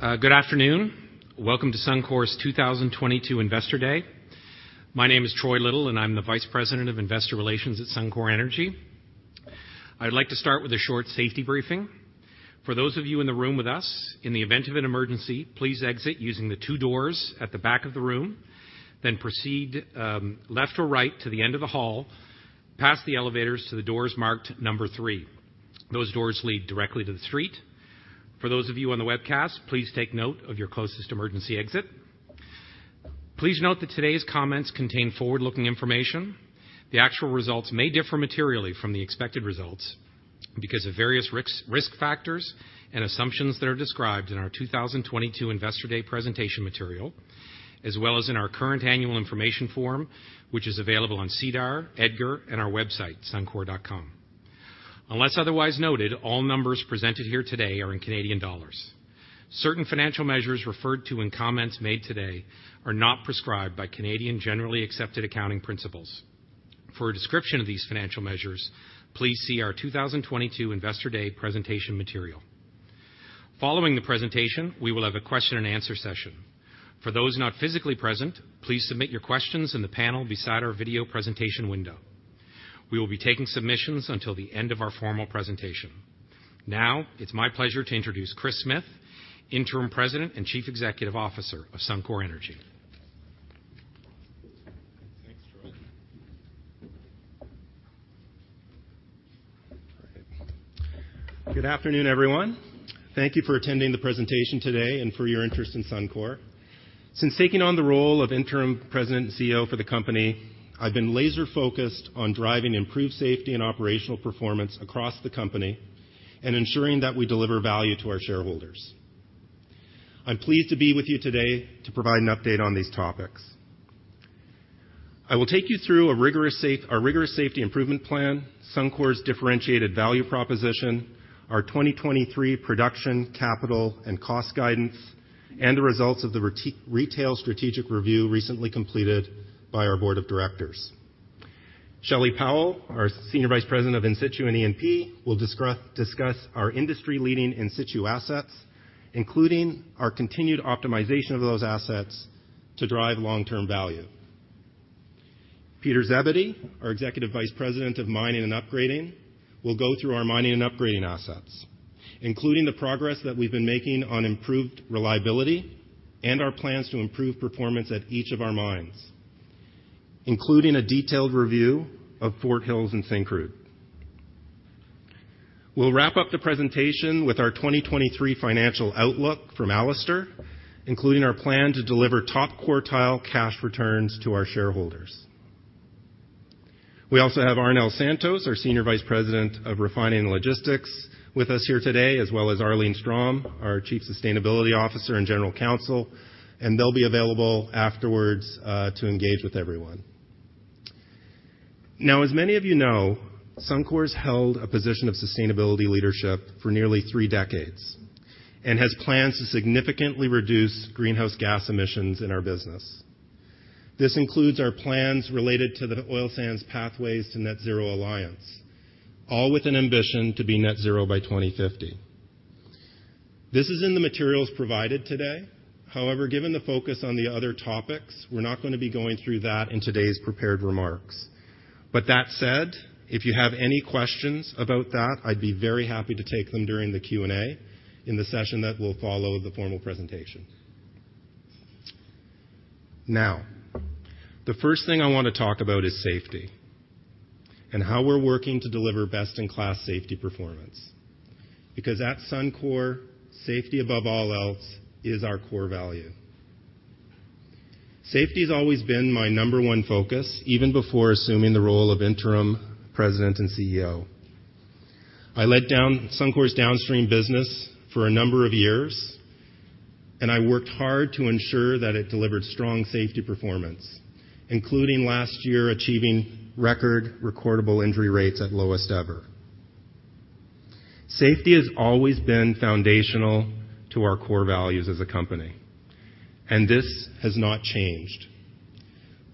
Good afternoon. Welcome to 2022 Investor Day. My name is Troy Little, I'm the Vice President of Investor Relations at Suncor Energy. I'd like to start with a short safety briefing. For those of you in the room with us, in the event of an emergency, please exit using the two doors at the back of the room. Proceed left or right to the end of the hall, past the elevators to the doors marked number three. Those doors lead directly to the street. For those of you on the webcast, please take note of your closest emergency exit. Please note that today's comments contain forward-looking information. The actual results may differ materially from the expected results because of various risk factors and assumptions that are described in our 2022 Investor Day presentation material, as well as in our current annual information form, which is available on SEDAR, EDGAR, and our website, suncor.com. Unless otherwise noted, all numbers presented here today are in Canadian dollars. Certain financial measures referred to in comments made today are not prescribed by Canadian generally accepted accounting principles. For a description of these financial measures, please see our 2022 Investor Day presentation material. Following the presentation, we will have a question and answer session. For those not physically present, please submit your questions in the panel beside our video presentation window. We will be taking submissions until the end of our formal presentation. Now it's my pleasure to introduce Kris Smith, Interim President and Chief Executive Officer of Suncor Energy. Thanks, Troy. Good afternoon, everyone. Thank you for attending the presentation today and for your interest in Suncor. Since taking on the role of Interim President and CEO for the company, I've been laser-focused on driving improved safety and operational performance across the company and ensuring that we deliver value to our shareholders. I'm pleased to be with you today to provide an update on these topics. I will take you through our rigorous safety improvement plan, Suncor's differentiated value proposition, our 2023 production, capital, and cost guidance, and the results of the retail strategic review recently completed by our board of directors. Shelley Powell, our Senior Vice President of In-situ and E&P, will discuss our industry-leading In Situ assets, including our continued optimization of those assets to drive long-term value. Peter Zebedee, our Executive Vice President of Mining and Upgrading, will go through our mining and upgrading assets, including the progress that we've been making on improved reliability and our plans to improve performance at each of our mines, including a detailed review of Fort Hills and St. Croix. We'll wrap up the presentation with our 2023 financial outlook from Alister, including our plan to deliver top-quartile cash returns to our shareholders. We also have Arnel Santos, our Senior Vice President of Refining and Logistics, with us here today, as well as Arlene Strom, our Chief Sustainability Officer and General Counsel, and they'll be available afterwards to engage with everyone. As many of you know, Suncor's held a position of sustainability leadership for nearly three decades and has plans to significantly reduce greenhouse gas emissions in our business. This includes our plans related to the Oil Sands Pathways to Net Zero Alliance, all with an ambition to be net zero by 2050. This is in the materials provided today. Given the focus on the other topics, we're not gonna be going through that in today's prepared remarks. If you have any questions about that, I'd be very happy to take them during the Q&A in the session that will follow the formal presentation. The first thing I wanna talk about is safety and how we're working to deliver best-in-class safety performance. Because at Suncor, safety above all else is our core value. Safety's always been my number one focus, even before assuming the role of Interim President and CEO. I led Suncor's downstream business for a number of years, and I worked hard to ensure that it delivered strong safety performance, including last year achieving recordable injury rates at lowest ever. Safety has always been foundational to our core values as a company, and this has not changed.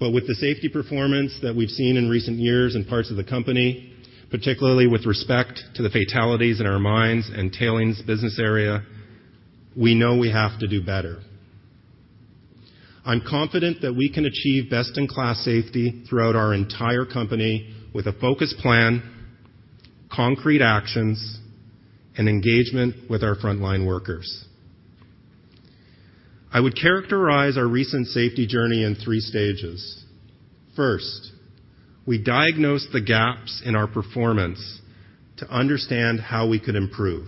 With the safety performance that we've seen in recent years in parts of the company, particularly with respect to the fatalities in our mines and tailings business area, we know we have to do better. I'm confident that we can achieve best-in-class safety throughout our entire company with a focused plan, concrete actions, and engagement with our frontline workers. I would characterize our recent safety journey in three stages. First, we diagnosed the gaps in our performance to understand how we could improve.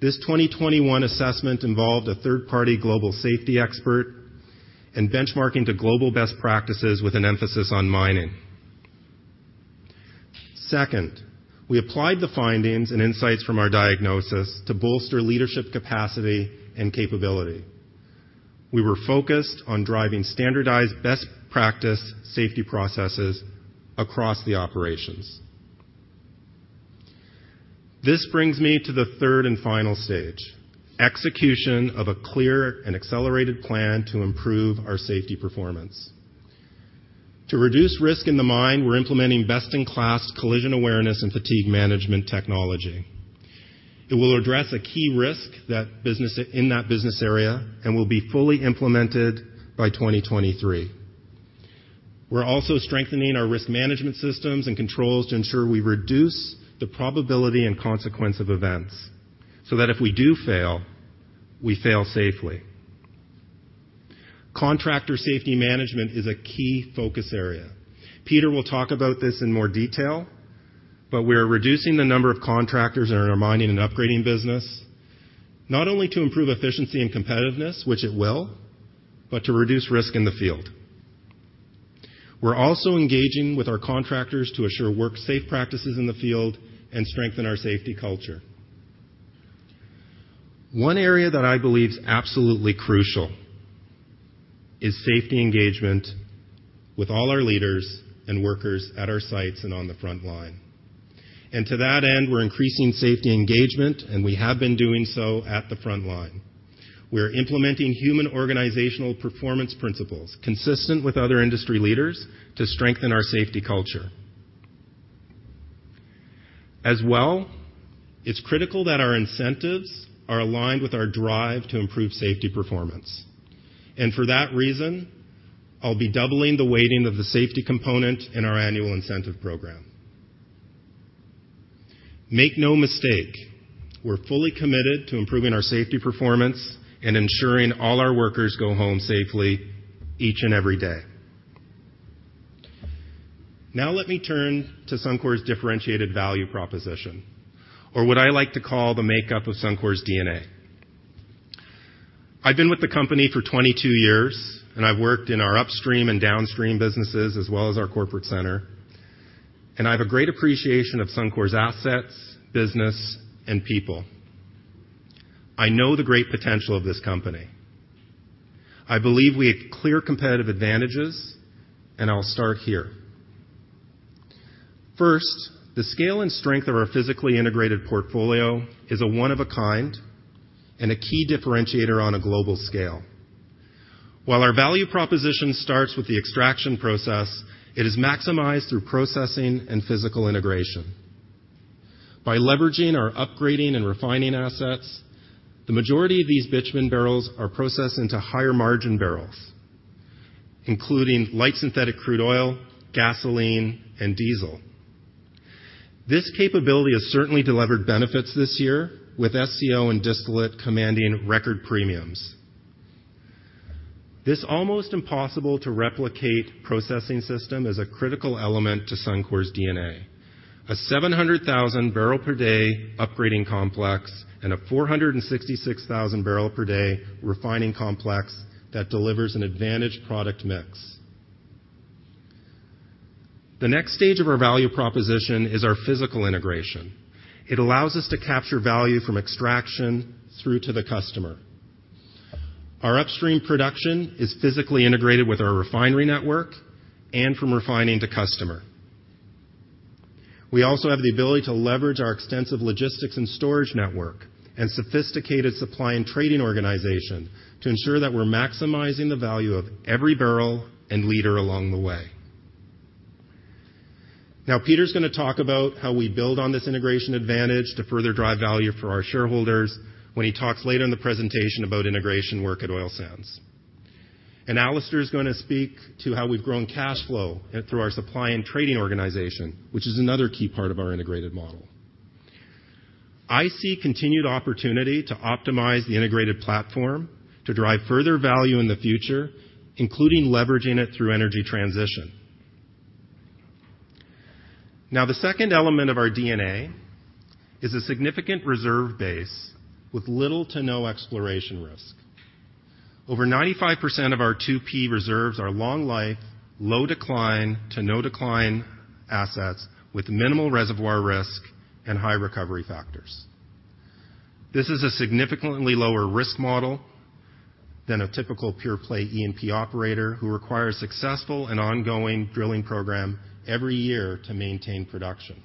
This 2021 assessment involved a third-party global safety expert and benchmarking to global best practices with an emphasis on mining. Second, we applied the findings and insights from our diagnosis to bolster leadership capacity and capability. We were focused on driving standardized best practice safety processes across the operations. This brings me to the third and final stage, execution of a clear and accelerated plan to improve our safety performance. To reduce risk in the mine, we're implementing best-in-class collision awareness and fatigue management technology. It will address a key risk in that business area and will be fully implemented by 2023. We're also strengthening our risk management systems and controls to ensure we reduce the probability and consequence of events so that if we do fail, we fail safely. Contractor safety management is a key focus area. Peter will talk about this in more detail, but we are reducing the number of contractors in our mining and upgrading business, not only to improve efficiency and competitiveness, which it will, but to reduce risk in the field. We're also engaging with our contractors to assure work safe practices in the field and strengthen our safety culture. One area that I believe is absolutely crucial is safety engagement with all our leaders and workers at our sites and on the front line. To that end, we're increasing safety engagement, and we have been doing so at the front line. We are implementing human organizational performance principles consistent with other industry leaders to strengthen our safety culture. As well, it's critical that our incentives are aligned with our drive to improve safety performance. For that reason, I'll be doubling the weighting of the safety component in our Annual incentive Program. Make no mistake, we're fully committed to improving our safety performance and ensuring all our workers go home safely each and every day. Now let me turn to Suncor's differentiated value proposition or what I like to call the makeup of Suncor's DNA. I've been with the company for 22 years, and I've worked in our upstream and downstream businesses, as well as our corporate center. I have a great appreciation of Suncor's assets, business, and people. I know the great potential of this company. I believe we have clear competitive advantages, and I'll start here. First, the scale and strength of our physically integrated portfolio is a one of a kind and a key differentiator on a global scale. While our value proposition starts with the extraction process, it is maximized through processing and physical integration. By leveraging our upgrading and refining assets, the majority of these bitumen barrels are processed into higher-margin barrels, including light synthetic crude oil, gasoline, and diesel. This capability has certainly delivered benefits this year with SCO and distillate commanding record premiums. This almost impossible to replicate processing system is a critical element to Suncor's DNA. A 700,000 barrel per day upgrading complex and a 466,000 barrel per day refining complex that delivers an advantage product mix. The next stage of our value proposition is our physical integration. It allows us to capture value from extraction through to the customer. Our upstream production is physically integrated with our refinery network and from refining to customer. We also have the ability to leverage our extensive logistics and storage network and sophisticated supply and trading organization to ensure that we're maximizing the value of every barrel and liter along the way. Peter is going to talk about how we build on this integration advantage to further drive value for our shareholders when he talks later in the presentation about integration work at Oil Sands. Alister is going to speak to how we've grown cash flow through our supply and trading organization, which is another key part of our integrated model. I see continued opportunity to optimize the integrated platform to drive further value in the future, including leveraging it through energy transition. The second element of our DNA is a significant reserve base with little to no exploration risk. Over 95% of our 2P reserves are long life, low decline to no decline assets with minimal reservoir risk and high recovery factors. This is a significantly lower risk model than a typical pure-play E&P operator who requires successful and ongoing drilling program every year to maintain production.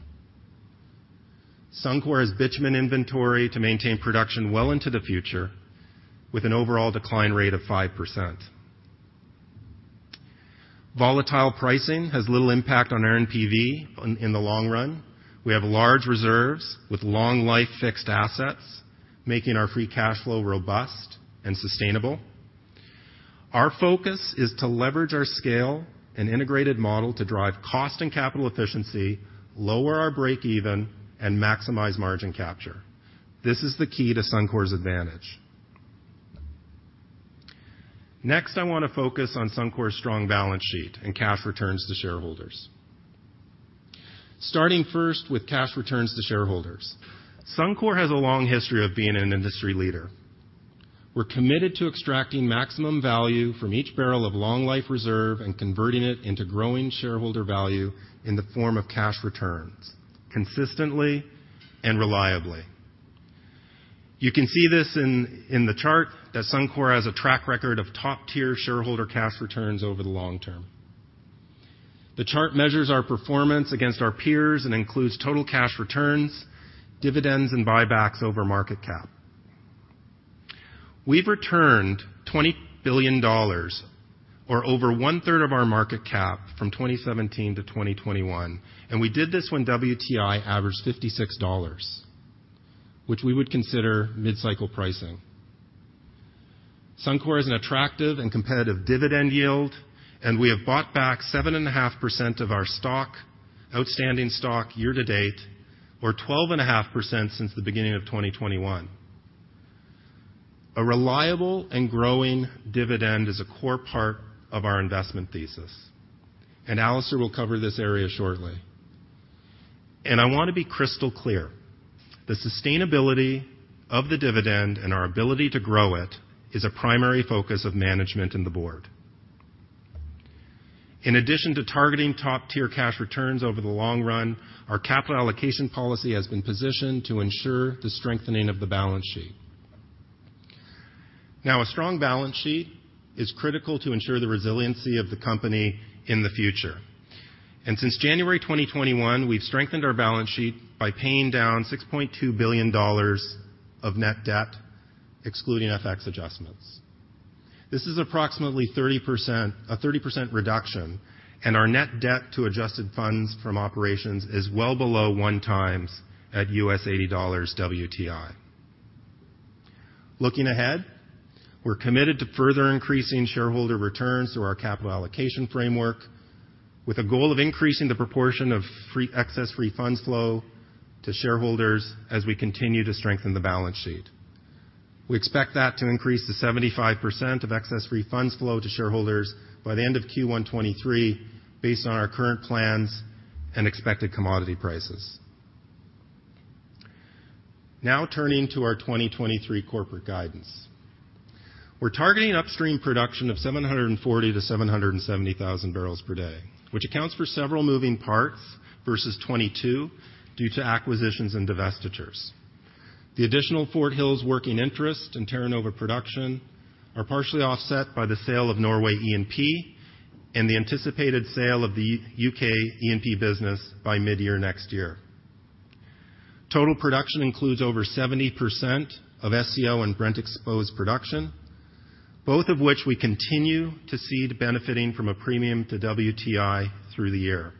Suncor has bitumen inventory to maintain production well into the future with an overall decline rate of 5%. Volatile pricing has little impact on our NPV in the long run. We have large reserves with long life fixed assets, making our free cash flow robust and sustainable. Our focus is to leverage our scale and integrated model to drive cost and capital efficiency, lower our break even, and maximize margin capture. This is the key to Suncor's advantage. Next, I wanna focus on Suncor's strong balance sheet and cash returns to shareholders. Starting first with cash returns to shareholders. Suncor has a long history of being an industry leader. We're committed to extracting maximum value from each barrel of long life reserve and converting it into growing shareholder value in the form of cash returns consistently and reliably. You can see this in the chart that Suncor has a track record of top-tier shareholder cash returns over the long term. The chart measures our performance against our peers and includes total cash returns, dividends, and buybacks over market cap. We've returned 20 billion dollars or over 1/3 of our market cap from 2017 to 2021, and we did this when WTI averaged 56 dollars, which we would consider mid-cycle pricing. Suncor has an attractive and competitive dividend yield. We have bought back 7.5% of our stock, outstanding stock year to date, or 12.5% since the beginning of 2021. A reliable and growing dividend is a core part of our investment thesis, Alister will cover this area shortly. I wanna be crystal clear. The sustainability of the dividend and our ability to grow it is a primary focus of management and the board. In addition to targeting top-tier cash returns over the long run, our Capital Allocation policy has been positioned to ensure the strengthening of the balance sheet. A strong balance sheet is critical to ensure the resiliency of the company in the future. Since January 2021, we've strengthened our balance sheet by paying down 6.2 billion dollars of net debt, excluding FX adjustments. This is approximately 30%, a 30% reduction, and our net debt to adjusted funds from operations is well below 1x at $ 80 WTI. Looking ahead, we're committed to further increasing shareholder returns through our Capital Allocation Framework with a goal of increasing the proportion of free excess free funds flow to shareholders as we continue to strengthen the balance sheet. We expect that to increase to 75% of excess free funds flow to shareholders by the end of Q1 2023 based on our current plans and expected commodity prices. Now turning to our 2023 corporate guidance. We're targeting upstream production of 740,000-770,000 barrels per day, which accounts for several moving parts versus 2022 due to acquisitions and divestitures. The additional Fort Hills working interest and Terra Nova production are partially offset by the sale of Norway E&P and the anticipated sale of the U.K. E&P business by midyear next year. Total production includes over 70% of SCO and Brent exposed production, both of which we continue to see benefiting from a premium to WTI through the year.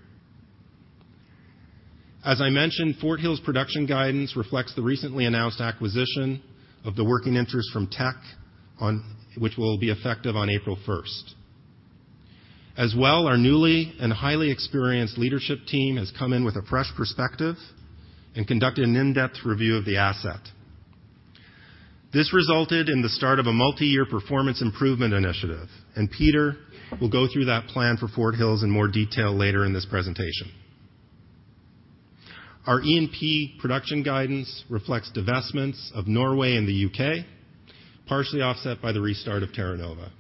As I mentioned, Fort Hills production guidance reflects the recently announced acquisition of the working interest from Teck, which will be effective on April 1st. Our newly and highly experienced leadership team has come in with a fresh perspective and conducted an in-depth review of the asset. This resulted in the start of a multiyear performance improvement initiative. Peter will go through that plan for Fort Hills in more detail later in this presentation. Our E&P production guidance reflects divestments of Norway and the U.K., partially offset by the restart of Terra Nova.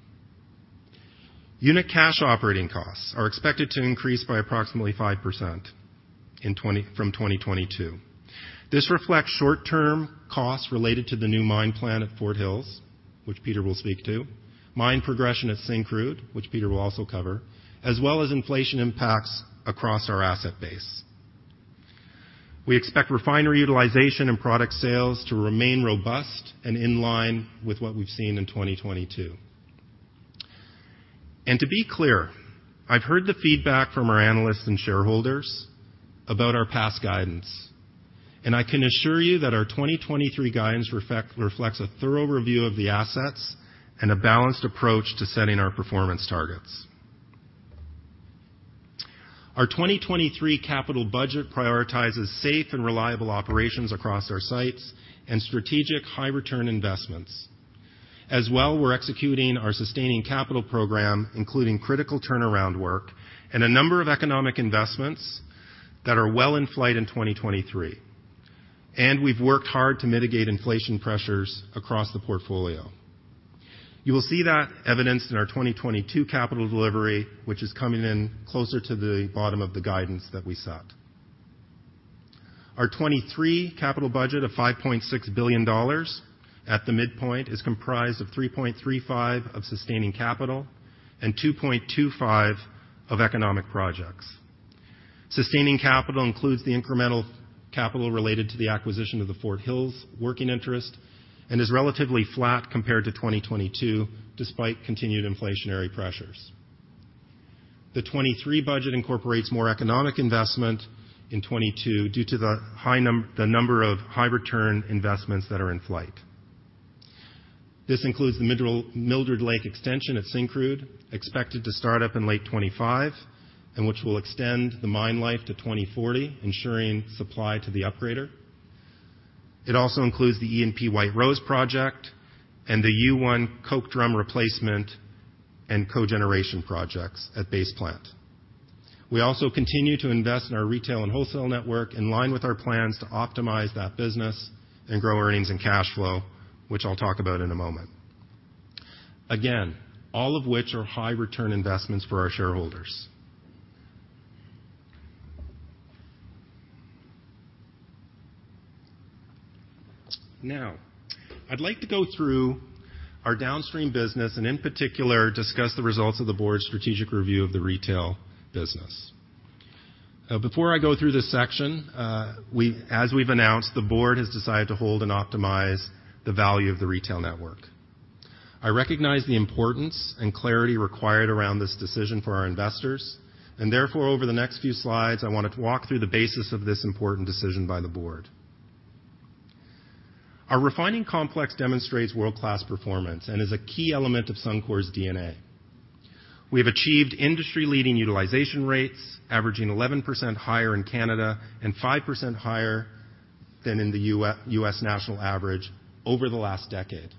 Unit cash operating costs are expected to increase by approximately 5% from 2022. This reflects short-term costs related to the new mine plan at Fort Hills, which Peter will speak to, mine progression at Syncrude, which Peter will also cover, as well as inflation impacts across our asset base. We expect refinery utilization and product sales to remain robust and in line with what we've seen in 2022. To be clear, I've heard the feedback from our analysts and shareholders about our past guidance, I can assure you that our 2023 guidance reflects a thorough review of the assets and a balanced approach to setting our performance targets. Our 2023 capital budget prioritizes safe and reliable operations across our sites and strategic high return investments. We're executing our sustaining capital program, including critical turnaround work and a number of economic investments that are well in flight in 2023. We've worked hard to mitigate inflation pressures across the portfolio. You will see that evidenced in our 2022 capital delivery, which is coming in closer to the bottom of the guidance that we set. Our 2023 capital budget of 5.6 billion dollars at the midpoint is comprised of 3.35 billion of sustaining capital and 2.25 billion of economic projects. Sustaining capital includes the incremental capital related to the acquisition of the Fort Hills working interest and is relatively flat compared to 2022 despite continued inflationary pressures. The 2023 budget incorporates more economic investment in 2022 due to the number of high return investments that are in flight. This includes the Mildred Lake extension at Syncrude, expected to start up in late 2025 and which will extend the mine life to 2040, ensuring supply to the upgrader. It also includes the E&P White Rose Project and the U1 Coke Drum Replacement and Cogeneration Projects at Base Plant. We also continue to invest in our retail and wholesale network in line with our plans to optimize that business and grow earnings and cash flow, which I'll talk about in a moment. Again, all of which are high return investments for our shareholders. Now, I'd like to go through our downstream business and in particular discuss the results of the board's strategic review of the retail business. Before I go through this section, as we've announced, the board has decided to hold and optimize the value of the retail network. I recognize the importance and clarity required around this decision for our investors, and therefore, over the next few slides, I wanted to walk through the basis of this important decision by the board. Our refining complex demonstrates world-class performance and is a key element of Suncor's DNA. We have achieved industry-leading utilization rates averaging 11% higher in Canada and 5% higher than in the U.S. national average over the last decade.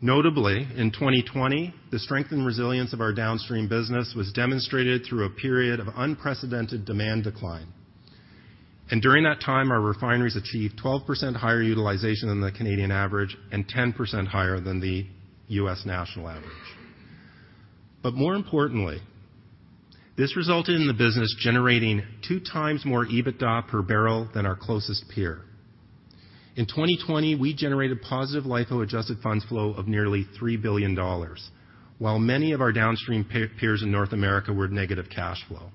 Notably, in 2020, the strength and resilience of our downstream business was demonstrated through a period of unprecedented demand decline. During that time, our refineries achieved 12% higher utilization than the Canadian average and 10% higher than the U.S. national average. More importantly, this resulted in the business generating 2x more EBITDA per barrel than our closest peer. In 2020, we generated positive LIFO adjusted funds flow of nearly 3 billion dollars. While many of our downstream peers in North America were negative cash flow.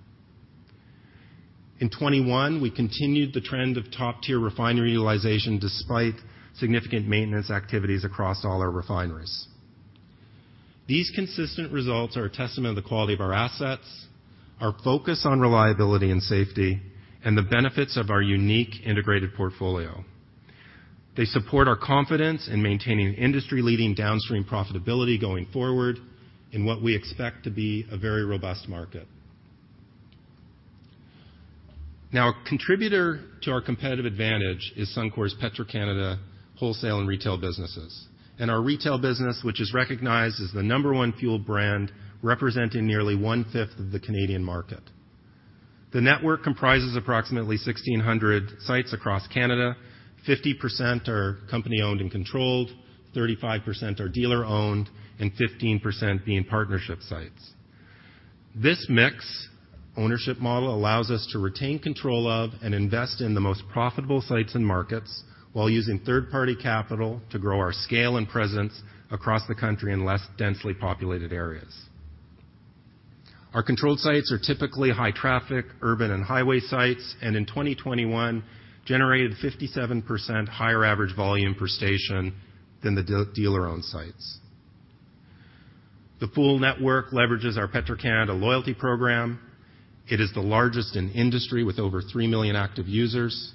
In 2021, we continued the trend of top-tier refinery utilization despite significant maintenance activities across all our refineries. These consistent results are a testament to the quality of our assets, our focus on reliability and safety, and the benefits of our unique integrated portfolio. They support our confidence in maintaining industry-leading downstream profitability going forward in what we expect to be a very robust market. A contributor to our competitive advantage is Suncor's Petro-Canada wholesale and retail businesses, and our retail business, which is recognized as the number one fuel brand, representing nearly 1/5 of the Canadian market. The network comprises approximately 1,600 sites across Canada. 50% are company-owned and controlled, 35% are dealer-owned, and 15% being partnership sites. This mix ownership model allows us to retain control of and invest in the most profitable sites and markets while using third-party capital to grow our scale and presence across the country in less densely populated areas. Our controlled sites are typically high traffic, urban and highway sites, and in 2021, generated 57% higher average volume per station than the de-dealer own sites. The full network leverages our Petro-Canada loyalty program. It is the largest in the industry with over 3 million active users.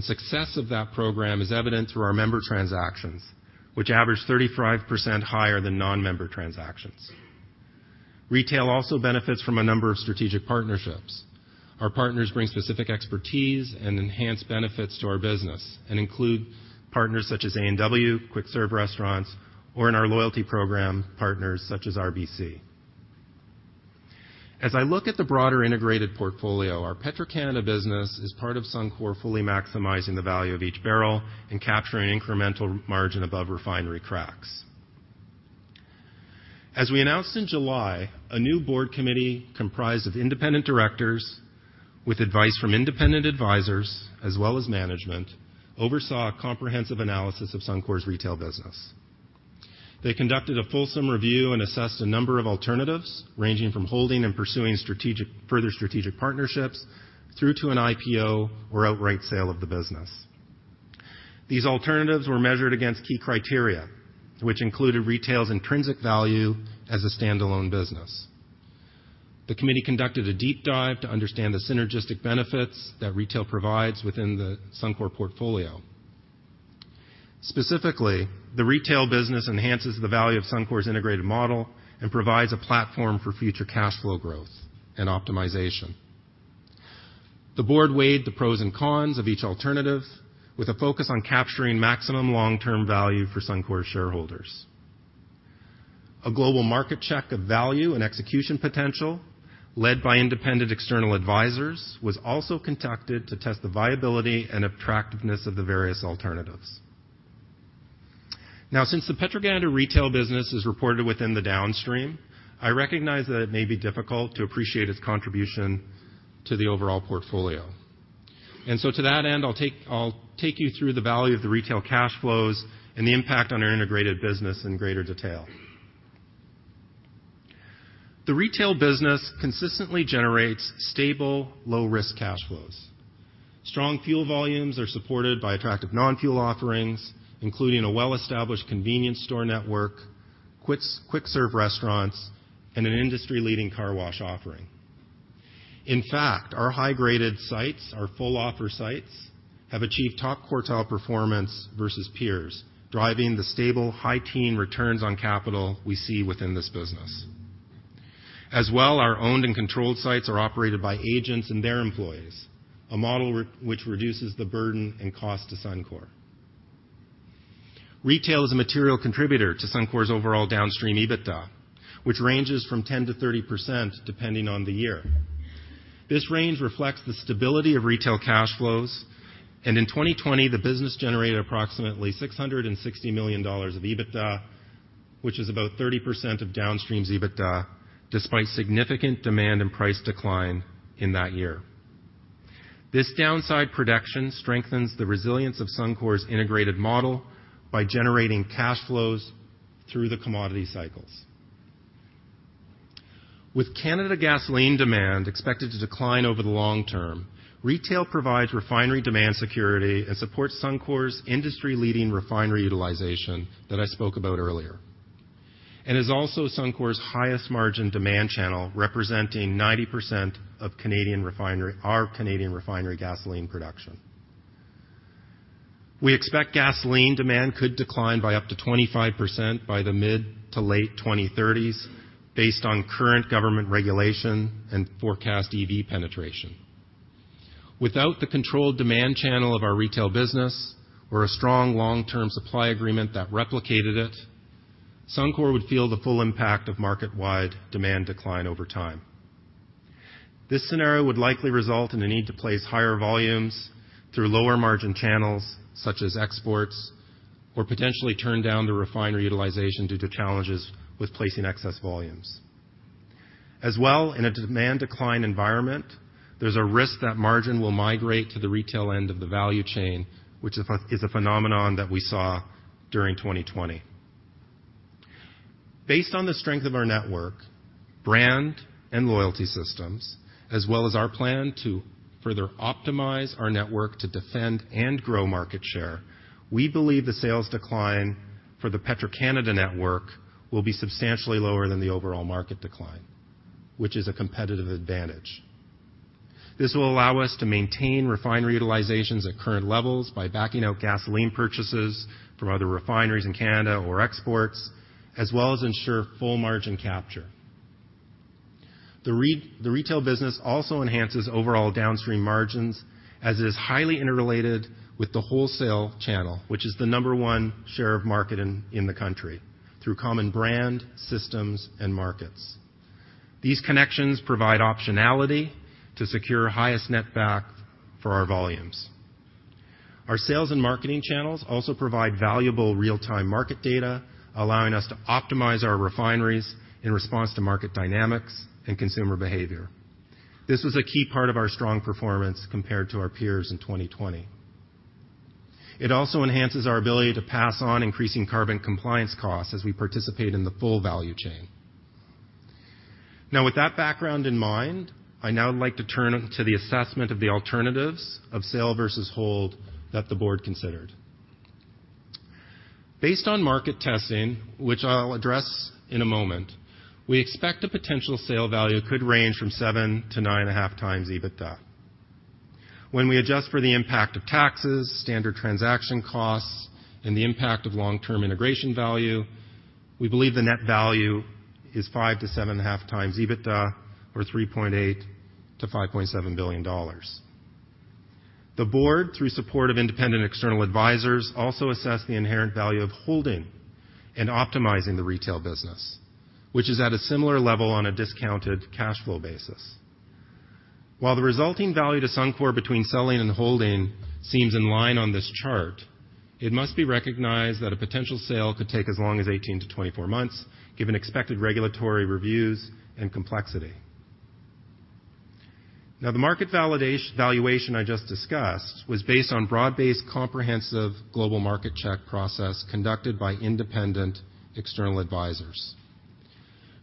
Success of that program is evident through our member transactions, which average 35% higher than non-member transactions. Retail also benefits from a number of strategic partnerships. Our partners bring specific expertise and enhance benefits to our business and include partners such as A&W, quick serve restaurants, or in our loyalty program, partners such as RBC. As I look at the broader integrated portfolio, our Petro-Canada business is part of Suncor fully maximizing the value of each barrel and capturing incremental margin above refinery cracks. As we announced in July, a new board committee comprised of independent directors with advice from independent advisors, as well as management, oversaw a comprehensive analysis of Suncor's retail business. They conducted a fulsome review and assessed a number of alternatives, ranging from holding and pursuing further strategic partnerships through to an IPO or outright sale of the business. These alternatives were measured against key criteria, which included retail's intrinsic value as a standalone business. The committee conducted a deep dive to understand the synergistic benefits that retail provides within the Suncor portfolio. Specifically, the retail business enhances the value of Suncor's integrated model and provides a platform for future cash flow growth and optimization. The board weighed the pros and cons of each alternative with a focus on capturing maximum long-term value for Suncor shareholders. A global market check of value and execution potential, led by independent external advisors, was also conducted to test the viability and attractiveness of the various alternatives. Since the Petro-Canada retail business is reported within the downstream, I recognize that it may be difficult to appreciate its contribution to the overall portfolio. To that end, I'll take you through the value of the retail cash flows and the impact on our integrated business in greater detail. The retail business consistently generates stable, low-risk cash flows. Strong fuel volumes are supported by attractive non-fuel offerings, including a well-established convenience store network, quick serve restaurants, and an industry-leading car wash offering. In fact, our high-graded sites, our full offer sites, have achieved top quartile performance versus peers, driving the stable high teen returns on capital we see within this business. As well, our owned and controlled sites are operated by agents and their employees, a model which reduces the burden and cost to Suncor. Retail is a material contributor to Suncor's overall downstream EBITDA, which ranges from 10%-30% depending on the year. This range reflects the stability of retail cash flows. In 2020, the business generated approximately 660 million dollars of EBITDA, which is about 30% of downstream's EBITDA, despite significant demand and price decline in that year. This downside production strengthens the resilience of Suncor's integrated model by generating cash flows through the commodity cycles. With Canada gasoline demand expected to decline over the long term, retail provides refinery demand security and supports Suncor's industry-leading refinery utilization that I spoke about earlier, and is also Suncor's highest margin demand channel representing 90% of our Canadian refinery gasoline production. We expect gasoline demand could decline by up to 25% by the mid to late 2030s based on current government regulation and forecast EV penetration. Without the controlled demand channel of our retail business or a strong long-term supply agreement that replicated it, Suncor would feel the full impact of market-wide demand decline over time. This scenario would likely result in a need to place higher volumes through lower margin channels such as exports or potentially turn down the refinery utilization due to challenges with placing excess volumes. In a demand decline environment, there's a risk that margin will migrate to the retail end of the value chain, which is a phenomenon that we saw during 2020. Based on the strength of our network, brand, and loyalty systems, as well as our plan to further optimize our network to defend and grow market share, we believe the sales decline for the Petro-Canada network will be substantially lower than the overall market decline, which is a competitive advantage. This will allow us to maintain refinery utilizations at current levels by backing out gasoline purchases from other refineries in Canada or exports, as well as ensure full margin capture. The retail business also enhances overall downstream margins as it is highly interrelated with the wholesale channel, which is the number one share of market in the country through common brand, systems, and markets. These connections provide optionality to secure highest net back for our volumes. Our sales and marketing channels also provide valuable real-time market data, allowing us to optimize our refineries in response to market dynamics and consumer behavior. This was a key part of our strong performance compared to our peers in 2020. It also enhances our ability to pass on increasing carbon compliance costs as we participate in the full value chain. With that background in mind, I now like to turn to the assessment of the alternatives of sale versus hold that the board considered. Based on market testing, which I'll address in a moment, we expect a potential sale value could range from 7x-9.5x EBITDA. When we adjust for the impact of taxes, standard transaction costs, and the impact of long-term integration value, we believe the net value is 5x-7.5x EBITDA or 3.8 billion-5.7 billion dollars. The board, through support of independent external advisors, also assessed the inherent value of holding and optimizing the retail business, which is at a similar level on a discounted cash flow basis. While the resulting value to Suncor between selling and holding seems in line on this chart, it must be recognized that a potential sale could take as long as 18-24 months given expected regulatory reviews and complexity. The market valuation I just discussed was based on broad-based comprehensive global market check process conducted by independent external advisors.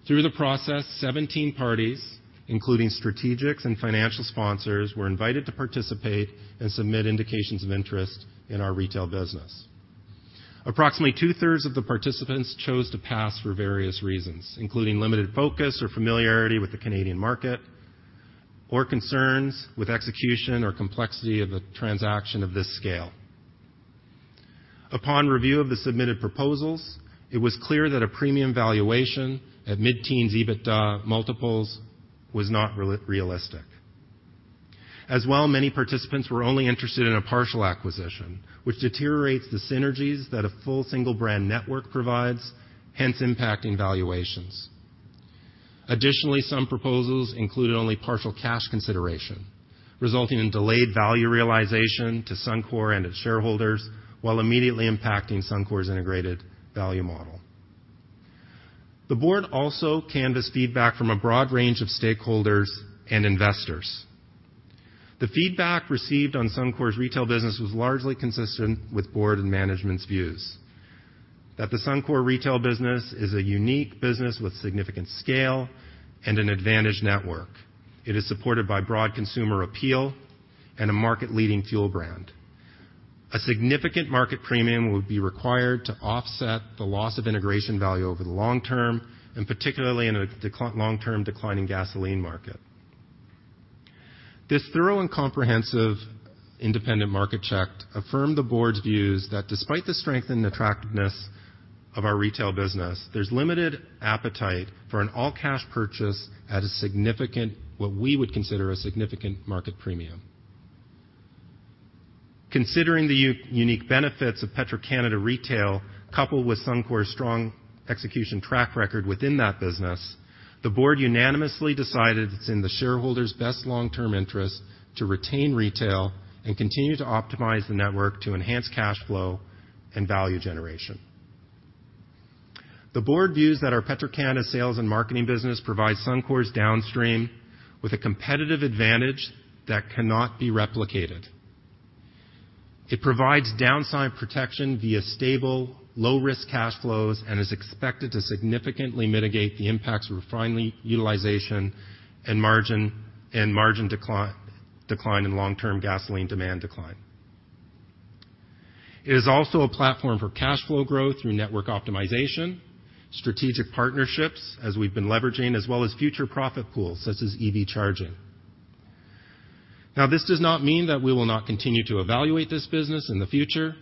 Through the process, 17 parties, including strategics and financial sponsors, were invited to participate and submit indications of interest in our retail business. Approximately 2/3 of the participants chose to pass for various reasons, including limited focus or familiarity with the Canadian market or concerns with execution or complexity of a transaction of this scale. Upon review of the submitted proposals, it was clear that a premium valuation at mid-teens EBITDA multiples was not unrealistic. Many participants were only interested in a partial acquisition, which deteriorates the synergies that a full single brand network provides, hence impacting valuations. Additionally, some proposals included only partial cash consideration, resulting in delayed value realization to Suncor and its shareholders while immediately impacting Suncor's integrated value model. The board also canvassed feedback from a broad range of stakeholders and investors. The feedback received on Suncor's retail business was largely consistent with board and management's views that the Suncor retail business is a unique business with significant scale and an advantaged network. It is supported by broad consumer appeal and a market-leading fuel brand. A significant market premium would be required to offset the loss of integration value over the long term, and particularly in a long-term decline in gasoline market. This thorough and comprehensive independent market check affirmed the board's views that despite the strength and attractiveness of our retail business, there's limited appetite for an all-cash purchase at what we would consider a significant market premium. Considering the unique benefits of Petro-Canada retail coupled with Suncor's strong execution track record within that business, the board unanimously decided it's in the shareholders' best long-term interest to retain retail and continue to optimize the network to enhance cash flow and value generation. The board views that our Petro-Canada sales and marketing business provides Suncor's downstream with a competitive advantage that cannot be replicated. It provides downside protection via stable, low-risk cash flows and is expected to significantly mitigate the impacts of refining utilization and margin, and margin decline in long-term gasoline demand decline. It is also a platform for cash flow growth through network optimization, strategic partnerships, as we've been leveraging, as well as future profit pools, such as EV charging. This does not mean that we will not continue to evaluate this business in the future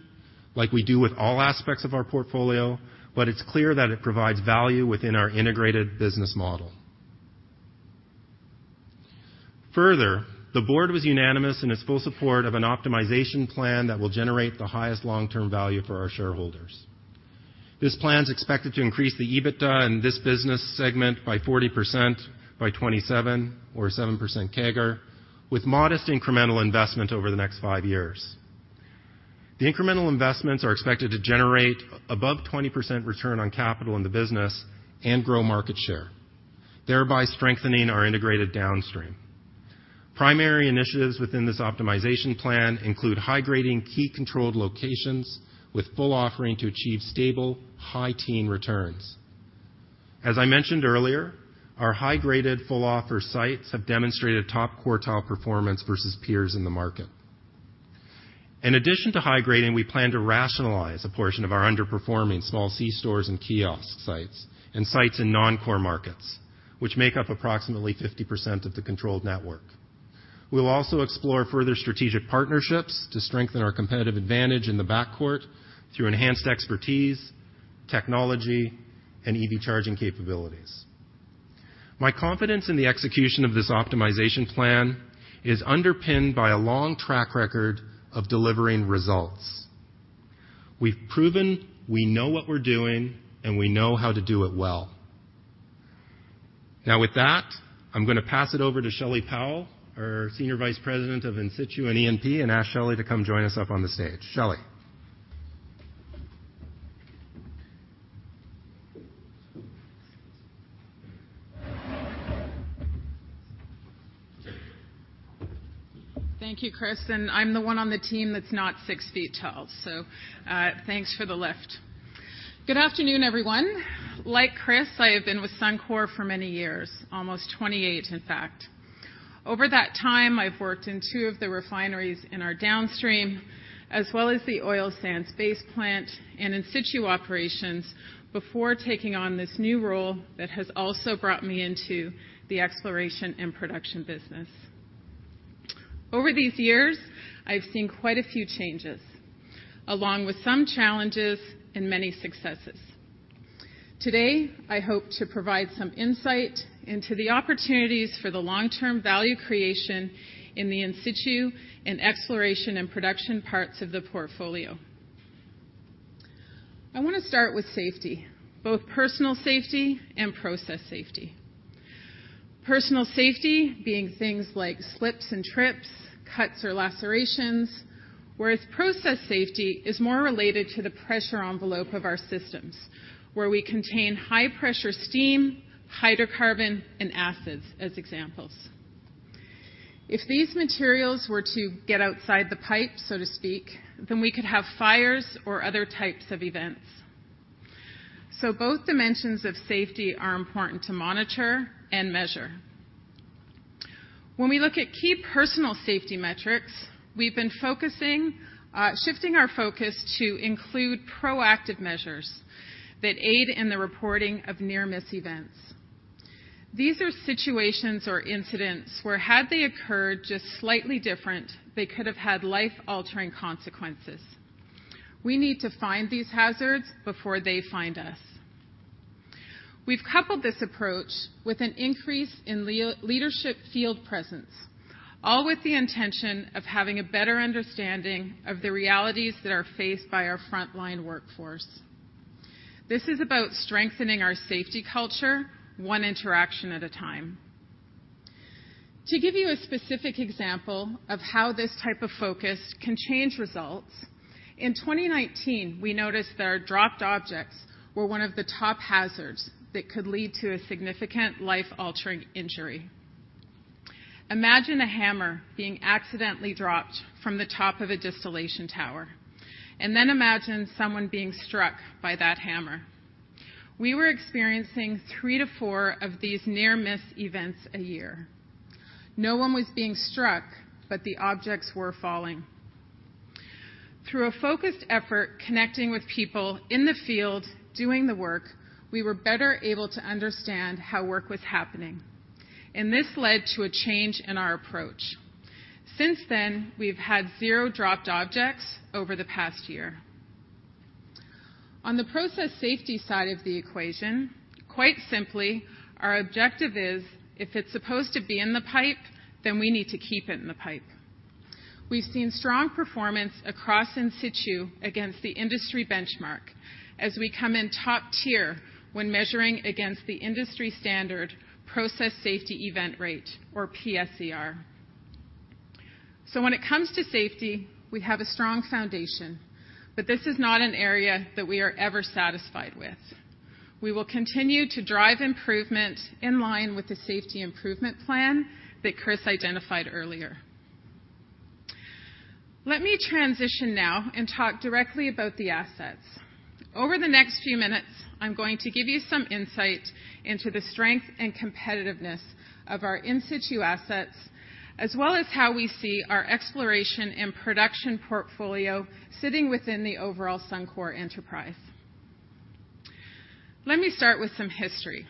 like we do with all aspects of our portfolio, but it's clear that it provides value within our integrated business model. The board was unanimous in its full support of an optimization plan that will generate the highest long-term value for our shareholders. This plan is expected to increase the EBITDA in this business segment by 40% by 2027 or 7% CAGR, with modest incremental investment over the next five years. The incremental investments are expected to generate above 20% return on capital in the business and grow market share, thereby strengthening our integrated downstream. Primary initiatives within this optimization plan include high-grading key controlled locations with full offering to achieve stable, high-teen returns. As I mentioned earlier, our high-graded full offer sites have demonstrated top-quartile performance versus peers in the market. In addition to high-grading, we plan to rationalize a portion of our underperforming small C stores and kiosk sites and sites in non-core markets, which make up approximately 50% of the controlled network. We'll also explore further strategic partnerships to strengthen our competitive advantage in the back court through enhanced expertise, technology, and EV charging capabilities. My confidence in the execution of this optimization plan is underpinned by a long track record of delivering results. We've proven we know what we're doing, and we know how to do it well. With that, I'm gonna pass it over to Shelley Powell, our Senior Vice President of In-situ and E&P, and ask Shelley to come join us up on the stage. Shelley. Thank you, Kris. I'm the one on the team that's not 6 ft tall, so, thanks for the lift. Good afternoon, everyone. Like Kris, I have been with Suncor for many years, almost 28, in fact. Over that time, I've worked in two of the refineries in our downstream as well as the Oil Sands Base Plant and In-Situ operations before taking on this new role that has also brought me into the exploration and production business. Over these years, I've seen quite a few changes, along with some challenges and many successes. Today, I hope to provide some insight into the opportunities for the long-term value creation in the In-Situ and Exploration and Production parts of the portfolio. I wanna start with safety, both personal safety and process safety. Personal safety being things like slips and trips, cuts or lacerations, whereas process safety is more related to the pressure envelope of our systems, where we contain high-pressure steam, hydrocarbon, and acids as examples. If these materials were to get outside the pipe, so to speak, then we could have fires or other types of events. Both dimensions of safety are important to monitor and measure. When we look at key personal safety metrics, we've been shifting our focus to include proactive measures that aid in the reporting of near-miss events. These are situations or incidents where had they occurred just slightly different, they could have had life-altering consequences. We need to find these hazards before they find us. We've coupled this approach with an increase in leadership field presence, all with the intention of having a better understanding of the realities that are faced by our frontline workforce. This is about strengthening our safety culture, one interaction at a time. To give you a specific example of how this type of focus can change results, in 2019, we noticed that our dropped objects were one of the top hazards that could lead to a significant life-altering injury. Imagine a hammer being accidentally dropped from the top of a distillation tower. Then imagine someone being struck by that hammer. We were experiencing three to four of these near-miss events a year. No one was being struck, but the objects were falling. Through a focused effort connecting with people in the field doing the work, we were better able to understand how work was happening, and this led to a change in our approach. Since then, we've had zero dropped objects over the past year. On the process safety side of the equation, quite simply, our objective is: If it's supposed to be in the pipe, then we need to keep it in the pipe. We've seen strong performance across In-Situ against the industry benchmark as we come in top tier when measuring against the industry standard Process Safety Event Rate, or PSER. When it comes to safety, we have a strong foundation, but this is not an area that we are ever satisfied with. We will continue to drive improvement in line with the safety improvement plan that Kris identified earlier. Let me transition now and talk directly about the assets. Over the next few minutes, I'm going to give you some insight into the strength and competitiveness of our In-Situ assets, as well as how we see our Exploration and Production portfolio sitting within the overall Suncor enterprise. Let me start with some history.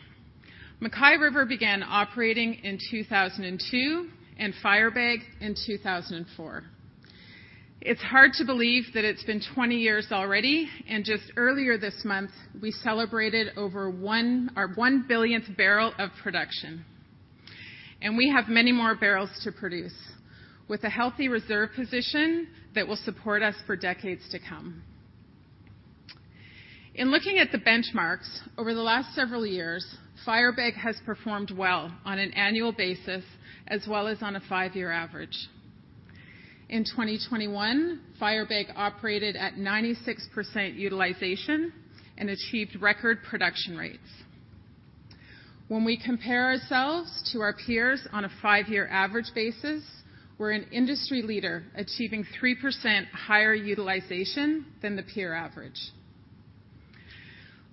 MacKay River began operating in 2002, and Firebag in 2004. It's hard to believe that it's been 20 years already, just earlier this month, we celebrated our one-billionth barrel of production. We have many more barrels to produce with a healthy reserve position that will support us for decades to come. In looking at the benchmarks over the last several years, Firebag has performed well on an annual basis as well as on a five-year average. In 2021, Firebag operated at 96% utilization and achieved record production rates. When we compare ourselves to our peers on a five-year average basis, we're an industry leader achieving 3% higher utilization than the peer average.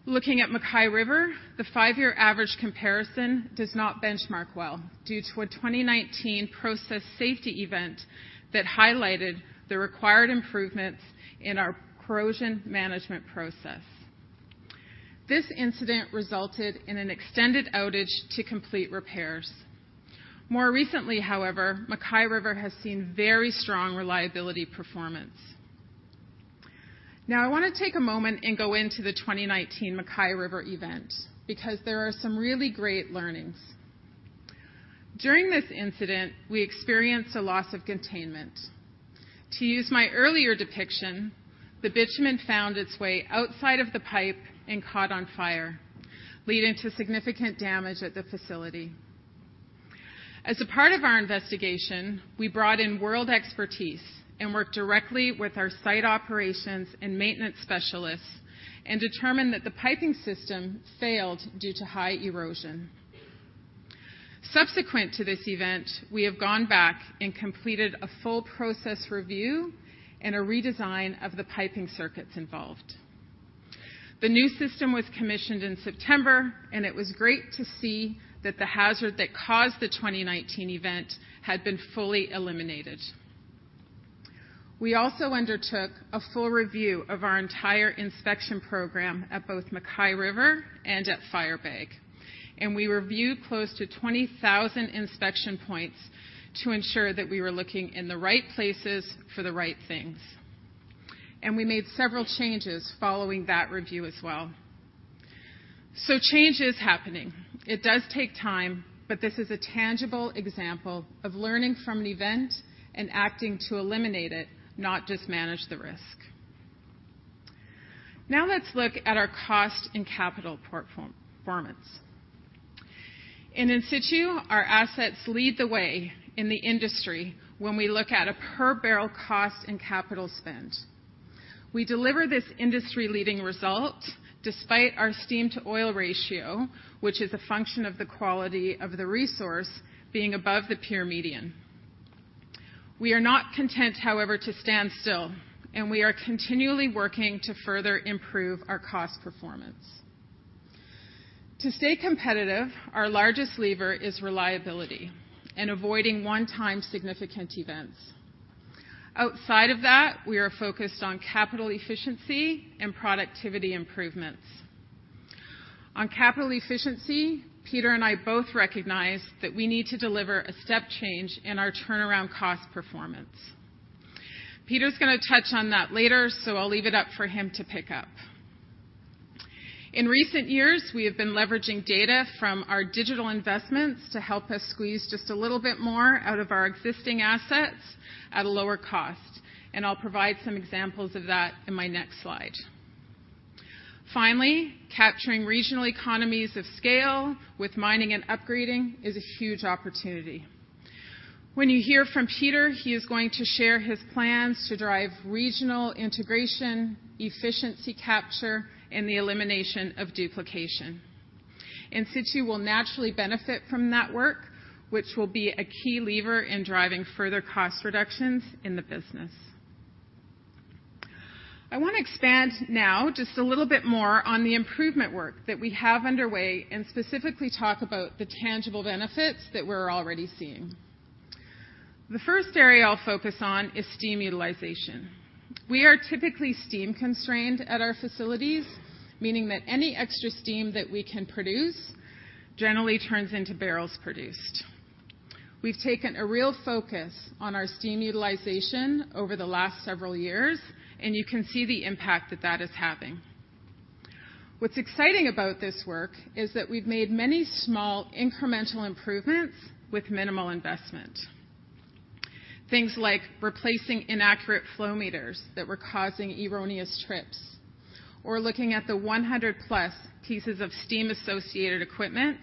Looking at MacKay River, the five-year average comparison does not benchmark well due to a 2019 process safety event that highlighted the required improvements in our corrosion management process. This incident resulted in an extended outage to complete repairs. More recently, however, MacKay River has seen very strong reliability performance. Now, I wanna take a moment and go into the 2019 MacKay River event because there are some really great learnings. During this incident, we experienced a loss of containment. To use my earlier depiction, the bitumen found its way outside of the pipe and caught on fire, leading to significant damage at the facility. As a part of our investigation, we brought in world expertise and worked directly with our site operations and maintenance specialists and determined that the piping system failed due to high erosion. Subsequent to this event, we have gone back and completed a full process review and a redesign of the piping circuits involved. The new system was commissioned in September. It was great to see that the hazard that caused the 2019 event had been fully eliminated. We also undertook a full review of our entire inspection program at both MacKay River and at Firebag. We reviewed close to 20,000 inspection points to ensure that we were looking in the right places for the right things. We made several changes following that review as well. Change is happening. It does take time. This is a tangible example of learning from an event and acting to eliminate it, not just manage the risk. Now let's look at our cost and capital performance. In Situ, our assets lead the way in the industry when we look at a per-barrel cost and capital spend. We deliver this industry-leading result despite our steam-to-oil ratio, which is a function of the quality of the resource being above the peer median. We are not content, however, to stand still. We are continually working to further improve our cost performance. To stay competitive, our largest lever is reliability and avoiding one-time significant events. Outside of that, we are focused on Capital Efficiency and Productivity improvements. On Capital Efficiency, Peter and I both recognize that we need to deliver a step change in our turnaround cost performance. Peter's gonna touch on that later. I'll leave it up for him to pick up. In recent years, we have been leveraging data from our digital investments to help us squeeze just a little bit more out of our existing assets at a lower cost. I'll provide some examples of that in my next slide. Finally, capturing regional economies of scale with mining and upgrading is a huge opportunity. When you hear from Peter, he is going to share his plans to drive regional integration, efficiency capture, and the elimination of duplication. In Situ will naturally benefit from that work, which will be a key lever in driving further cost reductions in the business. I wanna expand now just a little bit more on the improvement work that we have underway and specifically talk about the tangible benefits that we're already seeing. The first area I'll focus on is steam utilization. We are typically steam constrained at our facilities, meaning that any extra steam that we can produce generally turns into barrels produced. We've taken a real focus on our steam utilization over the last several years, and you can see the impact that that is having. What's exciting about this work is that we've made many small incremental improvements with minimal investment. Things like replacing inaccurate flow meters that were causing erroneous trips. Looking at the 100+ pieces of steam-associated equipment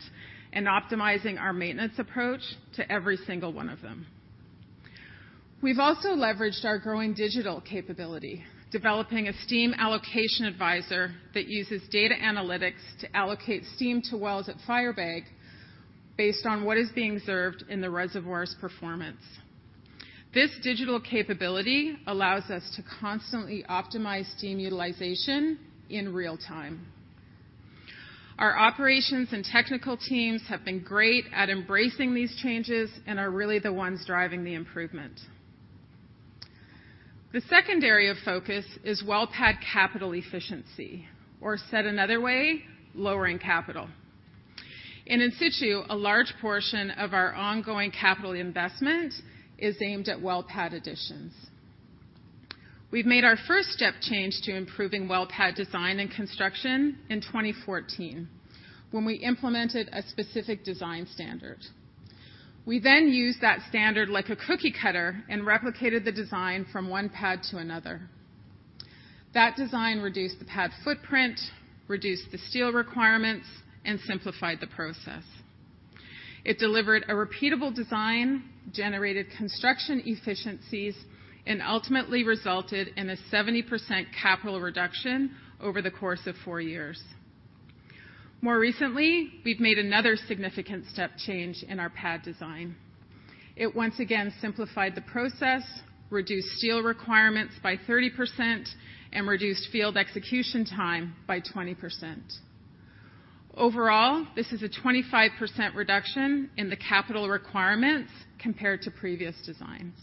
and optimizing our maintenance approach to every single one of them. We've also leveraged our growing digital capability, developing a steam allocation advisor that uses data analytics to allocate steam to wells at Firebag based on what is being observed in the reservoir's performance. This digital capability allows us to constantly optimize steam utilization in real-time. Our operations and technical teams have been great at embracing these changes and are really the ones driving the improvement. The secondary of focus is well pad capital efficiency, or said another way, lowering capital. In In Situ, a large portion of our ongoing capital investment is aimed at well pad additions. We've made our first step change to improving well pad design and construction in 2014 when we implemented a specific design standard. We used that standard like a cookie cutter and replicated the design from one pad to another. That design reduced the pad footprint, reduced the steel requirements, and simplified the process. It delivered a repeatable design, generated construction efficiencies, and ultimately resulted in a 70% capital reduction over the course of four years. More recently, we've made another significant step change in our pad design. It once again simplified the process, reduced steel requirements by 30%, and reduced field execution time by 20%. Overall, this is a 25% reduction in the capital requirements compared to previous designs.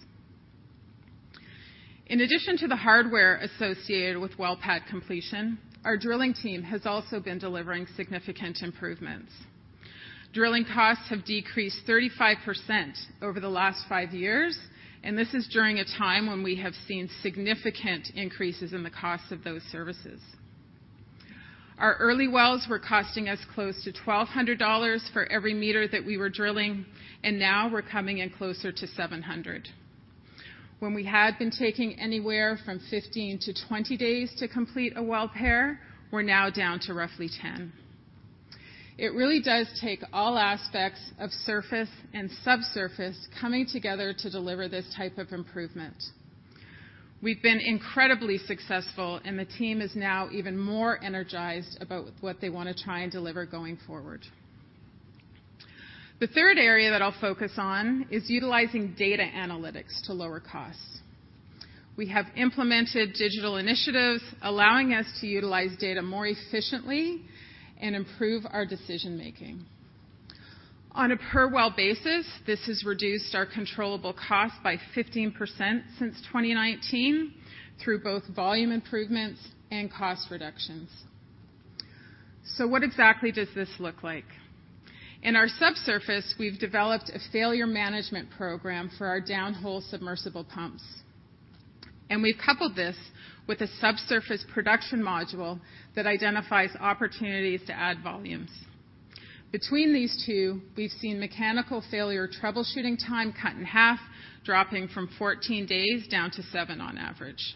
In addition to the hardware associated with well pad completion, our drilling team has also been delivering significant improvements. Drilling costs have decreased 35% over the last five years, and this is during a time when we have seen significant increases in the cost of those services. Our early wells were costing us close to 1,200 dollars for every meter that we were drilling, and now we're coming in closer to 700. When we had been taking anywhere from 15-20 days to complete a well pair, we're now down to roughly 10. It really does take all aspects of surface and subsurface coming together to deliver this type of improvement. We've been incredibly successful. The team is now even more energized about what they wanna try and deliver going forward. The third area that I'll focus on is utilizing data analytics to lower costs. We have implemented digital initiatives allowing us to utilize data more efficiently and improve our decision-making. On a per-well basis, this has reduced our controllable cost by 15% since 2019 through both volume improvements and cost reductions. What exactly does this look like? In our subsurface, we've developed a failure management program for our downhole submersible pumps. We've coupled this with a subsurface production module that identifies opportunities to add volumes. Between these two, we've seen mechanical failure troubleshooting time cut in half, dropping from 14 days down to seven on average.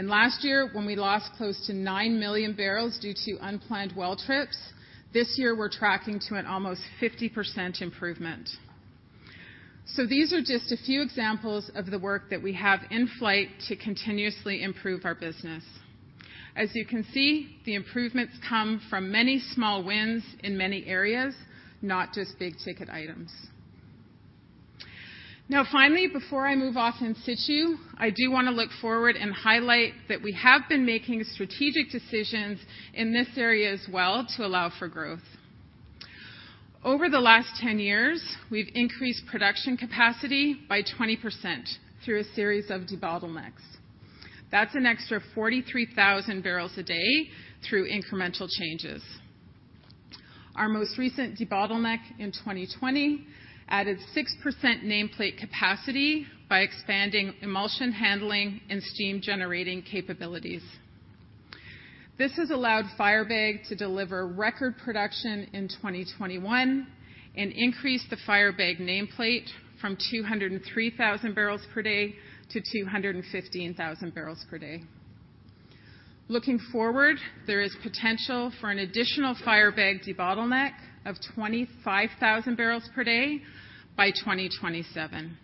Last year, when we lost close to 9 million barrels due to unplanned well trips, this year, we're tracking to an almost 50% improvement. These are just a few examples of the work that we have in flight to continuously improve our business. As you can see, the improvements come from many small wins in many areas, not just big-ticket items. Now, finally, before I move off In Situ, I do wanna look forward and highlight that we have been making strategic decisions in this area as well to allow for growth. Over the last 10 years, we've increased production capacity by 20% through a series of debottlenecks. That's an extra 43,000 barrels a day through incremental changes. Our most recent debottleneck in 2020 added 6% nameplate capacity by expanding emulsion handling and steam-generating capabilities. This has allowed Firebag to deliver record production in 2021 and increase the Firebag nameplate from 203,000 barrels per day to 215,000 barrels per day. Looking forward, there is potential for an additional Firebag debottleneck of 25,000 barrels per day by 2027.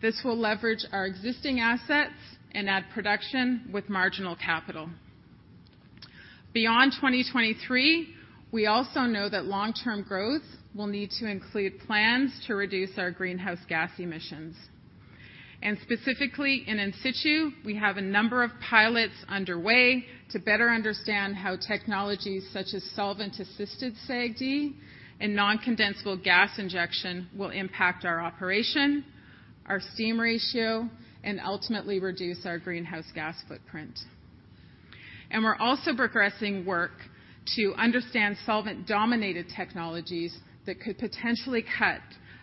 This will leverage our existing assets and add production with marginal capital. Beyond 2023, we also know that long-term growth will need to include plans to reduce our greenhouse gas emissions. Specifically in In Situ, we have a number of pilots underway to better understand how technologies such as solvent-assisted SAGD and non-condensable gas injection will impact our operation, our steam ratio, and ultimately reduce our greenhouse gas footprint. We're also progressing work to understand solvent-dominated technologies that could potentially cut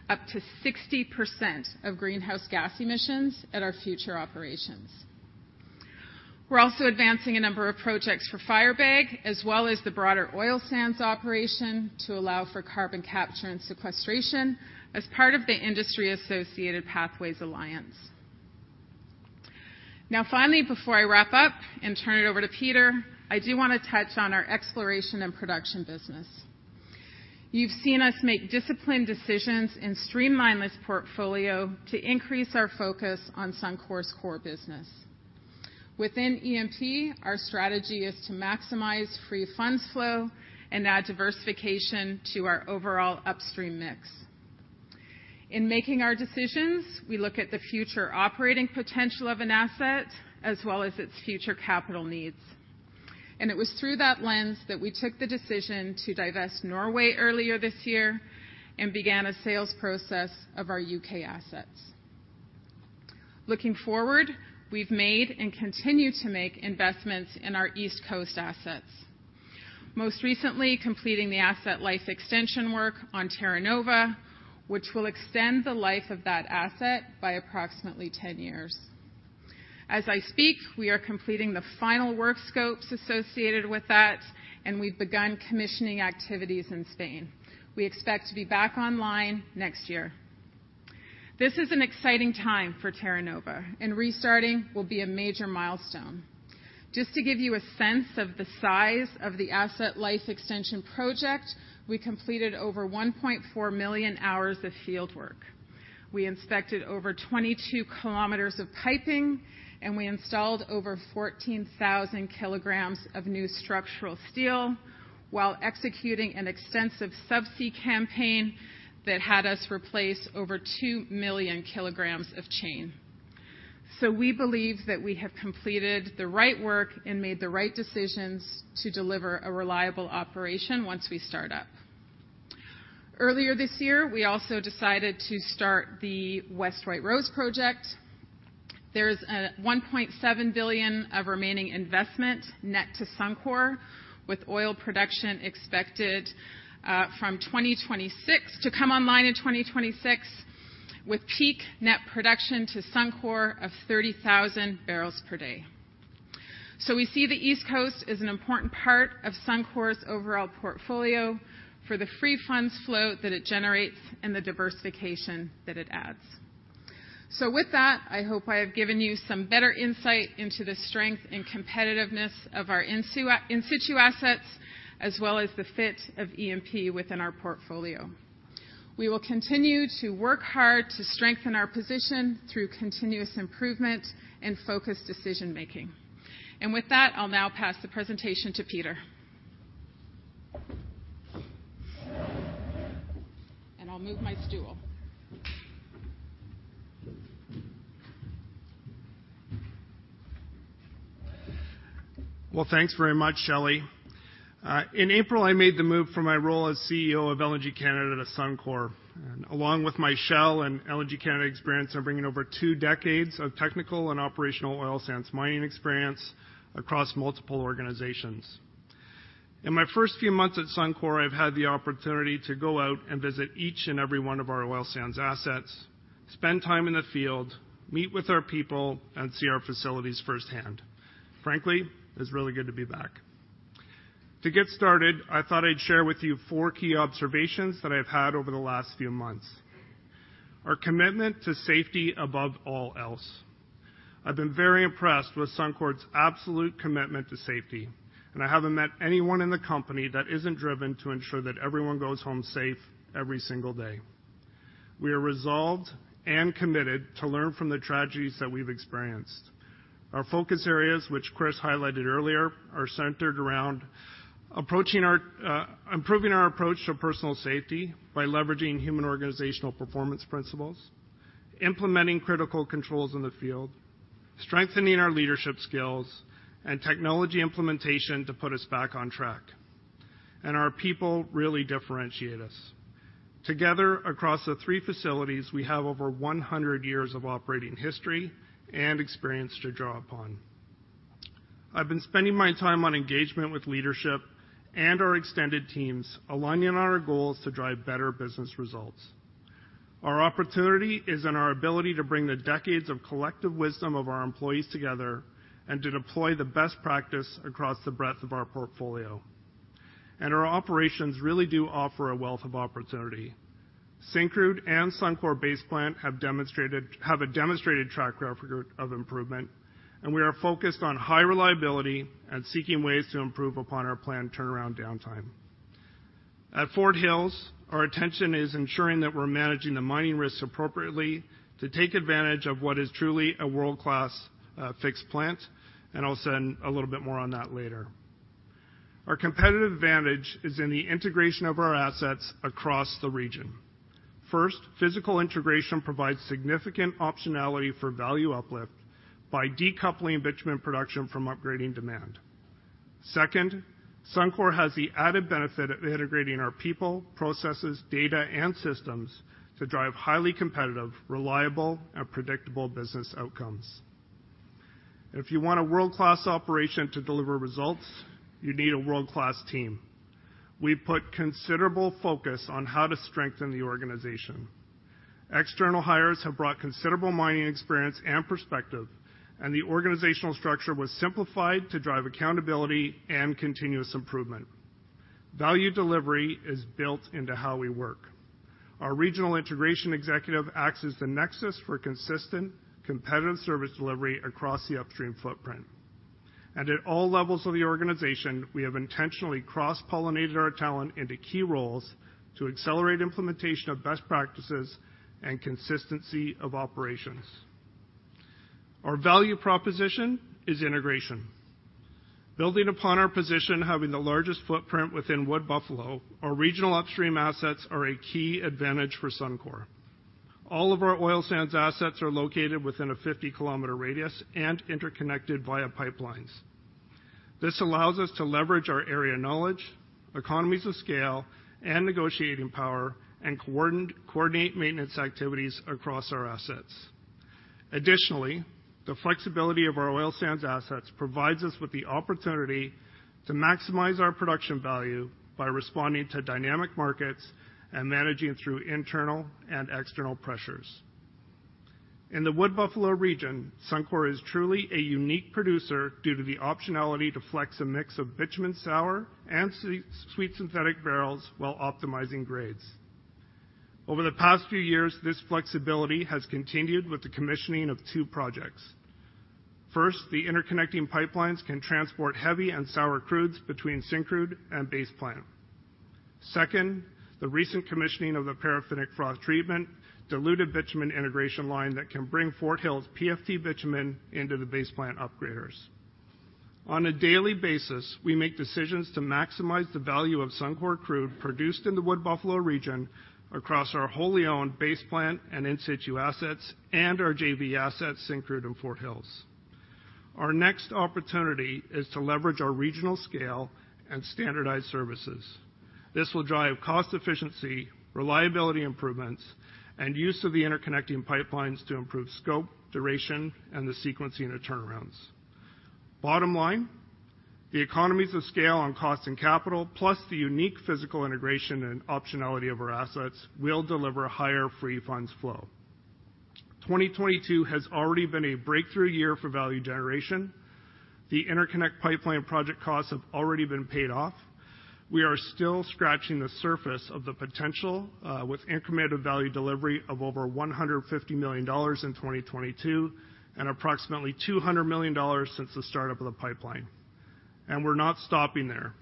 up to 60% of greenhouse gas emissions at our future operations. We're also advancing a number of projects for Firebag as well as the broader oil sands operation to allow for carbon capture and sequestration as part of the industry-associated Pathways Alliance. Finally, before I wrap up and turn it over to Peter, I do wanna touch on our Exploration and Production business. You've seen us make disciplined decisions and streamline this portfolio to increase our focus on Suncor's core business. Within E&P, our strategy is to maximize free funds flow and add diversification to our overall upstream mix. In making our decisions, we look at the future operating potential of an asset as well as its future capital needs. It was through that lens that we took the decision to divest Norway earlier this year and began a sales process of our U.K. assets. Looking forward, we've made and continue to make investments in our East Coast assets. Most recently, completing the asset life extension work on Terra Nova, which will extend the life of that asset by approximately 10 years. As I speak, we are completing the final work scopes associated with that, and we've begun commissioning activities in Spain. We expect to be back online next year. This is an exciting time for Terra Nova, and restarting will be a major milestone. Just to give you a sense of the size of the asset life extension project, we completed over 1.4 million hours of field work. We inspected over 22 km of piping, and we installed over 14,000 kg of new structural steel while executing an extensive sub-sea campaign that had us replace over 2 million kg of chain. We believe that we have completed the right work and made the right decisions to deliver a reliable operation once we start up. Earlier this year, we also decided to start the West White Rose project. There's 1.7 billion of remaining investment net to Suncor, with oil production expected to come online in 2026, with peak net production to Suncor of 30,000 barrels per day. We see the East Coast as an important part of Suncor's overall portfolio for the free funds flow that it generates and the diversification that it adds. With that, I hope I have given you some better insight into the strength and competitiveness of our In Situ assets, as well as the fit of E&P within our portfolio. We will continue to work hard to strengthen our position through continuous improvement and focused decision-making. With that, I'll now pass the presentation to Peter. I'll move my stool. Thanks very much, Shelley. In April, I made the move from my role as CEO of LNG Canada to Suncor. Along with my Shell and LNG Canada experience, I'm bringing over two decades of technical and operational oil sands mining experience across multiple organizations. In my first few months at Suncor, I've had the opportunity to go out and visit each and every one of our oil sands assets, spend time in the field, meet with our people, and see our facilities firsthand. Frankly, it's really good to be back. To get started, I thought I'd share with you four key observations that I've had over the last few months. Our commitment to safety above all else. I've been very impressed with Suncor's absolute commitment to safety. I haven't met anyone in the company that isn't driven to ensure that everyone goes home safe every single day. We are resolved and committed to learn from the tragedies that we've experienced. Our focus areas, which Kris highlighted earlier, are centered around improving our approach to personal safety by leveraging human organizational performance principles, implementing critical controls in the field, strengthening our leadership skills and technology implementation to put us back on track. Our people really differentiate us. Together across the three facilities, we have over 100 years of operating history and experience to draw upon. I've been spending my time on engagement with leadership and our extended teams, aligning on our goals to drive better business results. Our opportunity is in our ability to bring the decades of collective wisdom of our employees together and to deploy the best practice across the breadth of our portfolio. Our operations really do offer a wealth of opportunity. Syncrude and Suncor Base Plant have a demonstrated track record of improvement, and we are focused on high reliability and seeking ways to improve upon our plant turnaround downtime. At Fort Hills, our attention is ensuring that we're managing the mining risks appropriately to take advantage of what is truly a world-class fixed plant, and I'll say a little bit more on that later. Our competitive advantage is in the integration of our assets across the region. First, physical integration provides significant optionality for value uplift by decoupling bitumen production from upgrading demand. Second, Suncor has the added benefit of integrating our people, processes, data, and systems to drive highly competitive, reliable, and predictable business outcomes. If you want a world-class operation to deliver results, you need a world-class team. We've put considerable focus on how to strengthen the organization. External hires have brought considerable mining experience and perspective, and the organizational structure was simplified to drive accountability and continuous improvement. Value delivery is built into how we work. Our regional integration executive acts as the nexus for consistent competitive service delivery across the upstream footprint. At all levels of the organization, we have intentionally cross-pollinated our talent into key roles to accelerate implementation of best practices and consistency of operations. Our value proposition is integration. Building upon our position, having the largest footprint within Wood Buffalo, our regional upstream assets are a key advantage for Suncor. All of our Oil Sands assets are located within a 50-km radius and interconnected via pipelines. This allows us to leverage our area knowledge, economies of scale and negotiating power and coordinate maintenance activities across our assets. The flexibility of our Oil Sands assets provides us with the opportunity to maximize our production value by responding to dynamic markets and managing through internal and external pressures. In the Wood Buffalo region, Suncor is truly a unique producer due to the optionality to flex a mix of bitumen sour and sweet synthetic barrels while optimizing grades. Over the past few years, this flexibility has continued with the commissioning of two projects. First, the interconnecting pipelines can transport heavy and sour crudes between Syncrude and Base Plant. The recent commissioning of the paraffinic froth treatment diluted bitumen integration line that can bring Fort Hills PFT bitumen into the Base Plant upgraders. On a daily basis, we make decisions to maximize the value of Suncor Crude produced in the Wood Buffalo region across our wholly owned Base Plant and In Situ assets and our JV assets, Syncrude and Fort Hills. Our next opportunity is to leverage our regional scale and standardized services. This will drive cost efficiency, reliability improvements, and use of the interconnecting pipelines to improve scope, duration, and the sequencing of turnarounds. Bottom line, the economies of scale on cost and capital, plus the unique physical integration and optionality of our assets will deliver higher free funds flow. 2022 has already been a breakthrough year for value generation. The interconnect pipeline project costs have already been paid off. We are still scratching the surface of the potential with incremental value delivery of over 150 million dollars in 2022 and approximately 200 million dollars since the start of the pipeline. We're not stopping there.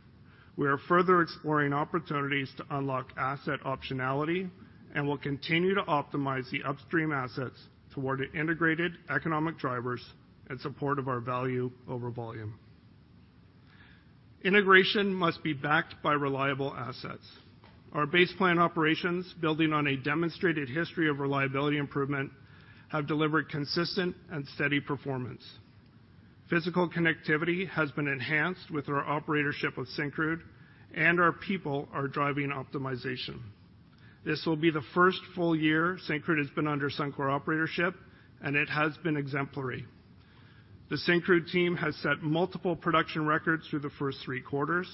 We are further exploring opportunities to unlock asset optionality, and we'll continue to optimize the upstream assets toward the integrated economic drivers in support of our value over volume. Integration must be backed by reliable assets. Our Base Plant operations, building on a demonstrated history of reliability improvement, have delivered consistent and steady performance. Physical connectivity has been enhanced with our operatorship of Syncrude, and our people are driving optimization. This will be the first full year Syncrude has been under Suncor operatorship, and it has been exemplary. The Syncrude team has set multiple production records through the first three quarters.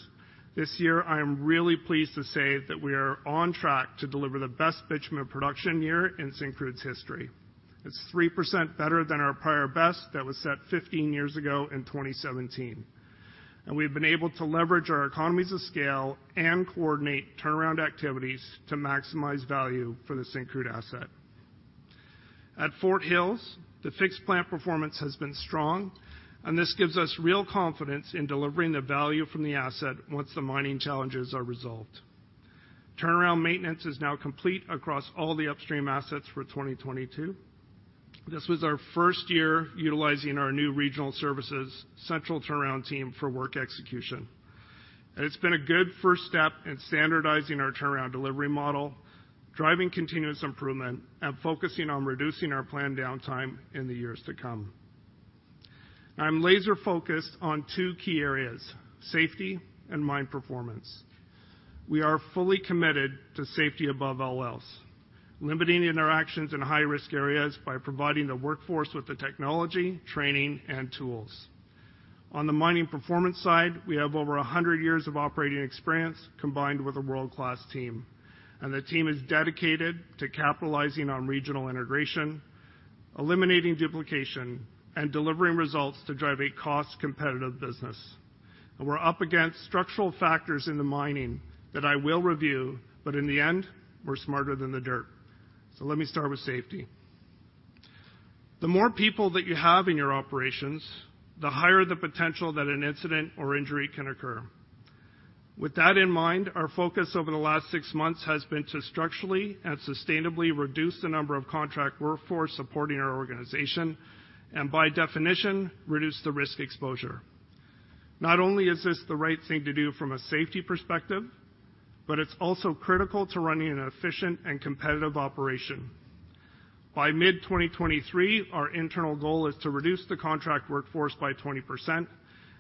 This year, I am really pleased to say that we are on track to deliver the best bitumen production year in Syncrude's history. It's 3% better than our prior best that was set 15 years ago in 2017. We've been able to leverage our economies of scale and coordinate turnaround activities to maximize value for the Syncrude asset. At Fort Hills, the fixed plant performance has been strong, and this gives us real confidence in delivering the value from the asset once the mining challenges are resolved. Turnaround maintenance is now complete across all the upstream assets for 2022. This was our first year utilizing our new regional services central turnaround team for work execution. It's been a good first step in standardizing our turnaround delivery model, driving continuous improvement and focusing on reducing our planned downtime in the years to come. I'm laser-focused on two key areas: Safety and Mine Performance. We are fully committed to safety above all else, limiting interactions in high-risk areas by providing the workforce with the technology, training, and tools. On the Mining Performance side, we have over 100 years of operating experience combined with a world-class team. The team is dedicated to capitalizing on regional integration, eliminating duplication, and delivering results to drive a cost-competitive business. We're up against structural factors in the mining that I will review, but in the end, we're smarter than the dirt. Let me start with safety. The more people that you have in your operations, the higher the potential that an incident or injury can occur. With that in mind, our focus over the last six months has been to structurally and sustainably reduce the number of contract workforce supporting our organization and by definition, reduce the risk exposure. Not only is this the right thing to do from a safety perspective, but it's also critical to running an efficient and competitive operation. By mid-2023, our internal goal is to reduce the contract workforce by 20%,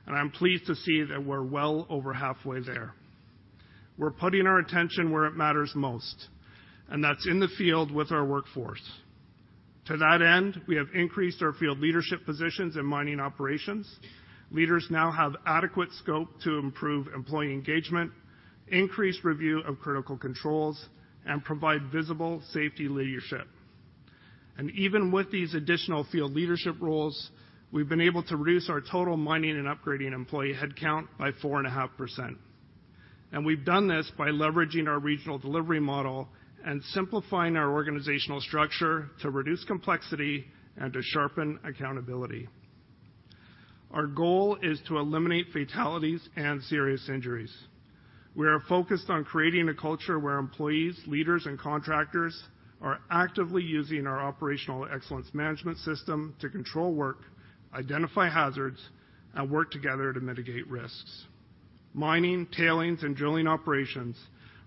and I'm pleased to see that we're well over halfway there. We're putting our attention where it matters most, and that's in the field with our workforce. To that end, we have increased our field leadership positions in mining operations. Leaders now have adequate scope to improve employee engagement, increase review of critical controls, and provide visible safety leadership. Even with these additional field leadership roles, we've been able to reduce our total mining and upgrading employee headcount by 4.5%. We've done this by leveraging our regional delivery model and simplifying our organizational structure to reduce complexity and to sharpen accountability. Our goal is to eliminate fatalities and serious injuries. We are focused on creating a culture where employees, leaders, and contractors are actively using our operational excellence management system to control work, identify hazards, and work together to mitigate risks. Mining, tailings, and drilling operations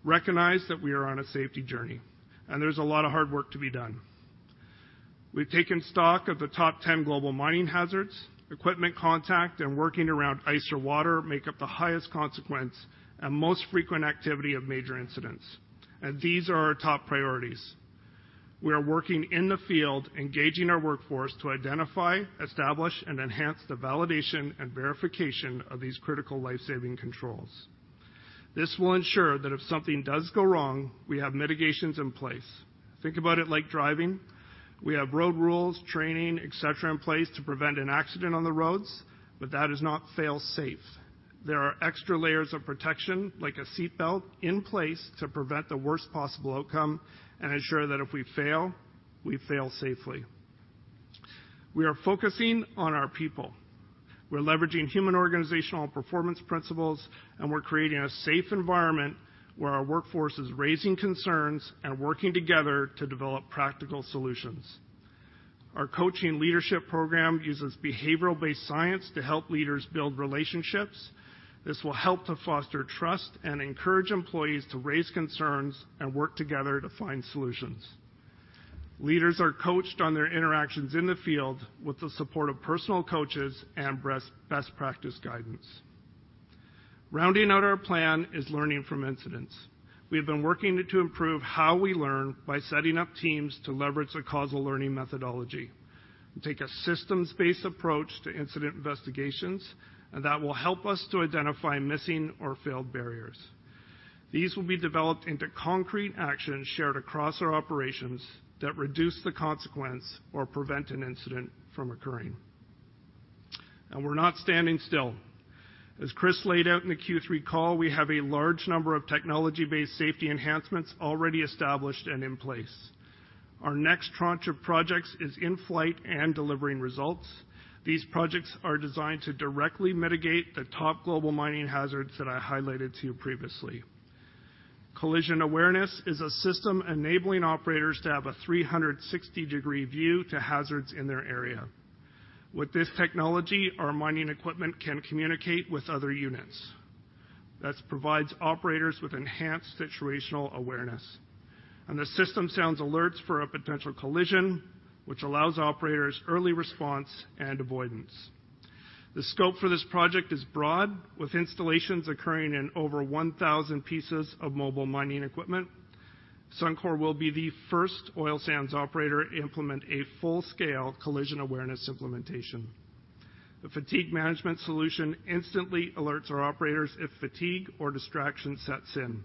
recognize that we are on a safety journey, and there's a lot of hard work to be done. We've taken stock of the top 10 global mining hazards. Equipment contact and working around ice or water make up the highest consequence and most frequent activity of major incidents. These are our top priorities. We are working in the field engaging our workforce to identify, establish, and enhance the validation and verification of these critical life-saving controls. This will ensure that if something does go wrong, we have mitigations in place. Think about it like driving. We have road rules, training, etc, in place to prevent an accident on the roads. That is not fail-safe. There are extra layers of protection, like a seatbelt, in place to prevent the worst possible outcome and ensure that if we fail, we fail safely. We are focusing on our people. We're leveraging Human Organizational Performance principles. We're creating a safe environment where our workforce is raising concerns and working together to develop practical solutions. Our coaching leadership program uses behavioral-based science to help leaders build relationships. This will help to foster trust and encourage employees to raise concerns and work together to find solutions. Leaders are coached on their interactions in the field with the support of personal coaches and best practice guidance. Rounding out our plan is learning from incidents. We have been working to improve how we learn by setting up teams to leverage the causal learning methodology and take a systems-based approach to incident investigations. That will help us to identify missing or failed barriers. These will be developed into concrete actions shared across our operations that reduce the consequence or prevent an incident from occurring. We're not standing still. As Kris laid out in the Q3 call, we have a large number of technology-based safety enhancements already established and in place. Our next tranche of projects is in flight and delivering results. These projects are designed to directly mitigate the top global mining hazards that I highlighted to you previously. Collision Awareness is a system enabling operators to have a 360 degree view to hazards in their area. With this technology, our mining equipment can communicate with other units. That provides operators with enhanced situational awareness. The system sounds alerts for a potential collision, which allows operators early response and avoidance. The scope for this project is broad, with installations occurring in over 1,000 pieces of mobile mining equipment. Suncor will be the first oil sands operator to implement a full-scale collision awareness implementation. The fatigue management solution instantly alerts our operators if fatigue or distraction sets in.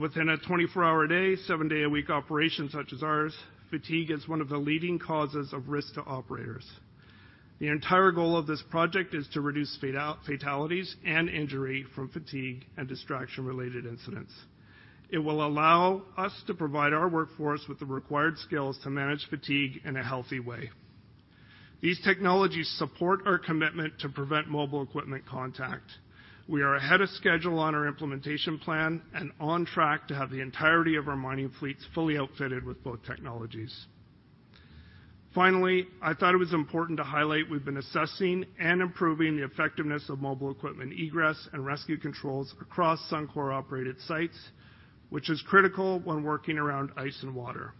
Within a 24-hour a day, seven-day-a-week operation such as ours, fatigue is one of the leading causes of risk to operators. The entire goal of this project is to reduce fatalities and injury from fatigue and distraction-related incidents. It will allow us to provide our workforce with the required skills to manage fatigue in a healthy way. These technologies support our commitment to prevent mobile equipment contact. We are ahead of schedule on our implementation plan and on track to have the entirety of our mining fleets fully outfitted with both technologies. Finally, I thought it was important to highlight we've been assessing and improving the effectiveness of mobile equipment egress and rescue controls across Suncor-operated sites, which is critical when working around ice and water.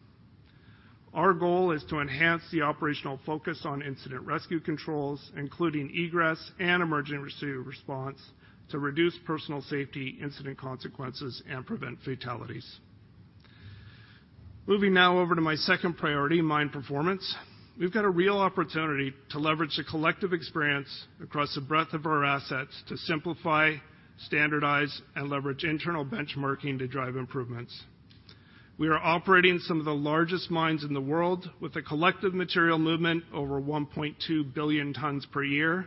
Our goal is to enhance the operational focus on incident rescue controls, including egress and emergency response to reduce personal safety incident consequences and prevent fatalities. Moving now over to my second priority, mine performance. We've got a real opportunity to leverage the collective experience across the breadth of our assets to simplify, standardize, and leverage internal benchmarking to drive improvements. We are operating some of the largest mines in the world with a collective material movement over 1.2 billion tons per year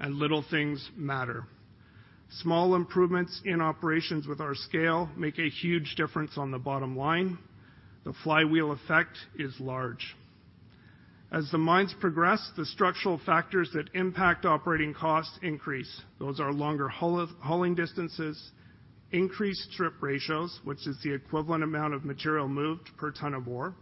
and little things matter. Small improvements in operations with our scale make a huge difference on the bottom line. The flywheel effect is large. As the mines progress, the structural factors that impact operating costs increase. Those are longer hauling distances, increased strip ratios, which is the equivalent amount of material moved per ton of ore.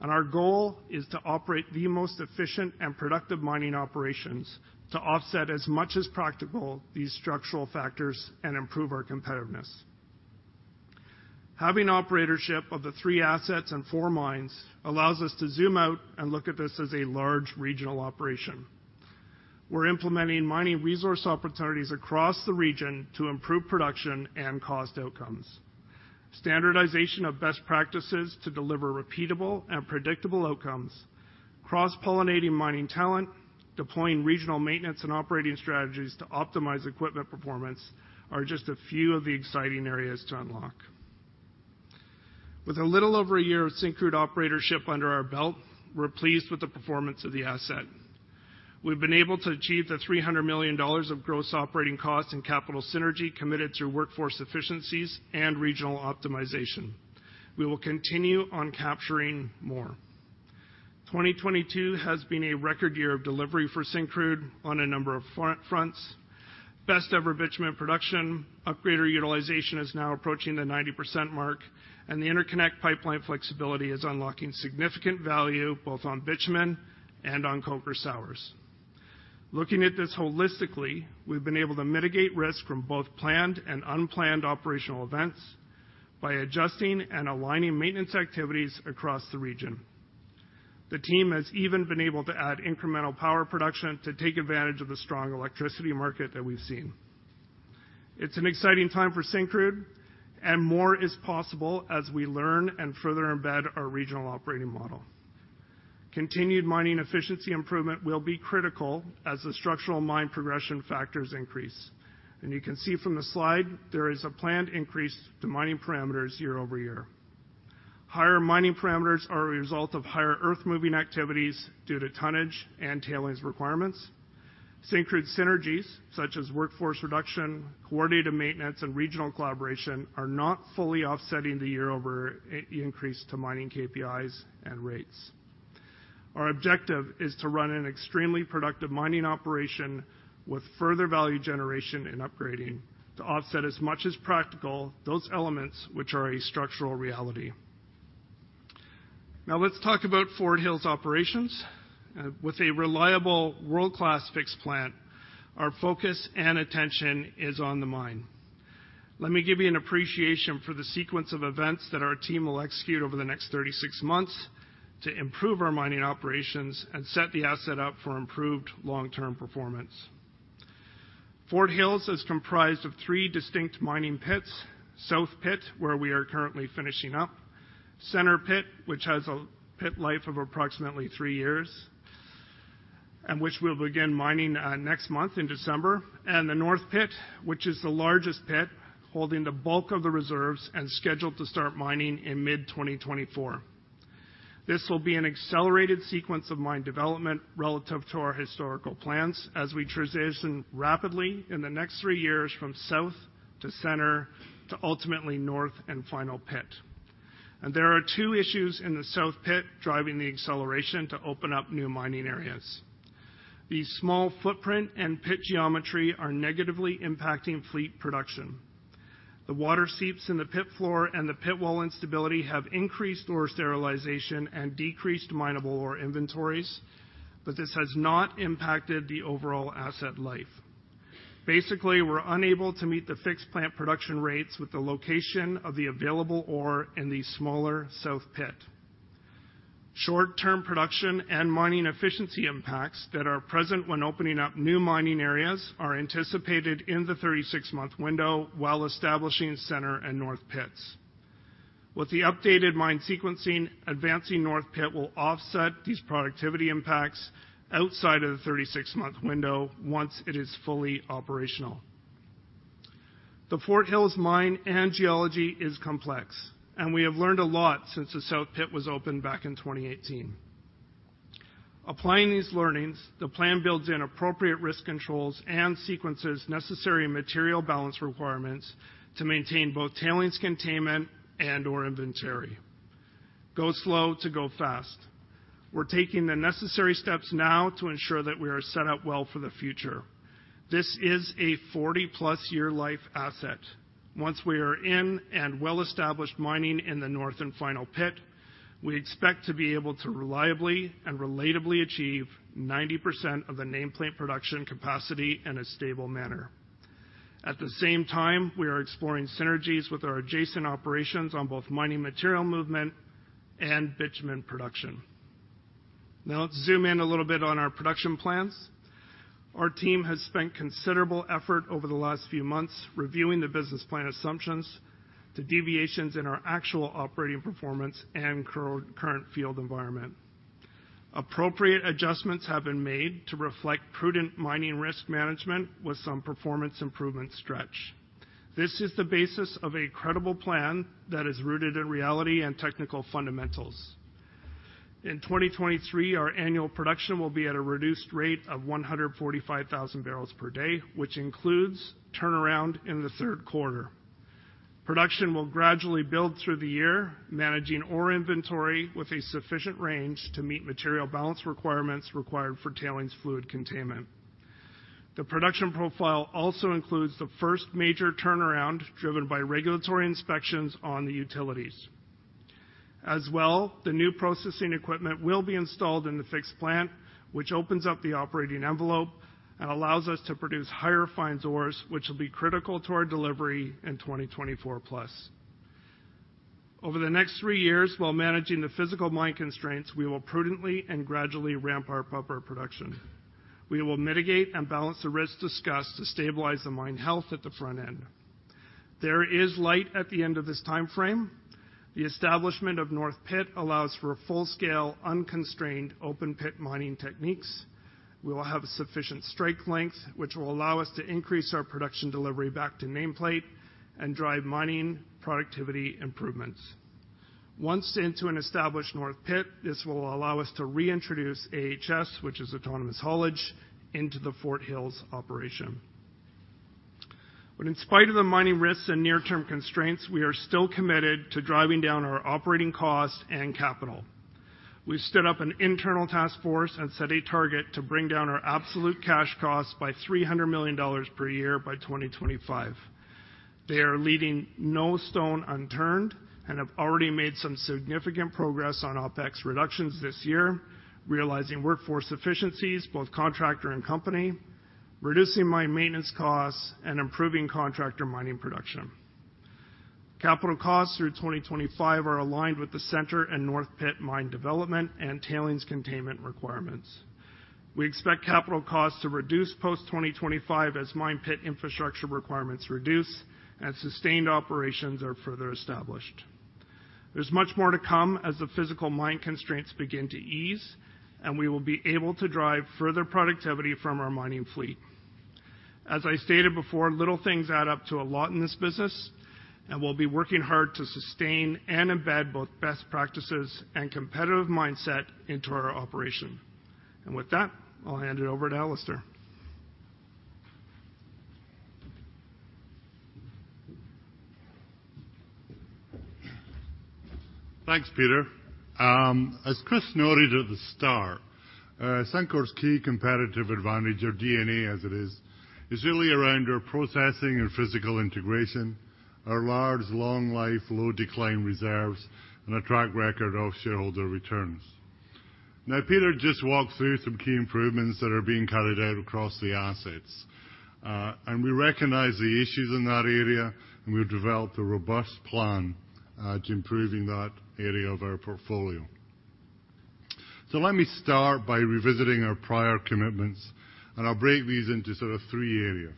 Our goal is to operate the most efficient and productive mining operations to offset as much as practical these structural factors and improve our competitiveness. Having operatorship of the three assets and four mines allows us to zoom out and look at this as a large regional operation. We're implementing mining resource opportunities across the region to improve production and cost outcomes. Standardization of best practices to deliver repeatable and predictable outcomes. Cross-pollinating mining talent, deploying regional maintenance and operating strategies to optimize equipment performance are just a few of the exciting areas to unlock. With a little over a year of Syncrude operatorship under our belt, we're pleased with the performance of the asset. We've been able to achieve the 300 million dollars of gross operating costs and capital synergy committed through workforce efficiencies and regional optimization. We will continue on capturing more. 2022 has been a record year of delivery for Syncrude on a number of fronts. Best ever bitumen production, upgrader utilization is now approaching the 90% mark. The interconnect pipeline flexibility is unlocking significant value both on bitumen and on coker hours. Looking at this holistically, we've been able to mitigate risk from both planned and unplanned operational events by adjusting and aligning maintenance activities across the region. The team has even been able to add incremental power production to take advantage of the strong electricity market that we've seen. It's an exciting time for Syncrude, and more is possible as we learn and further embed our regional operating model. Continued mining efficiency improvement will be critical as the structural mine progression factors increase. You can see from the slide, there is a planned increase to mining parameters year-over-year. Higher mining parameters are a result of higher earth-moving activities due to tonnage and tailings requirements. Syncrude synergies, such as workforce reduction, coordinated maintenance, and regional collaboration are not fully offsetting the year-over-year increase to mining KPIs and rates. Our objective is to run an extremely productive mining operation with further value generation and upgrading to offset as much as practical those elements which are a structural reality. Now let's talk about Fort Hills operations. With a reliable world-class fixed plant, our focus and attention is on the mine. Let me give you an appreciation for the sequence of events that our team will execute over the next 36 months to improve our mining operations and set the asset up for improved long-term performance. Fort Hills is comprised of three distinct mining pits. South Pit, where we are currently finishing up. Center Pit, which has a pit life of approximately three years, and which we'll begin mining next month in December. The North Pit, which is the largest pit, holding the bulk of the reserves and scheduled to start mining in mid-2024. This will be an accelerated sequence of mine development relative to our historical plans as we transition rapidly in the next three years from south to center to ultimately north and final pit. There are two issues in the South Pit driving the acceleration to open up new mining areas. The Small Footprint and Pit Geometry are negatively impacting fleet production. The water seeps in the pit floor and the pit wall instability have increased ore sterilization and decreased mineable ore inventories, but this has not impacted the overall asset life. Basically, we're unable to meet the fixed plant production rates with the location of the available ore in the smaller South Pit. Short-term production and mining efficiency impacts that are present when opening up new mining areas are anticipated in the 36-month window while establishing Center and North Pits. With the updated mine sequencing, advancing North Pit will offset these productivity impacts outside of the 36-month window once it is fully operational. The Fort Hills mine and geology is complex, and we have learned a lot since the South Pit was opened back in 2018. Applying these learnings, the plan builds in appropriate risk controls and sequences necessary material balance requirements to maintain both tailings containment and ore inventory. Go slow to go fast. We're taking the necessary steps now to ensure that we are set up well for the future. This is a 40+ year life asset. Once we are in and well established mining in the North and Final Pit, we expect to be able to reliably and relatably achieve 90% of the nameplate production capacity in a stable manner. At the same time, we are exploring synergies with our adjacent operations on both mining material movement and bitumen production. Let's zoom in a little bit on our production plans. Our team has spent considerable effort over the last few months reviewing the business plan assumptions to deviations in our actual operating performance and current field environment. Appropriate adjustments have been made to reflect prudent mining risk management with some performance improvement stretch. This is the basis of a credible plan that is rooted in reality and technical fundamentals. In 2023, our annual production will be at a reduced rate of 145,000 barrels per day, which includes turnaround in the third quarter. Production will gradually build through the year, managing ore inventory with a sufficient range to meet material balance requirements required for tailings fluid containment. The production profile also includes the first major turnaround driven by regulatory inspections on the utilities. The new processing equipment will be installed in the fixed plant, which opens up the operating envelope and allows us to produce higher fines ores, which will be critical to our delivery in 2024+. Over the next three years, while managing the physical mine constraints, we will prudently and gradually ramp up our production. We will mitigate and balance the risks discussed to stabilize the mine health at the front end. There is light at the end of this timeframe. The establishment of North Pit allows for a full-scale, unconstrained open pit mining techniques. We will have sufficient strike length, which will allow us to increase our production delivery back to nameplate and drive mining productivity improvements. Once into an established North Pit, this will allow us to reintroduce AHS, which is Autonomous Haulage, into the Fort Hills operation. In spite of the mining risks and near-term constraints, we are still committed to driving down our operating costs and capital. We've stood up an internal task force and set a target to bring down our absolute cash costs by 300 million dollars per year by 2025. They are leaving no stone unturned and have already made some significant progress on OpEx reductions this year, realizing workforce efficiencies, both contractor and company, reducing mine maintenance costs, and improving contractor mining production. Capital costs through 2025 are aligned with the center and North Pit mine development and tailings containment requirements. We expect capital costs to reduce post-2025 as mine pit infrastructure requirements reduce and sustained operations are further established. There's much more to come as the physical mine constraints begin to ease, and we will be able to drive further productivity from our mining fleet. As I stated before, little things add up to a lot in this business, and we'll be working hard to sustain and embed both best practices and competitive mindset into our operation. With that, I'll hand it over to Alister. Thanks, Peter. As Kris noted at the start, Suncor's key competitive advantage or DNA as it is really around our processing and physical integration, our large long life, low decline reserves, and a track record of shareholder returns. Peter just walked through some key improvements that are being carried out across the assets. We recognize the issues in that area, and we've developed a robust plan to improving that area of our portfolio. Let me start by revisiting our prior commitments, and I'll break these into sort of three areas.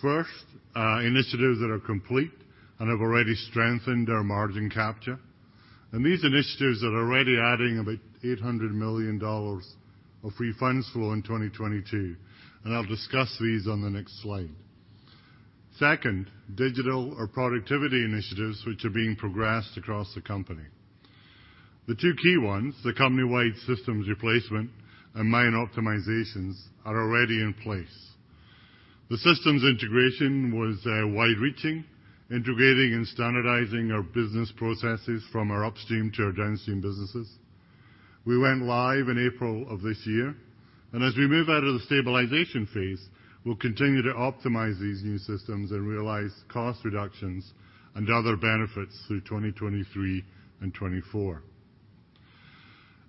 First, initiatives that are complete and have already strengthened our margin capture. These initiatives are already adding about 800 million dollars of free funds flow in 2022, and I'll discuss these on the next slide. Second, digital or productivity initiatives which are being progressed across the company. The two key ones, the company-wide systems replacement and mine optimizations are already in place. The systems integration was wide reaching, integrating and standardizing our business processes from our upstream to our downstream businesses. As we move out of the stabilization phase, we'll continue to optimize these new systems and realize cost reductions and other benefits through 2023 and 2024.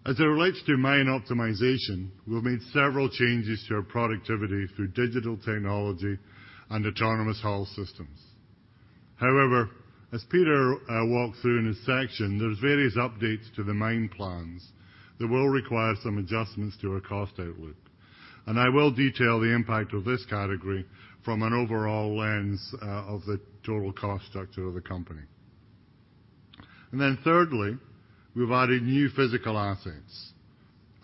As it relates to mine optimization, we've made several changes to our productivity through Digital Technology and Autonomous Haul Systems. However, as Peter walked through in his section, there's various updates to the mine plans that will require some adjustments to our cost outlook. I will detail the impact of this category from an overall lens of the total cost structure of the company. Thirdly, we've added new physical assets.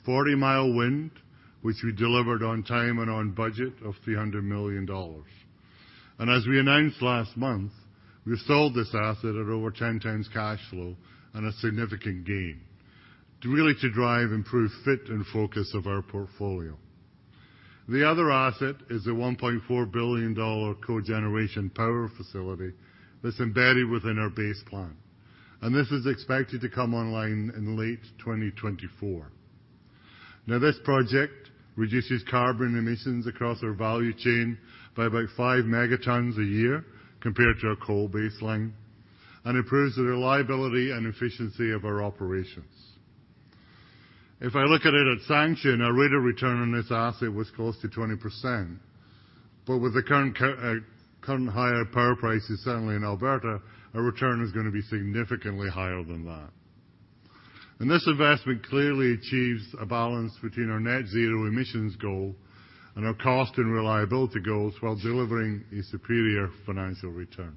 Forty Mile Wind, which we delivered on time and on budget of 300 million dollars. As we announced last month, we sold this asset at over 10x cash flow and a significant gain to really drive improved fit and focus of our portfolio. The other asset is a 1.4 billion dollar cogeneration power facility that's embedded within our base plan, and this is expected to come online in late 2024. Now, this project reduces carbon emissions across our value chain by about 5 megatons a year compared to our coal baseline and improves the reliability and efficiency of our operations. If I look at it at sanction, our rate of return on this asset was close to 20%, but with the current higher power prices, certainly in Alberta, our return is gonna be significantly higher than that. This investment clearly achieves a balance between our net zero emissions goal and our cost and reliability goals while delivering a superior financial return.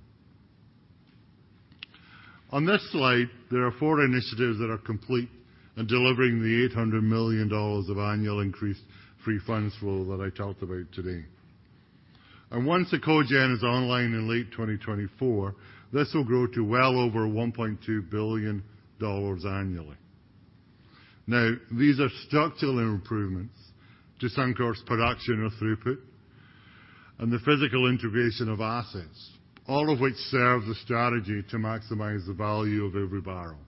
On this slide, there are four initiatives that are complete in delivering the 800 million dollars of annual increased free funds flow that I talked about today. Once the Cogen is online in late 2024, this will grow to well over 1.2 billion dollars annually. These are structural improvements to Suncor's production or throughput and the physical integration of assets, all of which serves a strategy to maximize the value of every barrel.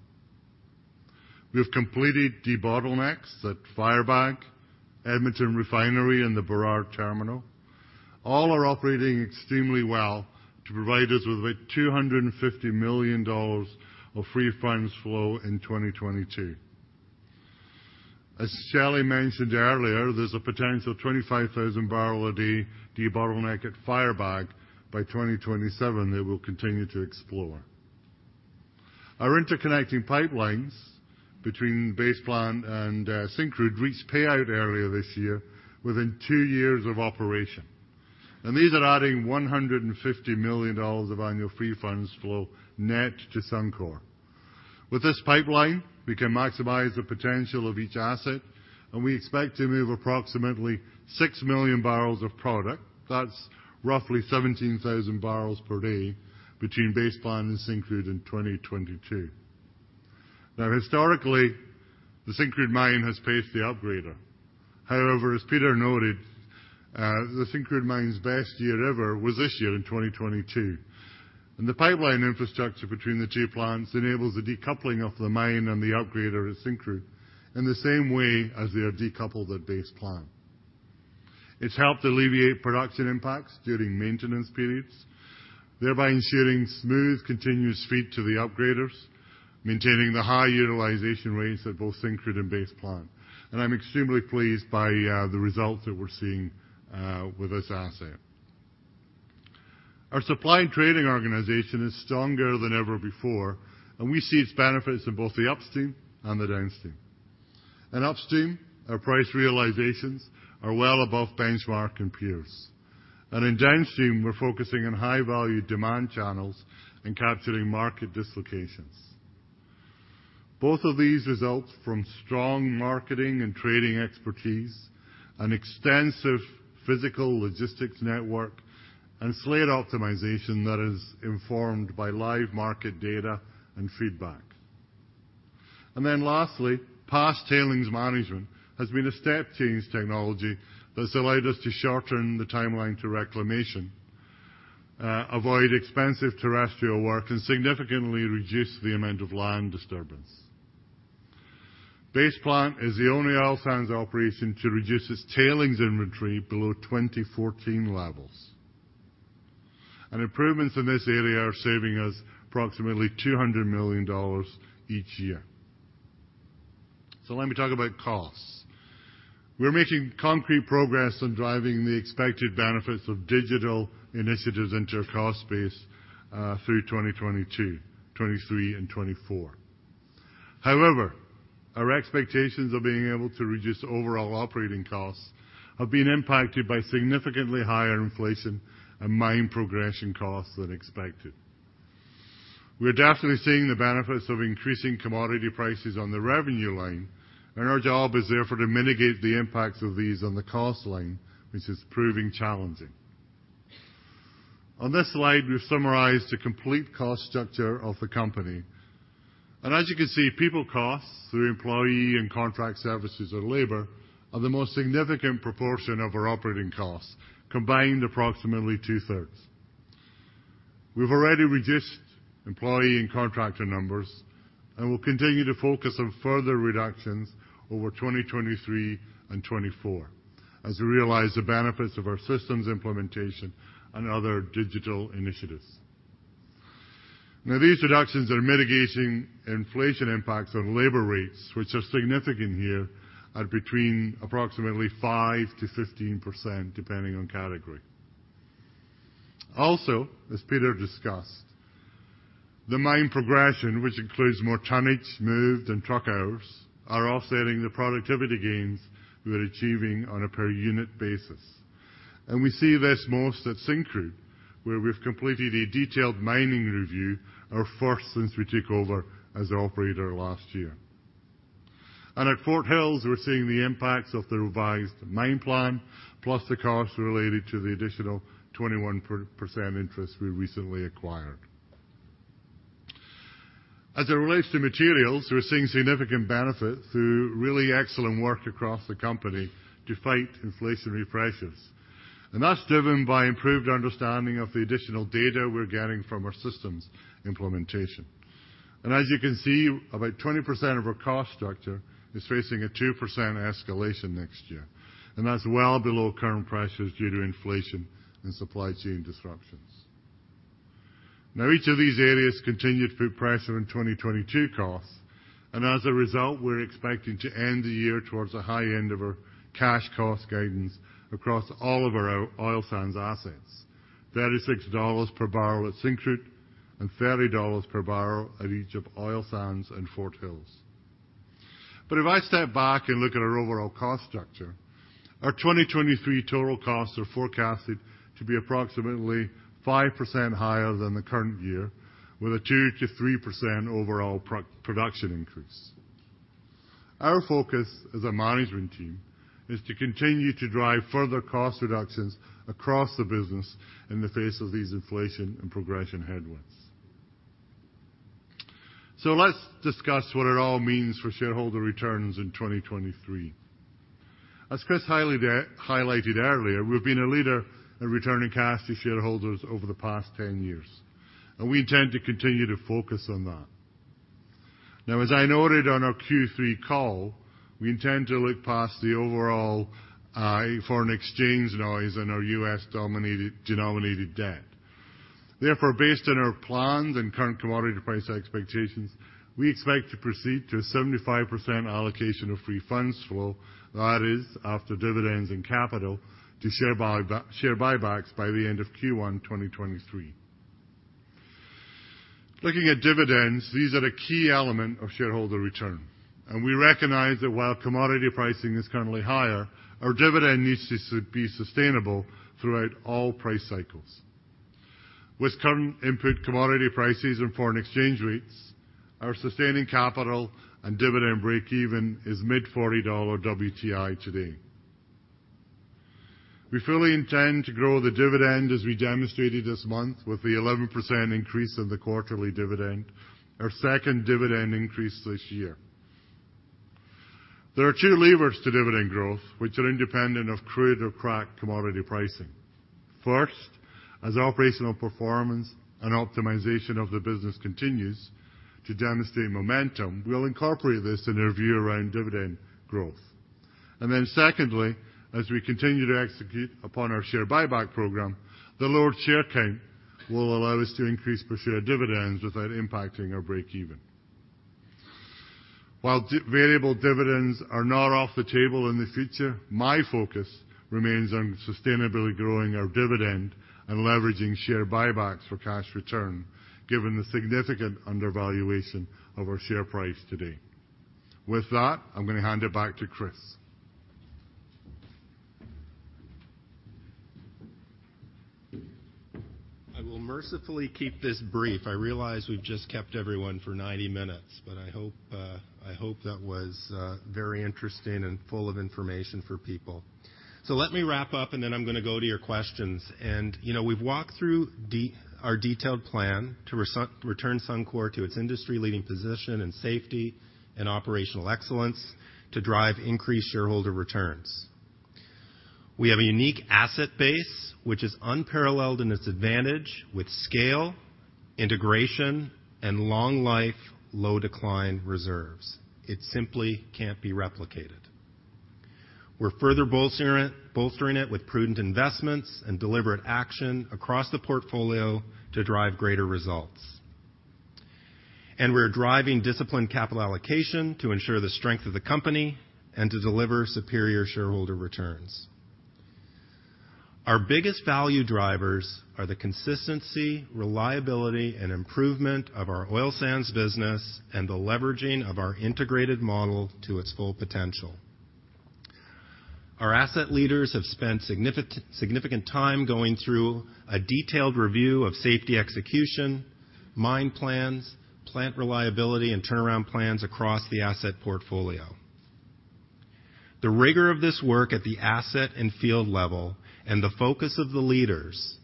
We have completed debottlenecks at Firebag, Edmonton Refinery, and the Burrard Terminal. All are operating extremely well to provide us with about 250 million dollars of free funds flow in 2022. As Shelley mentioned earlier, there's a potential 25,000 barrel a day debottleneck at Firebag by 2027 that we'll continue to explore. Our interconnecting pipelines between Base Plant and Syncrude reached payout earlier this year within two years of operation. These are adding 150 million dollars of annual free funds flow net to Suncor. With this pipeline, we can maximize the potential of each asset, and we expect to move approximately 6 million barrels of product. That's roughly 17,000 barrels per day between Base Plant and Syncrude in 2022. Historically, the Syncrude mine has paced the upgrader. As Peter noted, the Syncrude mine's best year ever was this year in 2022. The pipeline infrastructure between the two plants enables the decoupling of the mine and the upgrader at Syncrude in the same way as they are decoupled at Base Plant. It's helped alleviate production impacts during maintenance periods, thereby ensuring smooth, continuous feed to the upgraders, maintaining the high utilization rates at both Syncrude and Base Plant. I'm extremely pleased by the results that we're seeing with this asset. Our Supply and Trading organization is stronger than ever before, and we see its benefits in both the upstream and the downstream. In upstream, our price realizations are well above benchmark and peers. In downstream, we're focusing on high-value demand channels and capturing market dislocations. Both of these result from strong marketing and trading expertise, an extensive physical logistics network, and slate optimization that is informed by live market data and feedback. Lastly, past tailings management has been a step-change technology that's allowed us to shorten the timeline to reclamation, avoid expensive terrestrial work, and significantly reduce the amount of land disturbance. Base Plant is the only oil sands operation to reduce its tailings inventory below 2014 levels. Improvements in this area are saving us approximately 200 million dollars each year. Let me talk about costs. We're making concrete progress on driving the expected benefits of digital initiatives into our cost base through 2022, 2023, and 2024. However, our expectations of being able to reduce overall operating costs have been impacted by significantly higher inflation and mine progression costs than expected. We're definitely seeing the benefits of increasing commodity prices on the revenue line, and our job is therefore to mitigate the impacts of these on the cost line, which is proving challenging. As you can see, people costs, through employee and contract services or labor, are the most significant proportion of our operating costs, combined approximately two-thirds. We've already reduced employee and contractor numbers and will continue to focus on further reductions over 2023 and 2024 as we realize the benefits of our systems implementation and other digital initiatives. Now, these reductions are mitigating inflation impacts on labor rates, which are significant here at between approximately 5%-15%, depending on category. As Peter discussed, the mine progression, which includes more tonnage moved and truck hours, are offsetting the productivity gains we are achieving on a per unit basis. We see this most at Syncrude, where we've completed a detailed mining review, our first since we took over as the operator last year. At Fort Hills, we're seeing the impacts of the revised mine plan, plus the costs related to the additional 21% interest we recently acquired. As it relates to materials, we're seeing significant benefit through really excellent work across the company to fight inflationary pressures. That's driven by improved understanding of the additional data we're getting from our systems implementation. As you can see, about 20% of our cost structure is facing a 2% escalation next year, and that's well below current pressures due to inflation and supply chain disruptions. Each of these areas continued to put pressure on 2022 costs, and as a result, we're expecting to end the year towards the high end of our cash cost guidance across all of our Oil Sands assets. CAD $36 per barrel at Syncrude and CAD $30 per barrel at each of Oil Sands and Fort Hills. If I step back and look at our overall cost structure, our 2023 total costs are forecasted to be approximately 5% higher than the current year with a 2%-3% overall pro-production increase. Our focus as a management team is to continue to drive further cost reductions across the business in the face of these inflation and progression headwinds. Let's discuss what it all means for shareholder returns in 2023. As Kris highlighted earlier, we've been a leader in returning cash to shareholders over the past 10 years, and we intend to continue to focus on that. Now, as I noted on our Q3 call, we intend to look past the overall foreign exchange noise on our U.S. denominated debt. Therefore, based on our plans and current commodity price expectations. We expect to proceed to a 75% allocation of free funds flow, that is, after dividends and capital to share buybacks by the end of Q1 2023. Looking at dividends, these are the key element of shareholder return, and we recognize that while commodity pricing is currently higher, our dividend needs to be sustainable throughout all price cycles. With current input commodity prices and foreign exchange rates, our sustaining capital and dividend breakeven is mid-$40 WTI today. We fully intend to grow the dividend as we demonstrated this month with the 11% increase in the quarterly dividend, our second dividend increase this year. There are two levers to dividend growth, which are independent of crude or crack commodity pricing. First, as operational performance and optimization of the business continues to demonstrate momentum, we'll incorporate this in our view around dividend growth. Secondly, as we continue to execute upon our share buyback program, the lower share count will allow us to increase per share dividends without impacting our breakeven. While variable dividends are not off the table in the future, my focus remains on sustainably growing our dividend and leveraging share buybacks for cash return, given the significant undervaluation of our share price today. With that, I'm gonna hand it back to Kris I will mercifully keep this brief. I realize we've just kept everyone for 90 minutes. I hope that was very interesting and full of information for people. Let me wrap up. I'm gonna go to your questions. You know, we've walked through our detailed plan to return Suncor to its industry-leading position in safety and operational excellence to drive increased shareholder returns. We have a unique asset base, which is unparalleled in its advantage with scale, integration, and long-life, low-decline reserves. It simply can't be replicated. We're further bolstering it with prudent investments and deliberate action across the portfolio to drive greater results. We're driving disciplined capital allocation to ensure the strength of the company and to deliver superior shareholder returns. Our biggest value drivers are the consistency, reliability, and improvement of our Oil Sands business and the leveraging of our integrated model to its full potential. Our asset leaders have spent significant time going through a detailed review of safety execution, mine plans, plant reliability, and turnaround plans across the asset portfolio. The rigor of this work at the asset and field level and the focus of the leaders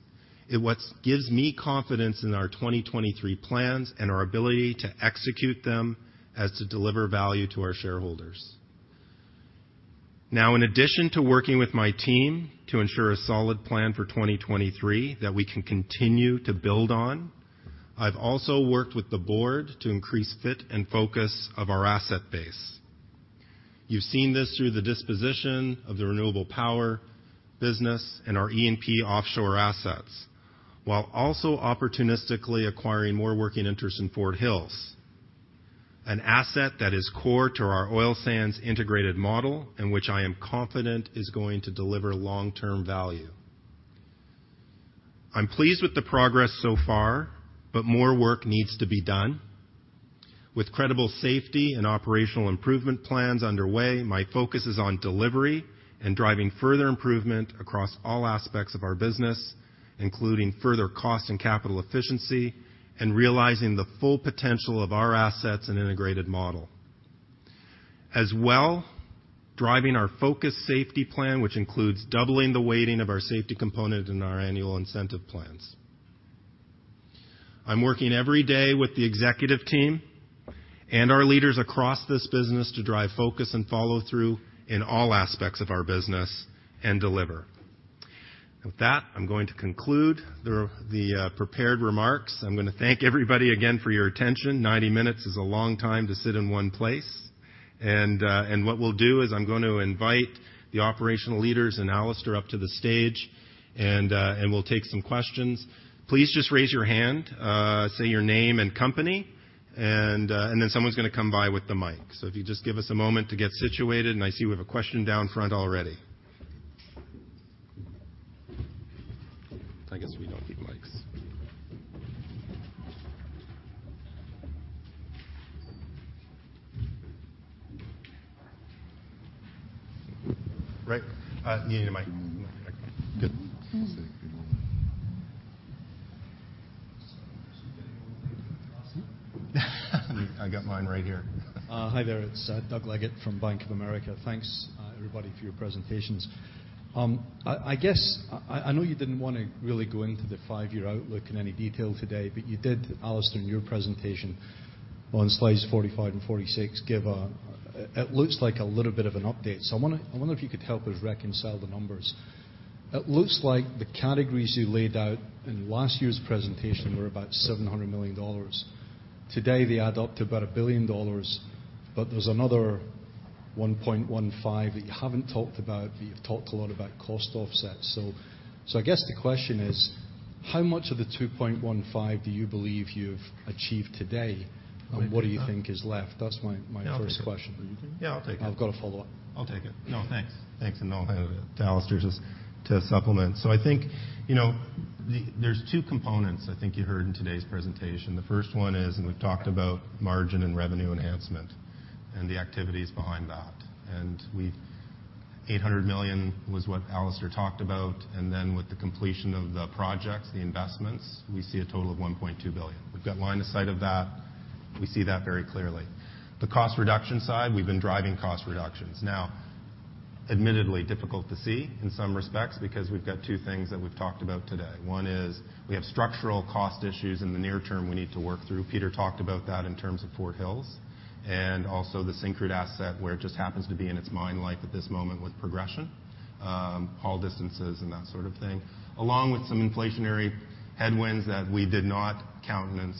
is what's gives me confidence in our 2023 plans and our ability to execute them as to deliver value to our shareholders. In addition to working with my team to ensure a solid plan for 2023 that we can continue to build on, I've also worked with the board to increase fit and focus of our asset base. You've seen this through the disposition of the renewable power business and our E&P offshore assets, while also opportunistically acquiring more working interest in Fort Hills, an asset that is core to our oil sands integrated model and which I am confident is going to deliver long-term value. I'm pleased with the progress so far, but more work needs to be done. With credible safety and operational improvement plans underway, my focus is on delivery and driving further improvement across all aspects of our business, including further cost and capital efficiency and realizing the full potential of our assets and integrated model. As well, driving our focused safety plan, which includes doubling the weighting of our safety component in our annual incentive plans. I'm working every day with the executive team and our leaders across this business to drive focus and follow through in all aspects of our business and deliver. With that, I'm going to conclude the prepared remarks. I'm gonna thank everybody again for your attention. 90 minutes is a long time to sit in one place. What we'll do is I'm gonna invite the operational leaders and Alister up to the stage, and we'll take some questions. Please just raise your hand, say your name and company, and then someone's gonna come by with the mic. If you just give us a moment to get situated, I see we have a question down front already. I guess we don't need mics. Right. You need a mic. Good. I got mine right here. Hi there. It's Doug Leggate from Bank of America. Thanks everybody for your presentations. I guess I know you didn't wanna really go into the five-year outlook in any detail today, but you did, Alister, in your presentation on slides 45 and 46, it looks like a little bit of an update. I wonder if you could help us reconcile the numbers. It looks like the categories you laid out in last year's presentation were about 700 million dollars. Today, they add up to about 1 billion dollars, but there's another-CAD 1.15 billion that you haven't talked about, but you've talked a lot about cost offsets. I guess the question is how much of the 2.15 billion do you believe you've achieved today? I can take that. What do you think is left? That's my first question. Yeah, I'll take it. I've got a follow-up. I'll take it. No, thanks. Thanks. I'll hand it to Alister just to supplement. I think, you know, the, there's two components I think you heard in today's presentation. The first one is, we've talked about margin and revenue enhancement and the activities behind that. 800 million was what Alister talked about, and then with the completion of the projects, the investments, we see a total of 1.2 billion. We've got line of sight of that. We see that very clearly. The cost reduction side, we've been driving cost reductions. Now, admittedly difficult to see in some respects because we've got two things that we've talked about today. One is we have structural cost issues in the near term we need to work through. Peter talked about that in terms of Fort Hills and also the Syncrude asset, where it just happens to be in its mine life at this moment with progression, haul distances and that sort of thing. Along with some inflationary headwinds that we did not countenance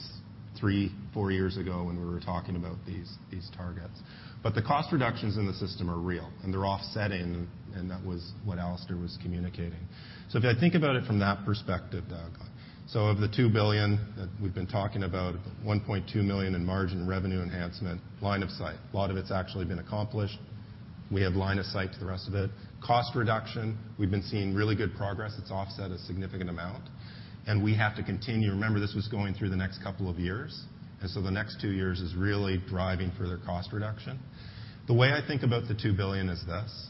three, four years ago when we were talking about these targets. The cost reductions in the system are real, and they're offsetting, and that was what Alister was communicating. If I think about it from that perspective, Doug, of the 2 billion that we've been talking about, 1.2 million in margin revenue enhancement, line of sight. A lot of it's actually been accomplished. We have line of sight to the rest of it. Cost reduction, we've been seeing really good progress. It's offset a significant amount, and we have to continue. Remember, this was going through the next couple of years. The next two years is really driving further cost reduction. The way I think about the 2 billion is this.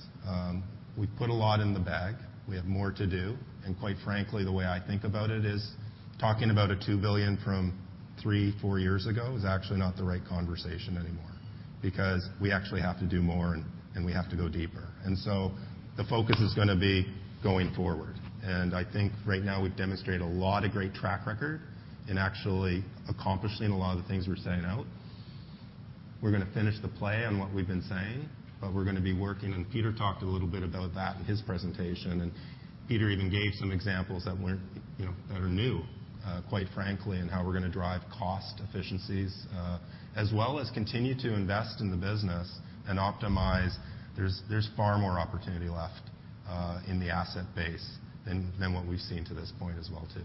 We've put a lot in the bag. We have more to do, and quite frankly, the way I think about it is talking about a 2 billion from three, four years ago is actually not the right conversation anymore because we actually have to do more and we have to go deeper. The focus is gonna be going forward. I think right now we've demonstrated a lot of great track record in actually accomplishing a lot of the things we're setting out. We're gonna finish the play on what we've been saying, but we're gonna be working, and Peter talked a little bit about that in his presentation. Peter even gave some examples that weren't, you know, that are new, quite frankly, in how we're gonna drive cost efficiencies, as well as continue to invest in the business and optimize. There's far more opportunity left in the asset base than what we've seen to this point as well too.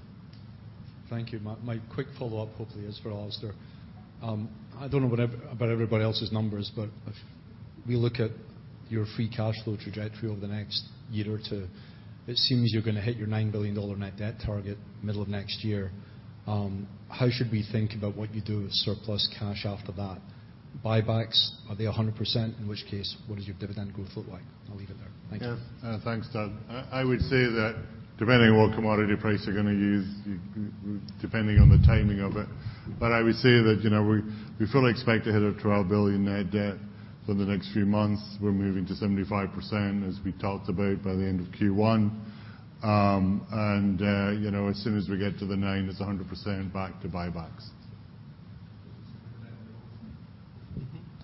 Thank you. My quick follow-up hopefully is for Alister. I don't know what about everybody else's numbers, but if we look at your free cash flow trajectory over the next year or two, it seems you're gonna hit your 9 billion dollar net debt target middle of next year. How should we think about what you do with surplus cash after that? Buybacks, are they 100%? In which case, what does your dividend growth look like? I'll leave it there. Thank you. Yeah. Thanks, Doug. I would say that depending on what commodity price you're gonna use, depending on the timing of it. I would say that, you know, we fully expect to hit a 12 billion net debt for the next few months. We're moving to 75%, as we talked about, by the end of Q1. You know, as soon as we get to the 9 billion, it's 100% back to buybacks.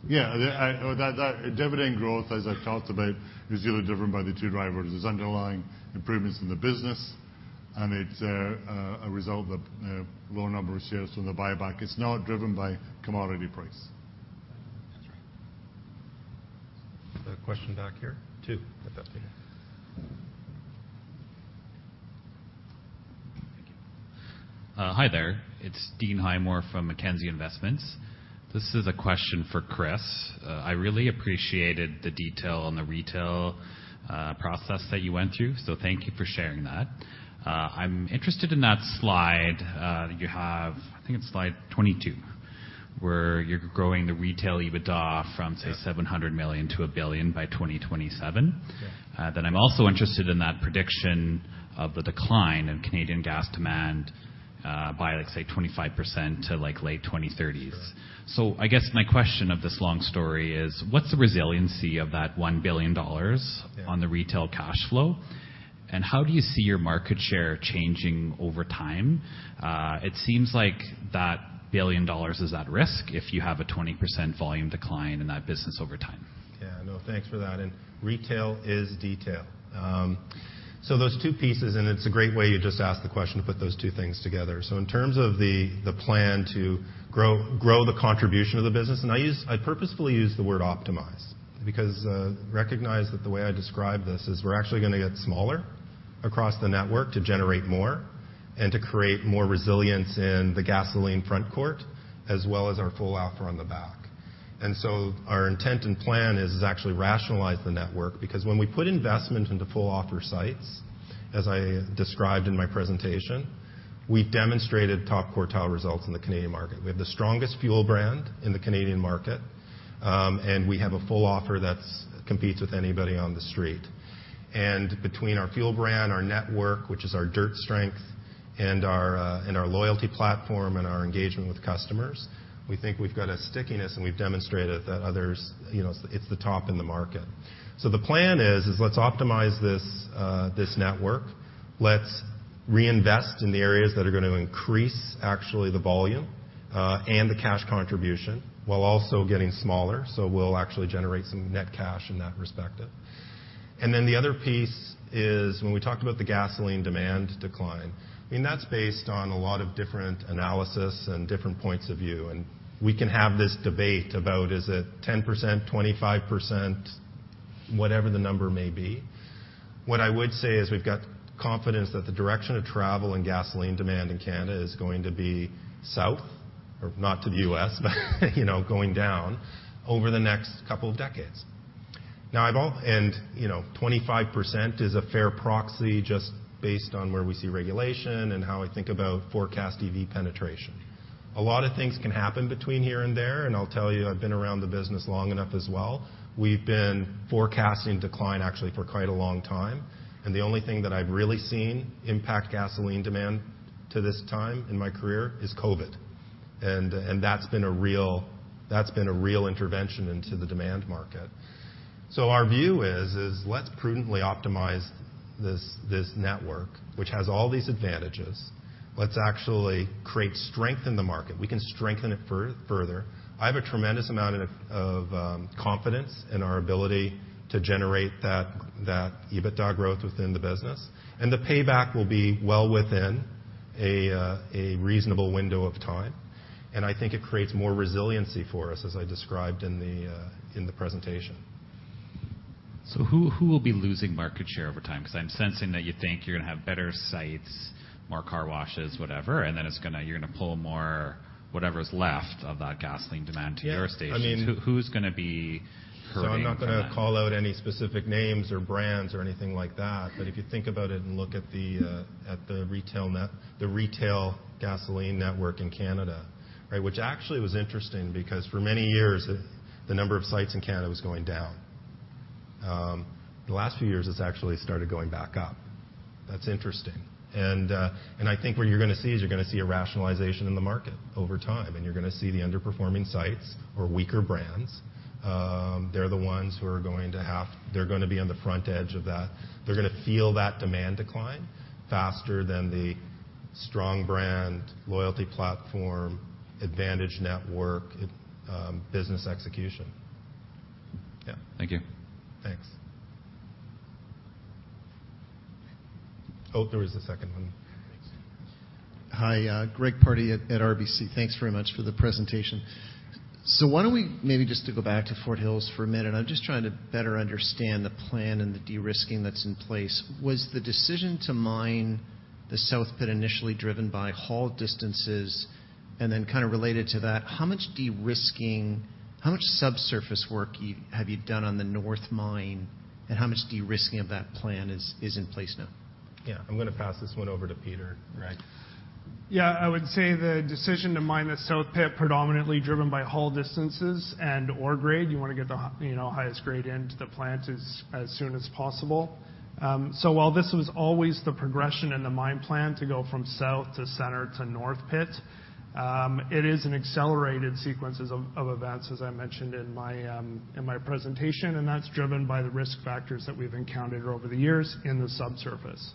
Dividend growth. Yeah. The dividend growth, as I've talked about, is really driven by the two drivers. There's underlying improvements in the business, and it's a result of lower number of shares from the buyback. It's not driven by commodity price. That's right. A question back here, too, at that speaker. Thank you. Hi there. It's Dean Highmoor from Mackenzie Investments. This is a question for Kris. I really appreciated the detail on the retail, process that you went through, so thank you for sharing that. I'm interested in that slide, you have, I think it's slide 22, where you're growing the retail EBITDA from, say, 700 million-1 billion by 2027. I'm also interested in that prediction of the decline in Canadian gas demand, by, let's say, 25% to, like, late 2030s. I guess my question of this long story is, what's the resiliency of that 1 billion dollars on the retail cash flow? How do you see your market share changing over time? It seems like that 1 billion dollars is at risk if you have a 20% volume decline in that business over time. Yeah, no, thanks for that. Retail is detail. Those two pieces, it's a great way you just asked the question to put those two things together. In terms of the plan to grow the contribution of the business, I purposefully use the word optimize because recognize that the way I describe this is we're actually gonna get smaller across the network to generate more and to create more resilience in the gasoline front court as well as our full offer on the back. Our intent and plan is actually rationalize the network because when we put investment into full offer sites, as I described in my presentation, we've demonstrated top quartile results in the Canadian market. We have the strongest fuel brand in the Canadian market, and we have a full offer that's competes with anybody on the street. Between our fuel brand, our network, which is our dirt strength, and our loyalty platform and our engagement with customers, we think we've got a stickiness, and we've demonstrated that others, you know, it's the top in the market. The plan is let's optimize this network. Let's reinvest in the areas that are gonna increase actually the volume and the cash contribution while also getting smaller. We'll actually generate some net cash in that respect. The other piece is when we talked about the gasoline demand decline, I mean, that's based on a lot of different analysis and different points of view, and we can have this debate about is it 10%, 25%, whatever the number may be. What I would say is we've got confidence that the direction of travel and gasoline demand in Canada is going to be south or not to the U.S., but, you know, going down over the next couple of decades. You know, 25% is a fair proxy just based on where we see regulation and how I think about forecast EV penetration. A lot of things can happen between here and there, and I'll tell you, I've been around the business long enough as well. We've been forecasting decline actually for quite a long time, and the only thing that I've really seen impact gasoline demand to this time in my career is COVID. That's been a real intervention into the demand market. Our view is let's prudently optimize this network, which has all these advantages. Let's actually create strength in the market. We can strengthen it further. I have a tremendous amount of confidence in our ability to generate that EBITDA growth within the business, and the payback will be well within a reasonable window of time. I think it creates more resiliency for us, as I described in the presentation. Who will be losing market share over time? 'Cause I'm sensing that you think you're gonna have better sites, more car washes, whatever, you're gonna pull more whatever's left of that gasoline demand to your stations. Yeah. I mean. Who's gonna be hurting from that? I'm not gonna call out any specific names or brands or anything like that. If you think about it and look at the retail gasoline network in Canada, right? Which actually was interesting because for many years, the number of sites in Canada was going down. The last few years, it's actually started going back up. That's interesting. I think what you're gonna see is you're gonna see a rationalization in the market over time, and you're gonna see the underperforming sites or weaker brands, they're the ones who are gonna be on the front edge of that. They're gonna feel that demand decline faster than the strong brand loyalty platform, advantage network, business execution. Yeah. Thank you. Thanks. Oh, there was a second one. Hi. Greg Pardy at RBC. Thanks very much for the presentation. Why don't we maybe just to go back to Fort Hills for a minute, I'm just trying to better understand the plan and the de-risking that's in place. Was the decision to mine the South Pit initially driven by haul distances? Then kind of related to that, how much de-risking, how much subsurface work have you done on the North Mine, and how much de-risking of that plan is in place now? Yeah. I'm gonna pass this one over to Peter, Greg. Yeah. I would say the decision to mine the South Pit predominantly driven by haul distances and ore grade. You wanna get the you know, highest grade into the plant as soon as possible. While this was always the progression in the mine plan to go from South to Center to North Pit, it is an accelerated sequences of events, as I mentioned in my presentation, that's driven by the risk factors that we've encountered over the years in the subsurface.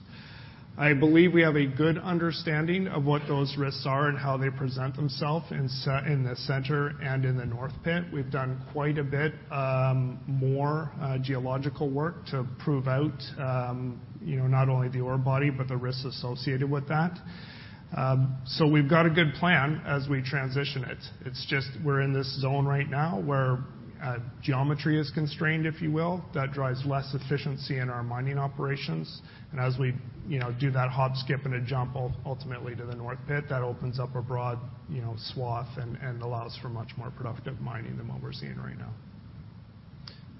I believe we have a good understanding of what those risks are and how they present themselves in the center and in the north pit. We've done quite a bit more geological work to prove out, you know, not only the ore body, but the risks associated with that. We've got a good plan as we transition it. It's just we're in this zone right now where geometry is constrained, if you will. That drives less efficiency in our mining operations. As we, you know, do that hop, skip, and a jump ultimately to the north pit, that opens up a broad, you know, swath and allows for much more productive mining than what we're seeing right now.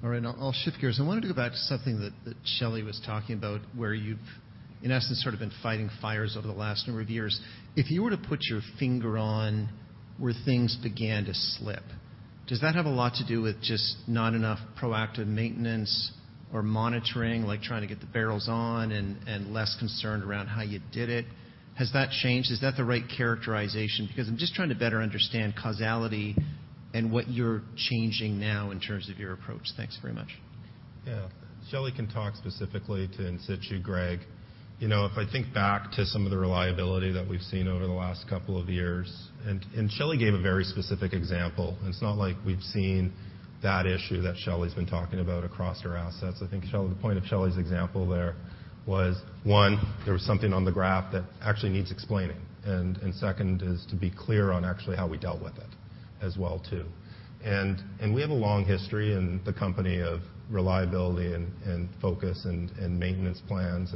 All right. I'll shift gears. I wanted to go back to something that Shelley was talking about, where you've, in essence, sort of been fighting fires over the last number of years. If you were to put your finger on where things began to slip, does that have a lot to do with just not enough proactive maintenance or monitoring, like trying to get the barrels on and less concerned around how you did it? Has that changed? Is that the right characterization? I'm just trying to better understand causality and what you're changing now in terms of your approach. Thanks very much. Yeah. Shelley can talk specifically to In Situ, Greg. You know, if I think back to some of the reliability that we've seen over the last couple of years, and Shelley gave a very specific example, it's not like we've seen that issue that Shelley's been talking about across our assets. I think Shelley, the point of Shelley's example there was, one, there was something on the graph that actually needs explaining, and second is to be clear on actually how we dealt with it as well, too. We have a long history in the company of reliability and focus and maintenance plans.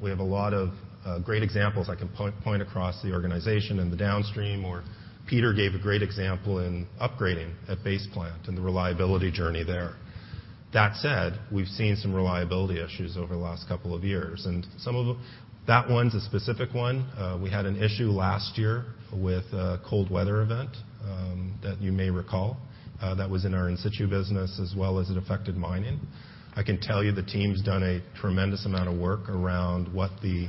We have a lot of great examples I can point across the organization in the downstream, or Peter gave a great example in upgrading at Base Plant and the reliability journey there. That said, we've seen some reliability issues over the last couple of years, and some of them. That one's a specific one. We had an issue last year with a cold weather event that you may recall that was in our In Situ business as well as it affected mining. I can tell you the team's done a tremendous amount of work around what the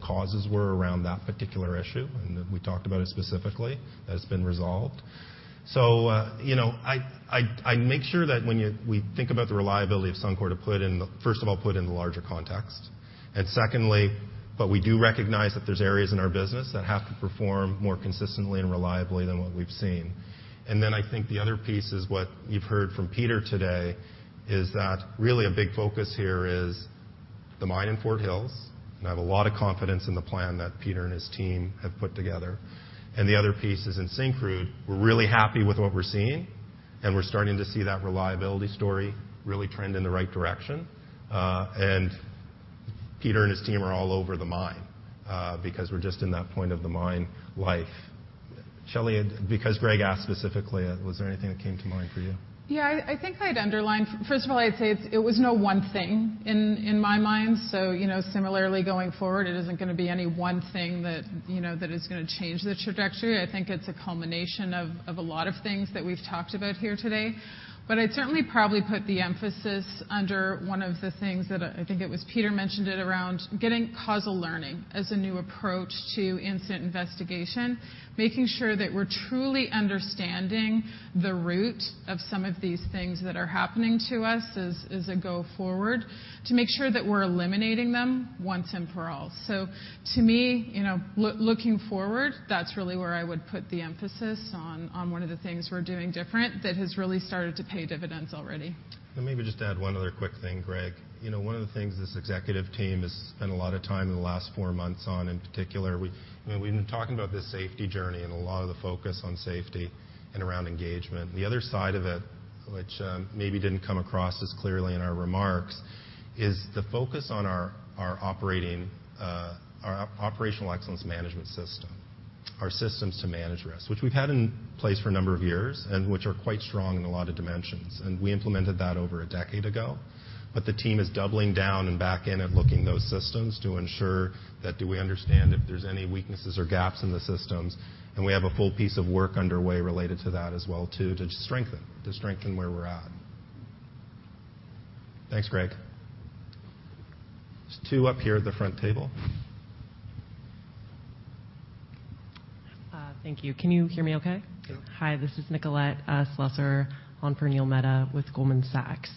causes were around that particular issue, and we talked about it specifically. That's been resolved. You know, I make sure that when we think about the reliability of Suncor to first of all, put in the larger context. Secondly, we do recognize that there's areas in our business that have to perform more consistently and reliably than what we've seen. I think the other piece is what you've heard from Peter today, is that really a big focus here is the mine in Fort Hills, and I have a lot of confidence in the plan that Peter and his team have put together. The other piece is in Syncrude, we're really happy with what we're seeing, and we're starting to see that reliability story really trend in the right direction. Peter and his team are all over the mine, because we're just in that point of the mine life. Shelley, because Greg asked specifically, was there anything that came to mind for you? Yeah, I think I'd say it was no one thing in my mind. You know, similarly going forward, it isn't gonna be any one thing that, you know, that is gonna change the trajectory. I think it's a culmination of a lot of things that we've talked about here today. I'd certainly probably put the emphasis under one of the things that, I think it was Peter mentioned it around getting causal learning as a new approach to incident investigation. Making sure that we're truly understanding the root of some of these things that are happening to us as a go forward to make sure that we're eliminating them once and for all. To me, you know, looking forward, that's really where I would put the emphasis on one of the things we're doing different that has really started to pay dividends already. Let me just add one other quick thing, Greg. You know, one of the things this executive team has spent a lot of time in the last four months on, in particular, I mean, we've been talking about this safety journey and a lot of the focus on safety and around engagement. The other side of it, which maybe didn't come across as clearly in our remarks, is the focus on our operating, our Operational Excellence Management System. Our systems to manage risk, which we've had in place for a number of years, and which are quite strong in a lot of dimensions. We implemented that over a decade ago. The team is doubling down and back in and looking those systems to ensure that do we understand if there's any weaknesses or gaps in the systems, and we have a full piece of work underway related to that as well too, to strengthen where we're at. Thanks, Greg. There's two up here at the front table. Thank you. Can you hear me okay? Yeah. Hi, this is Nicolette Slusser on for Neil Mehta with Goldman Sachs.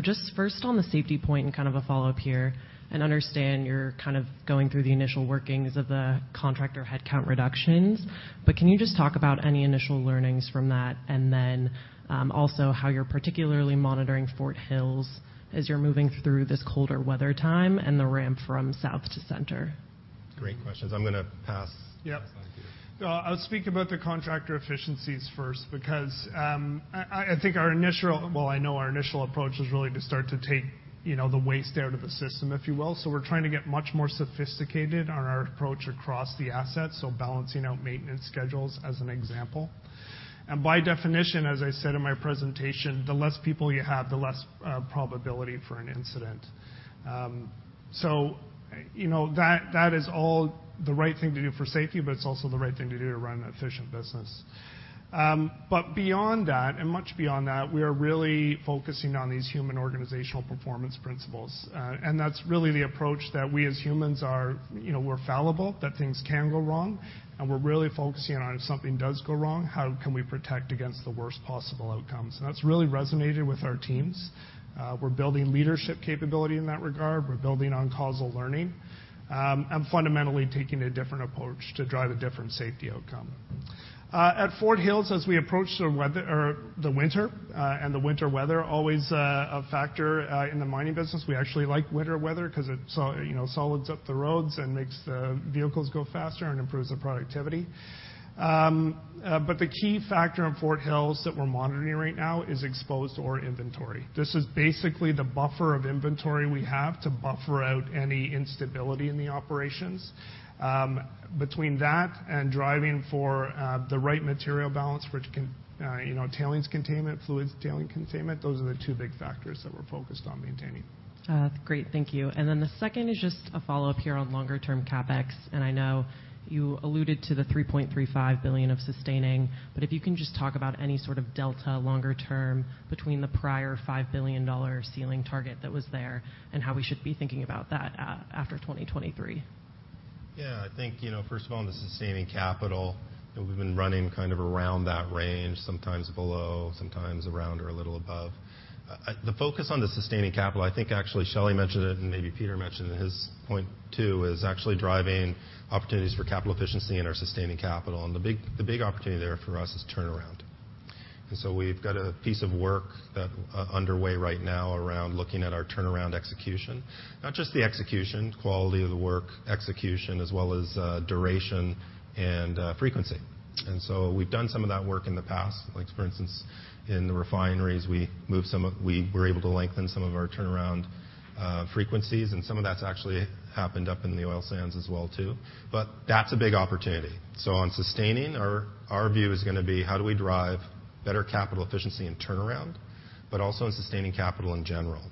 Just first on the safety point and kind of a follow-up here, and understand you're kind of going through the initial workings of the contractor headcount reductions, but can you just talk about any initial learnings from that, and then, also how you're particularly monitoring Fort Hills as you're moving through this colder weather time and the ramp from South to Center? Great questions. I'm gonna. Yep. To Peter. I'll speak about the contractor efficiencies first because, I know our initial approach is really to start to take, you know, the waste out of the system, if you will. We're trying to get much more sophisticated on our approach across the assets, so balancing out maintenance schedules as an example. By definition, as I said in my presentation, the less people you have, the less probability for an incident. You know, that is all the right thing to do for safety, it's also the right thing to do to run an efficient business. Beyond that, much beyond that, we are really focusing on these Human Organizational Performance principles. That's really the approach that we as humans are, you know, we're fallible, that things can go wrong, and we're really focusing on if something does go wrong, how can we protect against the worst possible outcomes? That's really resonated with our teams. We're building leadership capability in that regard. We're building on causal learning, fundamentally taking a different approach to drive a different safety outcome. At Fort Hills, as we approach the winter, the winter weather, always a factor in the mining business. We actually like winter weather 'cause it so, you know, solids up the roads and makes the vehicles go faster and improves the productivity. The key factor in Fort Hills that we're monitoring right now is exposed ore inventory. This is basically the buffer of inventory we have to buffer out any instability in the operations. Between that and driving for the right material balance for, you know, tailings containment, fluids, tailing containment, those are the two big factors that we're focused on maintaining. Great. Thank you. The second is just a follow-up here on longer-term CapEx. I know you alluded to the 3.35 billion of sustaining. If you can just talk about any sort of delta longer term between the prior 5 billion dollar ceiling target that was there, and how we should be thinking about that after 2023. Yeah. I think, you know, first of all, in the sustaining capital, we've been running kind of around that range, sometimes below, sometimes around or a little above. The focus on the sustaining capital, I think actually Shelley mentioned it, and maybe Peter mentioned in his point too, is actually driving opportunities for capital efficiency in our sustaining capital, and the big opportunity there for us is turnaround. We've got a piece of work underway right now around looking at our turnaround execution. Not just the execution, quality of the work execution, as well as, duration and, frequency. We've done some of that work in the past. Like for instance, in the refineries, we were able to lengthen some of our turnaround frequencies, and some of that's actually happened up in the Oil Sands as well too. That's a big opportunity. On sustaining, our view is gonna be how do we drive better capital efficiency and turnaround, but also in sustaining capital in general.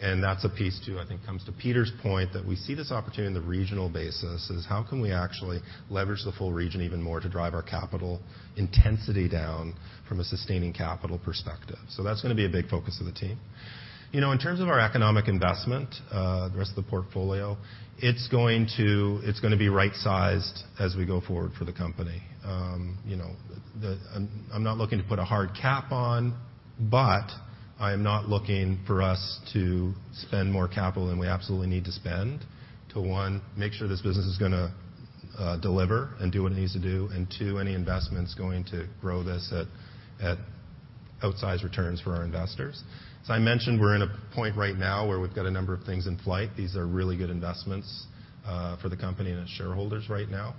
That's a piece too, I think, comes to Peter's point that we see this opportunity on the regional basis, is how can we actually leverage the full region even more to drive our capital intensity down from a sustaining capital perspective. That's gonna be a big focus of the team. You know, in terms of our economic investment, the rest of the portfolio, it's gonna be right-sized as we go forward for the company. You know, I'm not looking to put a hard cap on, but I'm not looking for us to spend more capital than we absolutely need to spend to, one, make sure this business is gonna deliver and do what it needs to do, and two, any investment's going to grow this at outsized returns for our investors. As I mentioned, we're in a point right now where we've got a number of things in flight. These are really good investments for the company and its shareholders right now.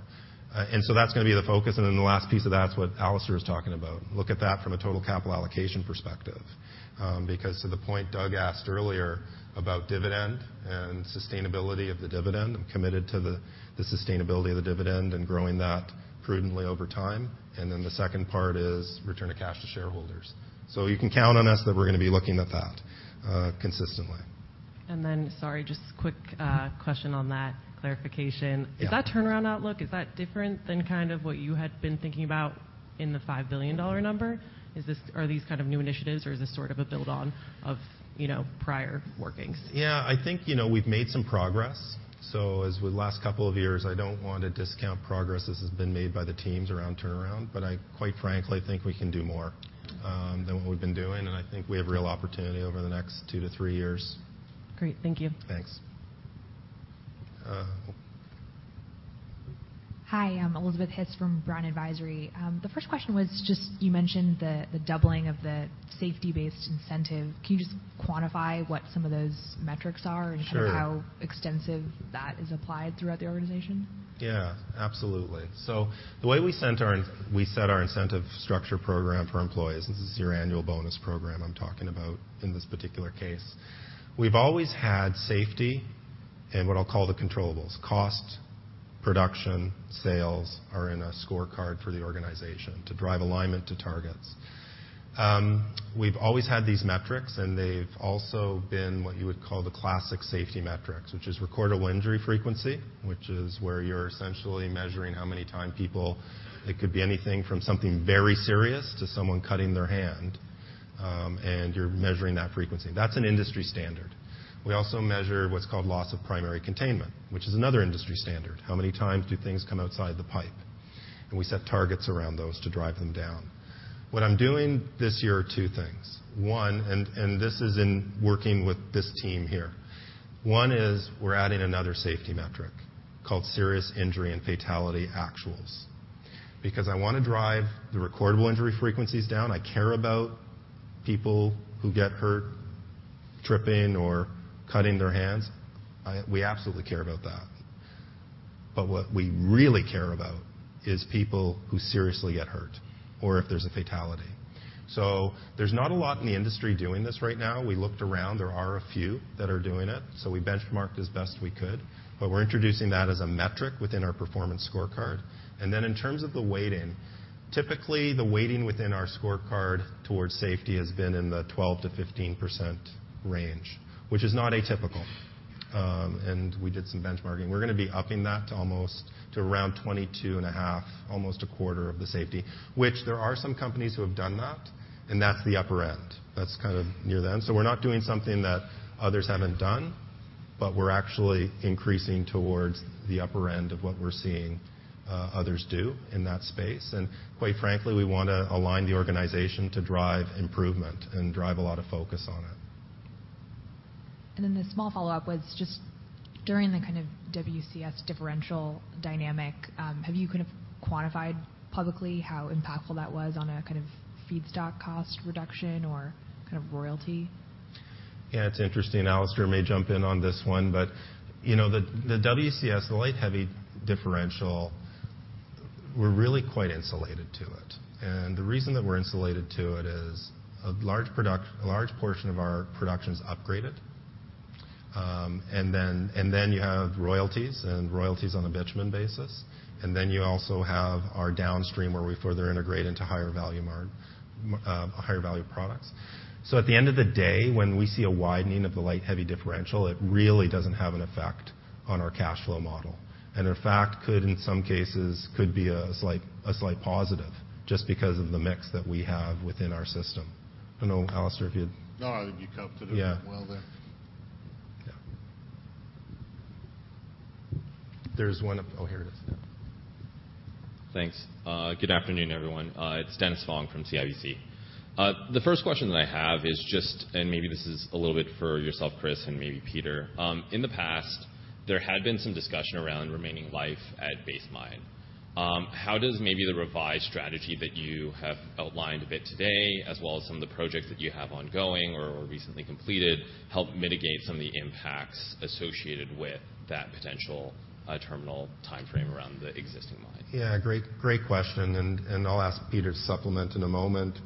That's gonna be the focus. The last piece of that is what Alister Cowan is talking about. Look at that from a total capital allocation perspective, because to the point Doug asked earlier about dividend and sustainability of the dividend, I'm committed to the sustainability of the dividend and growing that prudently over time. The second part is return of cash to shareholders. You can count on us that we're gonna be looking at that consistently. Sorry, just a quick question on that, clarification. Yeah. Is that turnaround outlook, is that different than kind of what you had been thinking about in the 5 billion dollar number? Are these kind of new initiatives, or is this sort of a build on of, you know, prior workings? Yeah. I think, you know, we've made some progress. As with last couple of years, I don't want to discount progress as has been made by the teams around turnaround, but I quite frankly think we can do more than what we've been doing, and I think we have real opportunity over the next 2-3 years. Great. Thank you. Thanks. Hi, I'm Elizabeth Hiss from Brown Advisory. The first question was just you mentioned the doubling of the safety-based incentive. Can you just quantify what some of those metrics are? Sure. Kind of how extensive that is applied throughout the organization? Yeah, absolutely. The way we set our incentive structure program for employees, this is your annual bonus program I'm talking about in this particular case. We've always had safety and what I'll call the controllables, cost, production, sales are in a scorecard for the organization to drive alignment to targets. We've always had these metrics, and they've also been what you would call the classic safety metrics, which is recordable injury frequency, which is where you're essentially measuring how many time people. It could be anything from something very serious to someone cutting their hand, and you're measuring that frequency. That's an industry standard. We also measure what's called loss of primary containment, which is another industry standard. How many times do things come outside the pipe? We set targets around those to drive them down. What I'm doing this year are two things. One, this is in working with this team here. One is we're adding another safety metric called serious injury and fatality actuals. I wanna drive the recordable injury frequencies down. I care about people who get hurt tripping or cutting their hands. We absolutely care about that. What we really care about is people who seriously get hurt or if there's a fatality. There's not a lot in the industry doing this right now. We looked around. There are a few that are doing it. We benchmarked as best we could, but we're introducing that as a metric within our performance scorecard. In terms of the weighting, typically the weighting within our scorecard towards safety has been in the 12%-15% range, which is not atypical. We did some benchmarking. We're gonna be upping that to almost to around 22.5%, almost a quarter of the safety, which there are some companies who have done that, and that's the upper end. That's kind of near them. We're not doing something that others haven't done, but we're actually increasing towards the upper end of what we're seeing others do in that space. Quite frankly, we wanna align the organization to drive improvement and drive a lot of focus on it. A small follow-up was just during the kind of WCS differential dynamic, have you kind of quantified publicly how impactful that was on a kind of feedstock cost reduction or kind of royalty? Yeah, it's interesting. Alister may jump in on this one, but you know, the WCS, the light heavy differential, we're really quite insulated to it. The reason that we're insulated to it is a large portion of our production's upgraded. Then you have royalties and royalties on a bitumen basis. Then you also have our downstream where we further integrate into higher value products. At the end of the day, when we see a widening of the light heavy differential, it really doesn't have an effect on our cash flow model. In fact, could in some cases, be a slight positive just because of the mix that we have within our system. I don't know, Alister, if you'd. No, I think you covered it. Yeah. Well there. Yeah. There's one, oh, here it is. Yeah. Thanks. Good afternoon, everyone. It's Dennis Fong from CIBC. The first question that I have is just, and maybe this is a little bit for yourself, Kris, and maybe Peter. In the past, there had been some discussion around remaining life at base mine. How does maybe the revised strategy that you have outlined a bit today, as well as some of the projects that you have ongoing or recently completed, help mitigate some of the impacts associated with that potential, terminal timeframe around the existing mine? Great question, and I'll ask Peter to supplement in a moment.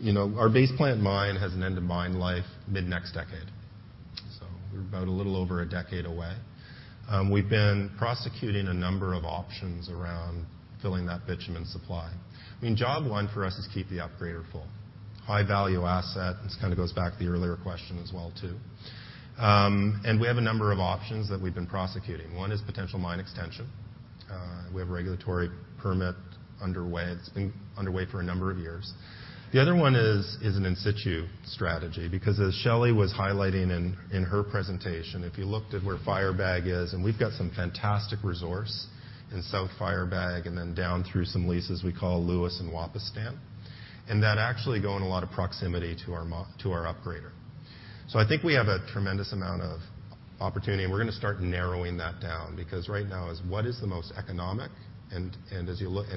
You know, our Base Plant mine has an end of mine life mid-next decade. We're about a little over a decade away. We've been prosecuting a number of options around filling that bitumen supply. I mean, job one for us is keep the upgrader full. High-value asset. This kind of goes back to the earlier question as well, too. We have a number of options that we've been prosecuting. One is potential mine extension. We have a regulatory permit underway. It's been underway for a number of years. The other one is an In Situ strategy, because as Shelley was highlighting in her presentation, if you looked at where Firebag is, and we've got some fantastic resource in South Firebag and then down through some leases we call Lewis and Wapistan. That actually go in a lot of proximity to our upgrader. I think we have a tremendous amount of opportunity, and we're gonna start narrowing that down because right now is what is the most economic, and as we look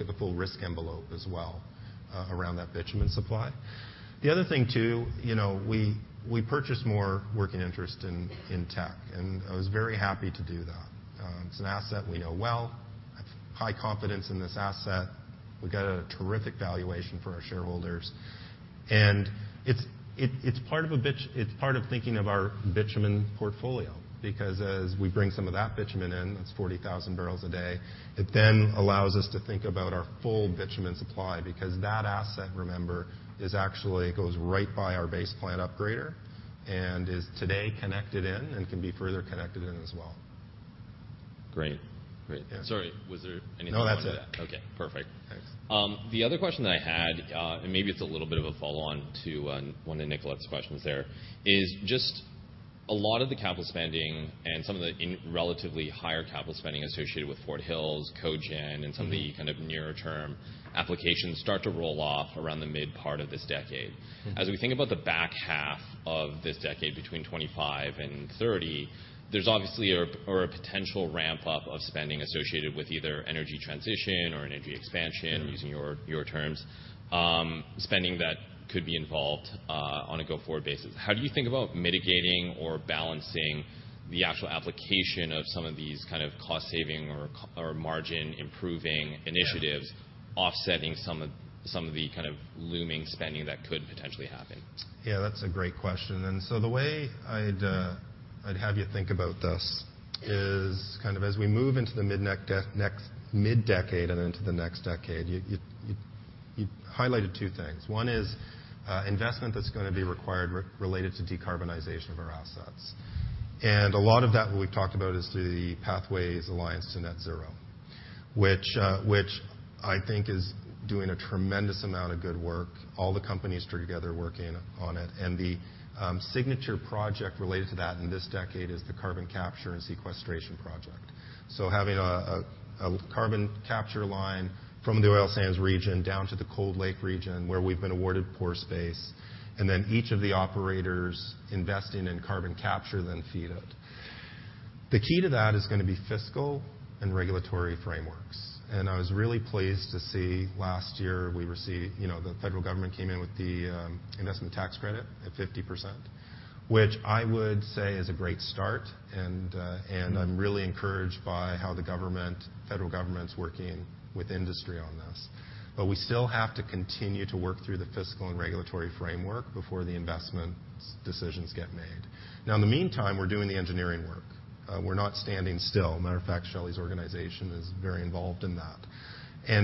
at the full risk envelope as well, around that bitumen supply. The other thing, too, you know, we purchased more working interest in Teck, and I was very happy to do that. It's an asset we know well. I have high confidence in this asset. We got a terrific valuation for our shareholders. It's part of thinking of our bitumen portfolio because as we bring some of that bitumen in, that's 40,000 barrels a day, it then allows us to think about our full bitumen supply because that asset, remember, actually goes right by our Base Plant upgrader and is today connected in and can be further connected in as well. Great. Great. Yeah. Sorry, was there anything after that? No, that's it. Okay, perfect. Thanks. The other question that I had, and maybe it's a little bit of a follow-on to, one of Nicolette's questions there, is just a lot of the capital spending and some of the relatively higher capital spending associated with Fort Hills, Cogen. Mm-hmm. Some of the kind of nearer-term applications start to roll off around the mid part of this decade. Mm-hmm. As we think about the back half of this decade between 2025 and 2030, there's obviously a potential ramp-up of spending associated with either energy transition or an energy expansion using your terms, spending that could be involved, on a go-forward basis. How do you think about mitigating or balancing the actual application of some of these kind of cost-saving or margin-improving initiatives offsetting some of the kind of looming spending that could potentially happen? Yeah, that's a great question. The way I'd have you think about this is kind of as we move into the mid decade and into the next decade, you highlighted two things. One is investment that's gonna be required related to decarbonization of our assets. A lot of that we've talked about is the Pathways Alliance to Net Zero, which I think is doing a tremendous amount of good work. All the companies together working on it. The signature project related to that in this decade is the carbon capture and sequestration project. So having a carbon capture line from the oil sands region down to the Cold Lake region where we've been awarded pore space, and then each of the operators investing in carbon capture, then feed it. The key to that is gonna be fiscal and regulatory frameworks. I was really pleased to see last year we received, you know, the federal government came in with the investment tax credit at 50%, which I would say is a great start. I'm really encouraged by how the government, federal government's working with industry on this. We still have to continue to work through the fiscal and regulatory framework before the investment decisions get made. Now, in the meantime, we're doing the engineering work. We're not standing still. Matter of fact, Shelley's organization is very involved in that.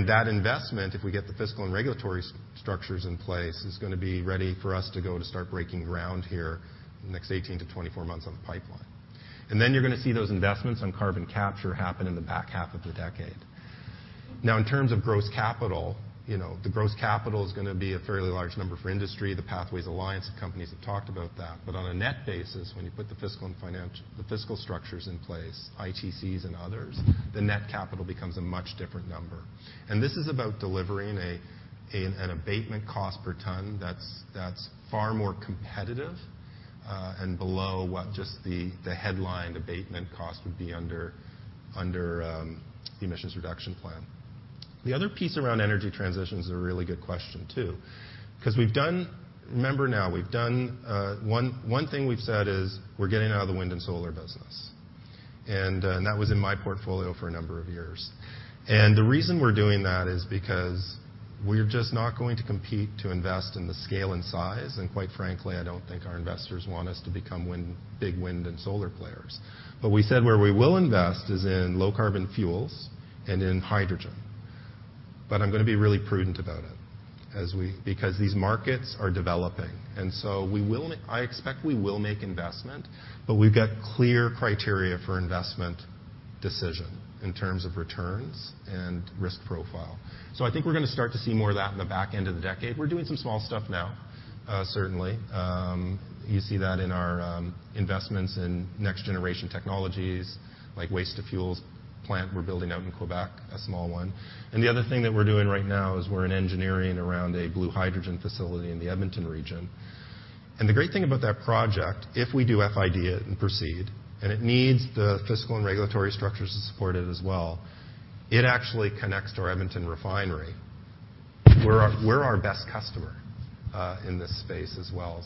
That investment, if we get the fiscal and regulatory structures in place, is gonna be ready for us to go to start breaking ground here next 18-24 months on the pipeline. Then you're gonna see those investments on carbon capture happen in the back half of the decade. In terms of gross capital, you know, the gross capital is gonna be a fairly large number for industry. The Pathways Alliance of companies have talked about that. On a net basis, when you put the fiscal structures in place, ITCs and others, the net capital becomes a much different number. This is about delivering an abatement cost per ton that's far more competitive and below what just the headline abatement cost would be under the emissions reduction plan. The other piece around energy transition is a really good question, too, 'cause Remember now, we've done one thing we've said is we're getting out of the wind and solar business. that was in my portfolio for a number of years. The reason we're doing that is because we're just not going to compete to invest in the scale and size, and quite frankly, I don't think our investors want us to become wind, big wind and solar players. We said where we will invest is in low carbon fuels and in hydrogen. I'm gonna be really prudent about it because these markets are developing. I expect we will make investment. We've got clear criteria for investment decision in terms of returns and risk profile. I think we're gonna start to see more of that in the back end of the decade. We're doing some small stuff now, certainly. You see that in our investments in next generation technologies like waste-to-fuels plant we're building out in Quebec, a small one. The other thing that we're doing right now is we're in engineering around a blue hydrogen facility in the Edmonton region. The great thing about that project, if we do FID and proceed, and it needs the fiscal and regulatory structures to support it as well, it actually connects to our Edmonton refinery. We're our best customer in this space as well.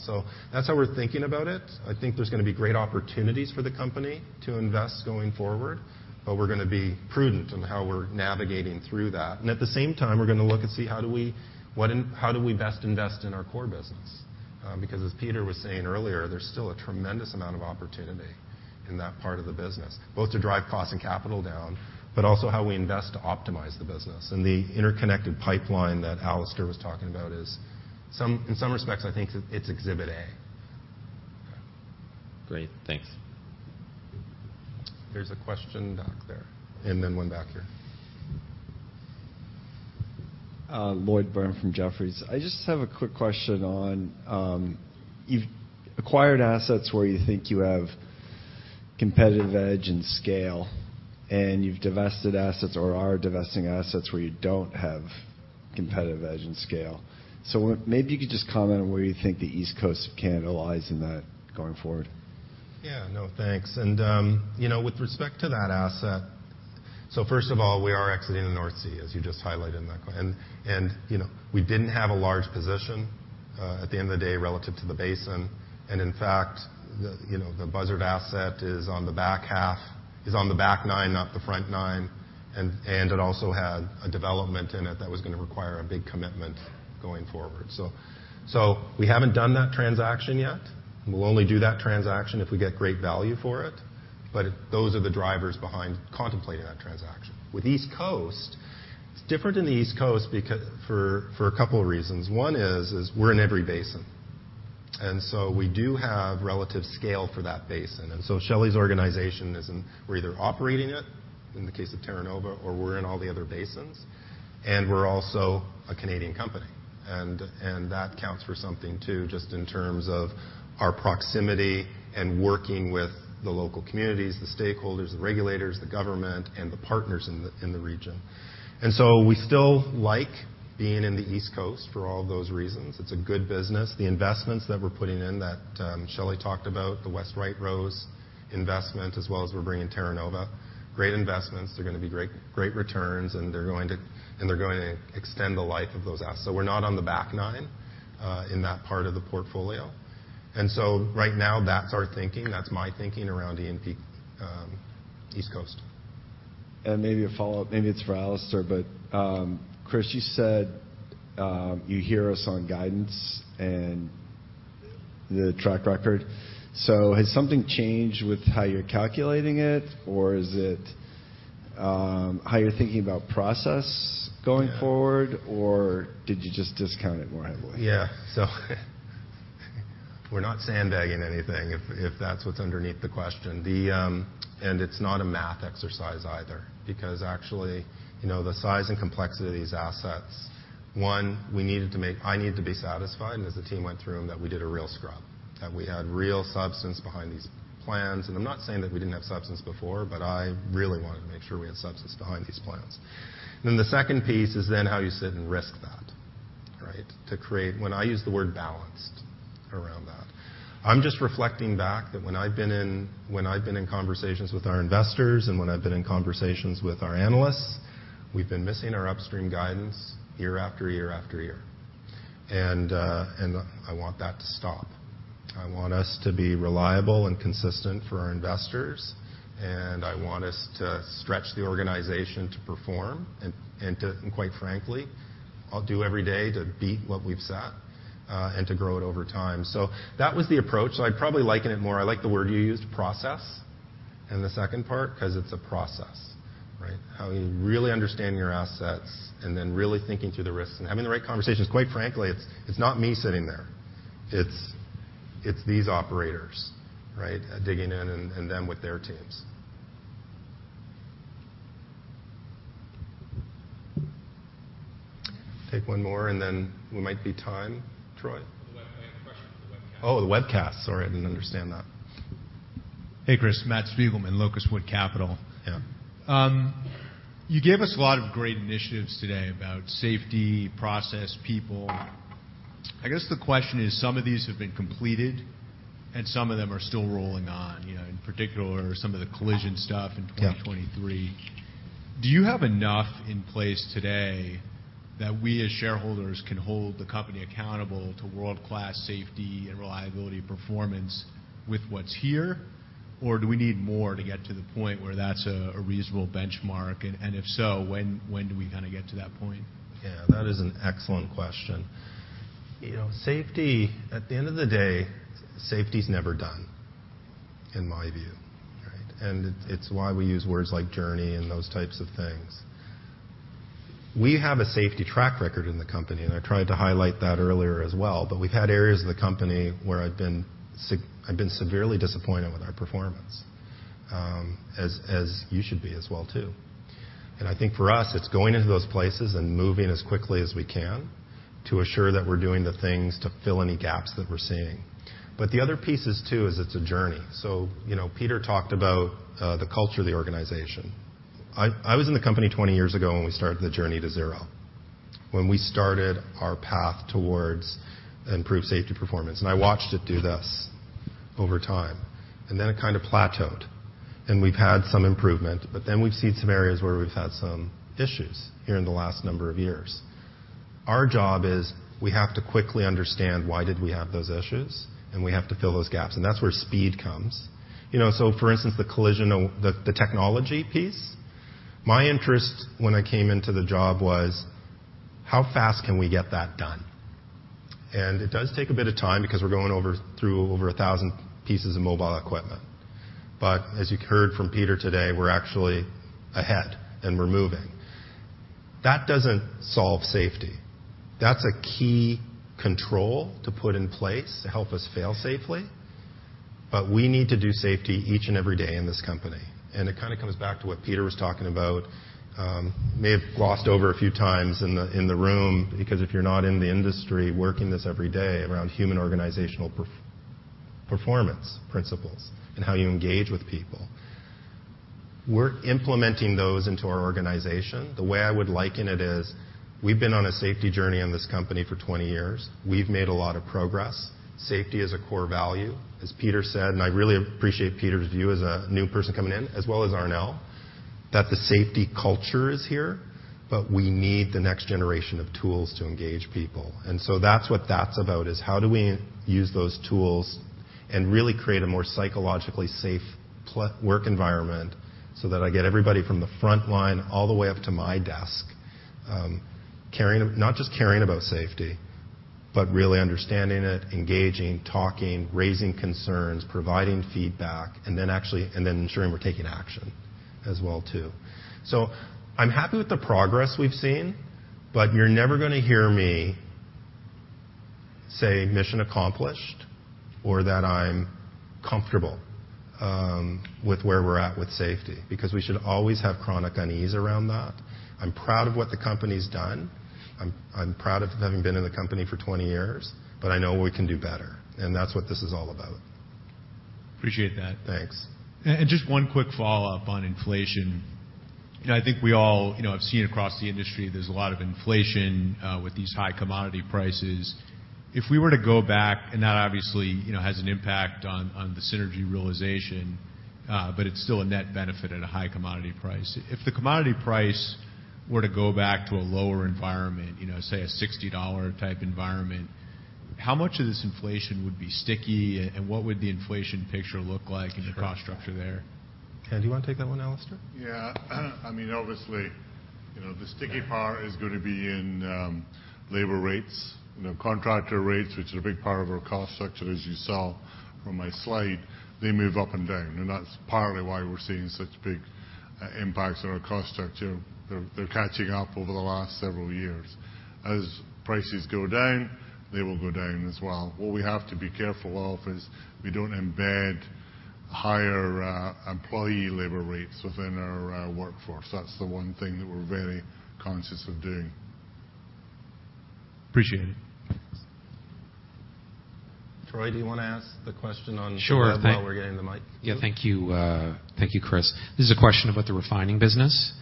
That's how we're thinking about it. I think there's gonna be great opportunities for the company to invest going forward, but we're gonna be prudent in how we're navigating through that. At the same time, we're gonna look and see how do we best invest in our core business? Because as Peter was saying earlier, there's still a tremendous amount of opportunity in that part of the business, both to drive cost and capital down, but also how we invest to optimize the business. The interconnected pipeline that Alister was talking about is in some respects, I think it's Exhibit A. Okay. Great. Thanks. There's a question back there, and then one back here. Lloyd Byrne from Jefferies. I just have a quick question on, you've acquired assets where you think you have competitive edge and scale, you've divested assets or are divesting assets where you don't have competitive edge and scale. Maybe you could just comment on where you think the East Coast of Canada lies in that going forward. Yeah. No, thanks. You know, with respect to that asset. First of all, we are exiting the North Sea, as you just highlighted in that. You know, we didn't have a large position at the end of the day relative to the basin. In fact, the, you know, the Buzzard asset is on the back half, is on the back nine, not the front nine. It also had a development in it that was gonna require a big commitment going forward. We haven't done that transaction yet, and we'll only do that transaction if we get great value for it. Those are the drivers behind contemplating that transaction. With East Coast, it's different in the East Coast for a couple of reasons. One is we're in every basin, we do have relative scale for that basin. Shelley's organization we're either operating it in the case of Terra Nova or we're in all the other basins, and we're also a Canadian company. That counts for something too, just in terms of our proximity and working with the local communities, the stakeholders, the regulators, the government, and the partners in the region. We still like being in the East Coast for all those reasons. It's a good business. The investments that we're putting in, that Shelley talked about, the West White Rose investment, as well as we're bringing Terra Nova, great investments. They're gonna be great returns, and they're going to extend the life of those assets. We're not on the back nine, in that part of the portfolio. Right now, that's our thinking, that's my thinking around E&P, East Coast. Maybe a follow-up, maybe it's for Alister. Kris, you said, you hear us on guidance and the track record. Has something changed with how you're calculating it? Is it how you're thinking about process going forward? Yeah. Did you just discount it more heavily? Yeah. We're not sandbagging anything if that's what's underneath the question. It's not a math exercise either, because actually, you know, the size and complexity of these assets, one, I needed to be satisfied, and as the team went through them, that we did a real scrub, that we had real substance behind these plans. I'm not saying that we didn't have substance before, but I really wanted to make sure we had substance behind these plans. The second piece is then how you sit and risk that, right? When I use the word balanced around that, I'm just reflecting back that when I've been in conversations with our investors and when I've been in conversations with our analysts, we've been missing our upstream guidance year after year after year. I want that to stop. I want us to be reliable and consistent for our investors, and I want us to stretch the organization to perform and quite frankly, I'll do every day to beat what we've set and to grow it over time. That was the approach. I'd probably liken it more. I like the word you used, process, in the second part 'cause it's a process, right? How you really understanding your assets and then really thinking through the risks and having the right conversations. Quite frankly, it's not me sitting there. It's these operators, right? Digging in and them with their teams. Take one more, and then we might be time. Troy? I have a question from the webcast. Oh, the webcast. Sorry, I didn't understand that. Hey, Kris. Matt Spiegelman, Locust Wood Capital. Yeah. You gave us a lot of great initiatives today about safety, process, people. I guess the question is, some of these have been completed and some of them are still rolling on, you know, in particular some of the collision stuff in 2023. Yeah. Do you have enough in place today that we as shareholders can hold the company accountable to world-class safety and reliability performance with what's here? Do we need more to get to the point where that's a reasonable benchmark? If so, when do we kinda get to that point? Yeah. That is an excellent question. You know safety, at the end of the day, safety is never done in my view, right? It's why we use words like journey and those types of things. We have a safety track record in the company, and I tried to highlight that earlier as well. We've had areas of the company where I've been severely disappointed with our performance, as you should be as well too. I think for us, it's going into those places and moving as quickly as we can to assure that we're doing the things to fill any gaps that we're seeing. The other piece is too, is it's a journey. You know, Peter talked about the culture of the organization. I was in the company 20 years ago when we started the journey to zero, when we started our path towards improved safety performance. I watched it do this over time. It kind of plateaued, and we've had some improvement. We've seen some areas where we've had some issues here in the last number of years. Our job is we have to quickly understand why did we have those issues. We have to fill those gaps, and that's where speed comes. You know, for instance, the collision, the technology piece, my interest when I came into the job was, how fast can we get that done? It does take a bit of time because we're going through over 1,000 pieces of mobile equipment. As you heard from Peter today, we're actually ahead and we're moving. That doesn't solve safety. That's a key control to put in place to help us fail safely, but we need to do safety each and every day in this company. It kind of comes back to what Peter was talking about, may have glossed over a few times in the room, because if you're not in the industry working this every day around human organizational performance principles and how you engage with people. We're implementing those into our organization. The way I would liken it is we've been on a safety journey in this company for 20 years. We've made a lot of progress. Safety is a core value, as Peter said, and I really appreciate Peter's view as a new person coming in, as well as Arnel, that the safety culture is here, but we need the next generation of tools to engage people. That's what that's about, is how do we use those tools and really create a more psychologically safe work environment so that I get everybody from the front line all the way up to my desk, caring not just caring about safety, but really understanding it, engaging, talking, raising concerns, providing feedback, and then ensuring we're taking action as well too. I'm happy with the progress we've seen, but you're never gonna hear me say mission accomplished or that I'm comfortable with where we're at with safety, because we should always have chronic unease around that. I'm proud of what the company's done. I'm proud of having been in the company for 20 years, but I know we can do better, and that's what this is all about. Appreciate that. Thanks. Just one quick follow-up on inflation. You know, I think we all, you know, have seen across the industry there's a lot of inflation with these high commodity prices. If we were to go back, and that obviously, you know, has an impact on the synergy realization, but it's still a net benefit at a high commodity price. If the commodity price were to go back to a lower environment, you know, say a 60 dollar type environment, how much of this inflation would be sticky and what would the inflation picture look like in the cost structure there? Anyone? Do you wanna take that one, Alister? Yeah. I mean, obviously, you know, the sticky part is gonna be in labor rates. You know, contractor rates, which are a big part of our cost structure, as you saw from my slide, they move up and down, and that's partly why we're seeing such big impacts on our cost structure. They're catching up over the last several years. As prices go down, they will go down as well. What we have to be careful of is we don't embed higher employee labor rates within our workforce. That's the one thing that we're very conscious of doing. Appreciate it. Troy, do you wanna ask the question? Sure. While we're getting the mic. Yeah. Thank you. Thank you, Kris. This is a question about the refining business.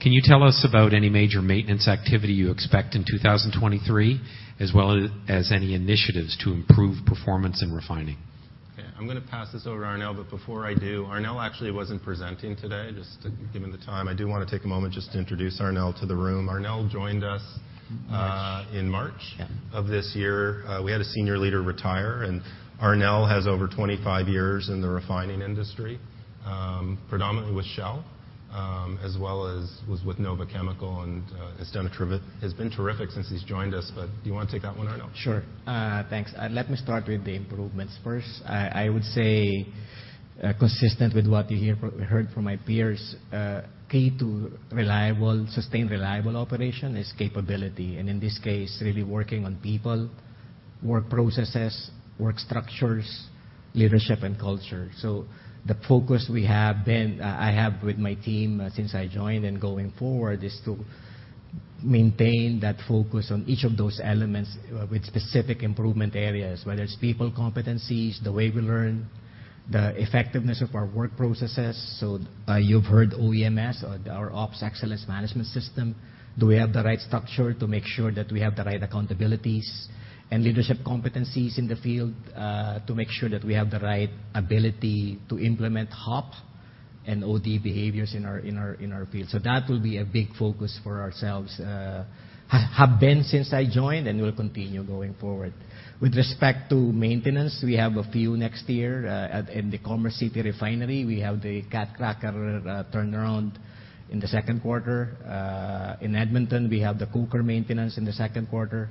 Can you tell us about any major maintenance activity you expect in 2023, as well as any initiatives to improve performance in refining? Okay. I'm gonna pass this over to Arnel. Before I do, Arnel actually wasn't presenting today, given the time. I do wanna take a moment just to introduce Arnel to the room. Arnel joined us in March of this year. Yeah. We had a senior leader retire, Arnel has over 25 years in the refining industry, predominantly with Shell, as well as was with NOVA Chemicals and has been terrific since he's joined us. Do you wanna take that one, Arnel? Sure. Thanks. Let me start with the improvements first. I would say, consistent with what you heard from my peers, key to reliable, sustained reliable operation is capability, and in this case, really working on people, work processes, work structures, leadership, and culture. The focus I have with my team, since I joined and going forward, is to maintain that focus on each of those elements with specific improvement areas, whether it's people competencies, the way we learn, the effectiveness of our work processes. You've heard OEMS or our Ops Excellence Management System. Do we have the right structure to make sure that we have the right accountabilities and leadership competencies in the field, to make sure that we have the right ability to implement HOP and OD behaviors in our field? That will be a big focus for ourselves, have been since I joined and will continue going forward. With respect to maintenance, we have a few next year. In the Commerce City Refinery, we have the cat cracker turnaround in the second quarter. In Edmonton, we have the coker maintenance in the second quarter.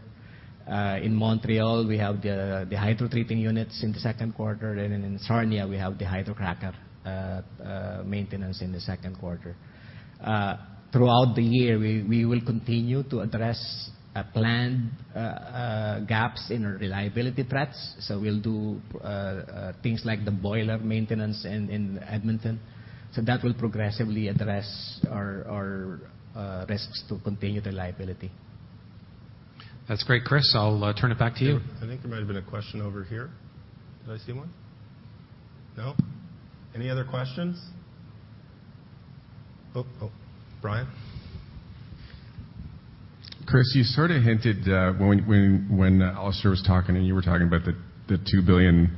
In Montreal, we have the hydrotreating units in the second quarter. In Sarnia, we have the hydrocracker maintenance in the second quarter. Throughout the year, we will continue to address planned gaps in our reliability threats. We'll do things like the boiler maintenance in Edmonton. That will progressively address our risks to continue the liability. That's great, Kris. I'll turn it back to you. I think there might have been a question over here. Did I see one? No? Any other questions? Oh, oh, Brian. Kris Smith, you sort of hinted, when Alister Cowan was talking and you were talking about the 2 billion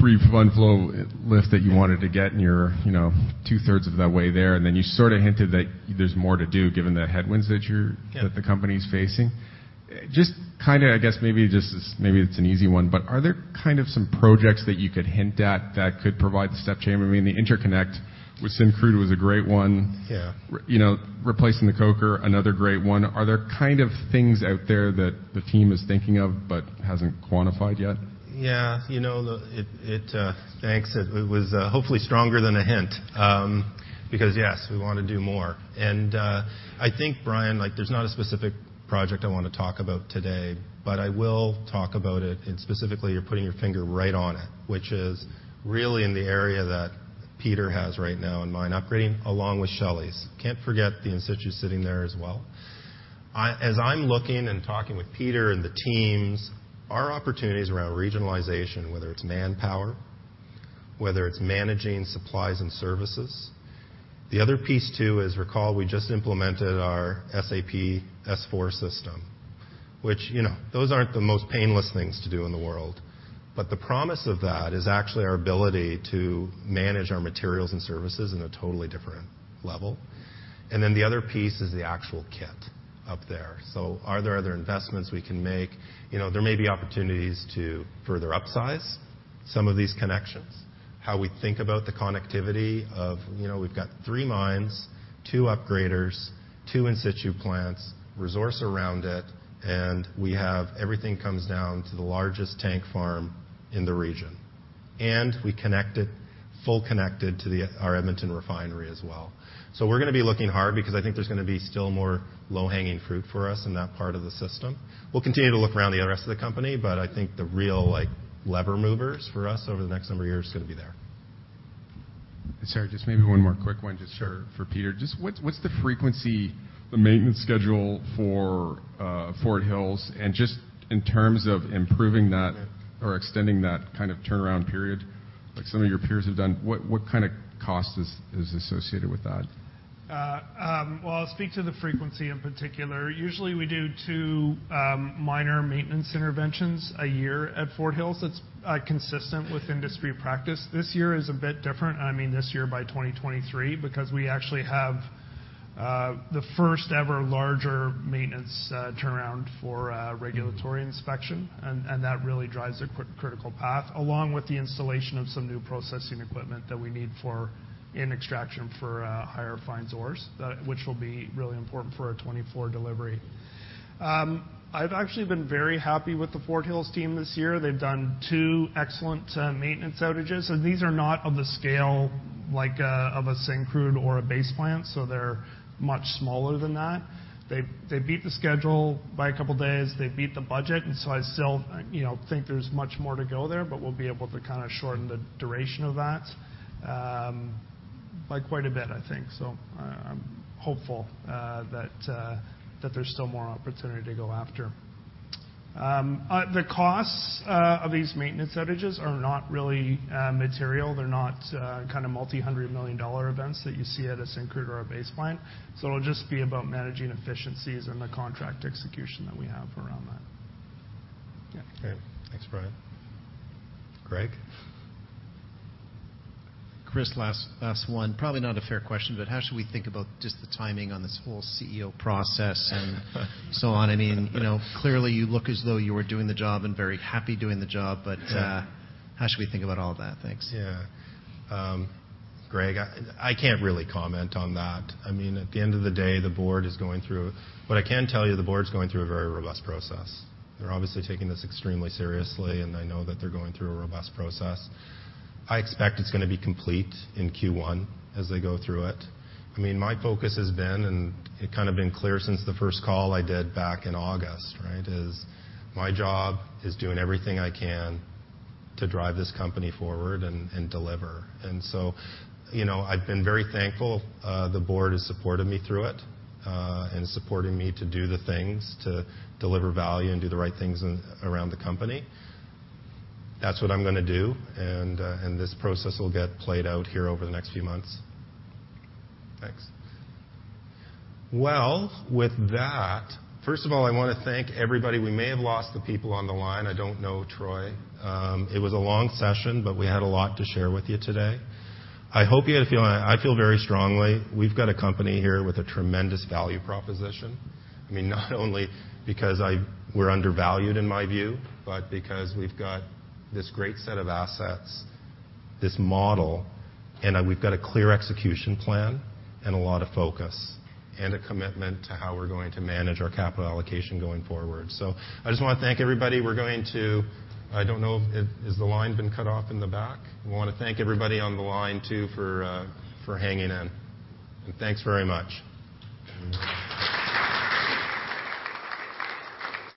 free fund flow lift that you wanted to get and you're, you know, 2/3 of the way there, and then you sort of hinted that there's more to do given the headwinds that you're that the company's facing. Yeah. Just kind of, I guess, maybe it's an easy one, but are there kind of some projects that you could hint at that could provide the step change? I mean, the interconnect with Syncrude was a great one. Yeah. You know, replacing the coker, another great one. Are there kind of things out there that the team is thinking of but hasn't quantified yet? Yeah. You know, Thanks. It was hopefully stronger than a hint because, yes, we wanna do more. I think, Brian, like, there's not a specific project I wanna talk about today, but I will talk about it, and specifically, you're putting your finger right on it, which is really in the area that Peter has right now in mind, upgrading, along with Shelley. Can't forget the In Situ sitting there as well. As I'm looking and talking with Peter and the teams, our opportunities around regionalization, whether it's manpower, whether it's managing supplies and services. The other piece too is recall we just implemented our SAP S/4 system, which, you know, those aren't the most painless things to do in the world. The promise of that is actually our ability to manage our materials and services in a totally different level. The other piece is the actual kit up there. Are there other investments we can make? You know, there may be opportunities to further upsize some of these connections. How we think about the connectivity of, you know, we've got three mines, two upgraders, two In Situ plants, resource around it, and we have everything comes down to the largest tank farm in the region. We connect it, full connected to our Edmonton refinery as well. We're gonna be looking hard because I think there's gonna be still more low-hanging fruit for us in that part of the system. We'll continue to look around the rest of the company, but I think the real, like, lever movers for us over the next number of years is gonna be there. Sorry, just maybe one more quick one just for Peter. Just what's the frequency, the maintenance schedule for Fort Hills? Just in terms of improving that or extending that kind of turnaround period, like some of your peers have done, what kind of cost is associated with that? Well, I'll speak to the frequency in particular. Usually, we do two minor maintenance interventions a year at Fort Hills. That's consistent with industry practice. This year is a bit different. I mean, this year by 2023, because we actually have the first ever larger maintenance turnaround for regulatory inspection, and that really drives a quick critical path, along with the installation of some new processing equipment that we need for in extraction for higher fines ores, which will be really important for our 2024 delivery. I've actually been very happy with the Fort Hills team this year. They've done two excellent maintenance outages, and these are not of the scale like of a Syncrude or a Base Plant, so they're much smaller than that. They beat the schedule by two days. They beat the budget. I still, you know, think there's much more to go there, but we'll be able to kinda shorten the duration of that, by quite a bit, I think. I'm hopeful that there's still more opportunity to go after. The costs of these maintenance outages are not really material. They're not kind of multi-hundred million dollar events that you see at a Syncrude or a Base Plant. It'll just be about managing efficiencies and the contract execution that we have around that. Yeah. Okay. Thanks, Brian. Greg? Kris, last one. Probably not a fair question, but how should we think about just the timing on this whole CEO process and so on? I mean, you know, clearly you look as though you are doing the job and very happy doing the job. Yeah. How should we think about all that? Thanks. Yeah. Greg, I can't really comment on that. I mean, at the end of the day, But I can tell you the board's going through a very robust process. They're obviously taking this extremely seriously, and I know that they're going through a robust process. I expect it's gonna be complete in Q1 as they go through it. I mean, my focus has been, and it kind of been clear since the first call I did back in August, right, is my job is doing everything I can to drive this company forward and deliver. You know, I've been very thankful, the board has supported me through it, and supporting me to do the things to deliver value and do the right things around the company. That's what I'm gonna do, and this process will get played out here over the next few months. Thanks. Well, with that, first of all, I wanna thank everybody. We may have lost the people on the line. I don't know, Troy. It was a long session, but we had a lot to share with you today. I hope you had a feeling. I feel very strongly we've got a company here with a tremendous value proposition. I mean, not only because we're undervalued in my view, but because we've got this great set of assets, this model, and we've got a clear execution plan and a lot of focus and a commitment to how we're going to manage our capital allocation going forward. I just wanna thank everybody. We're going to. I don't know if. Has the line been cut off in the back? I wanna thank everybody on the line, too, for hanging in. Thanks very much.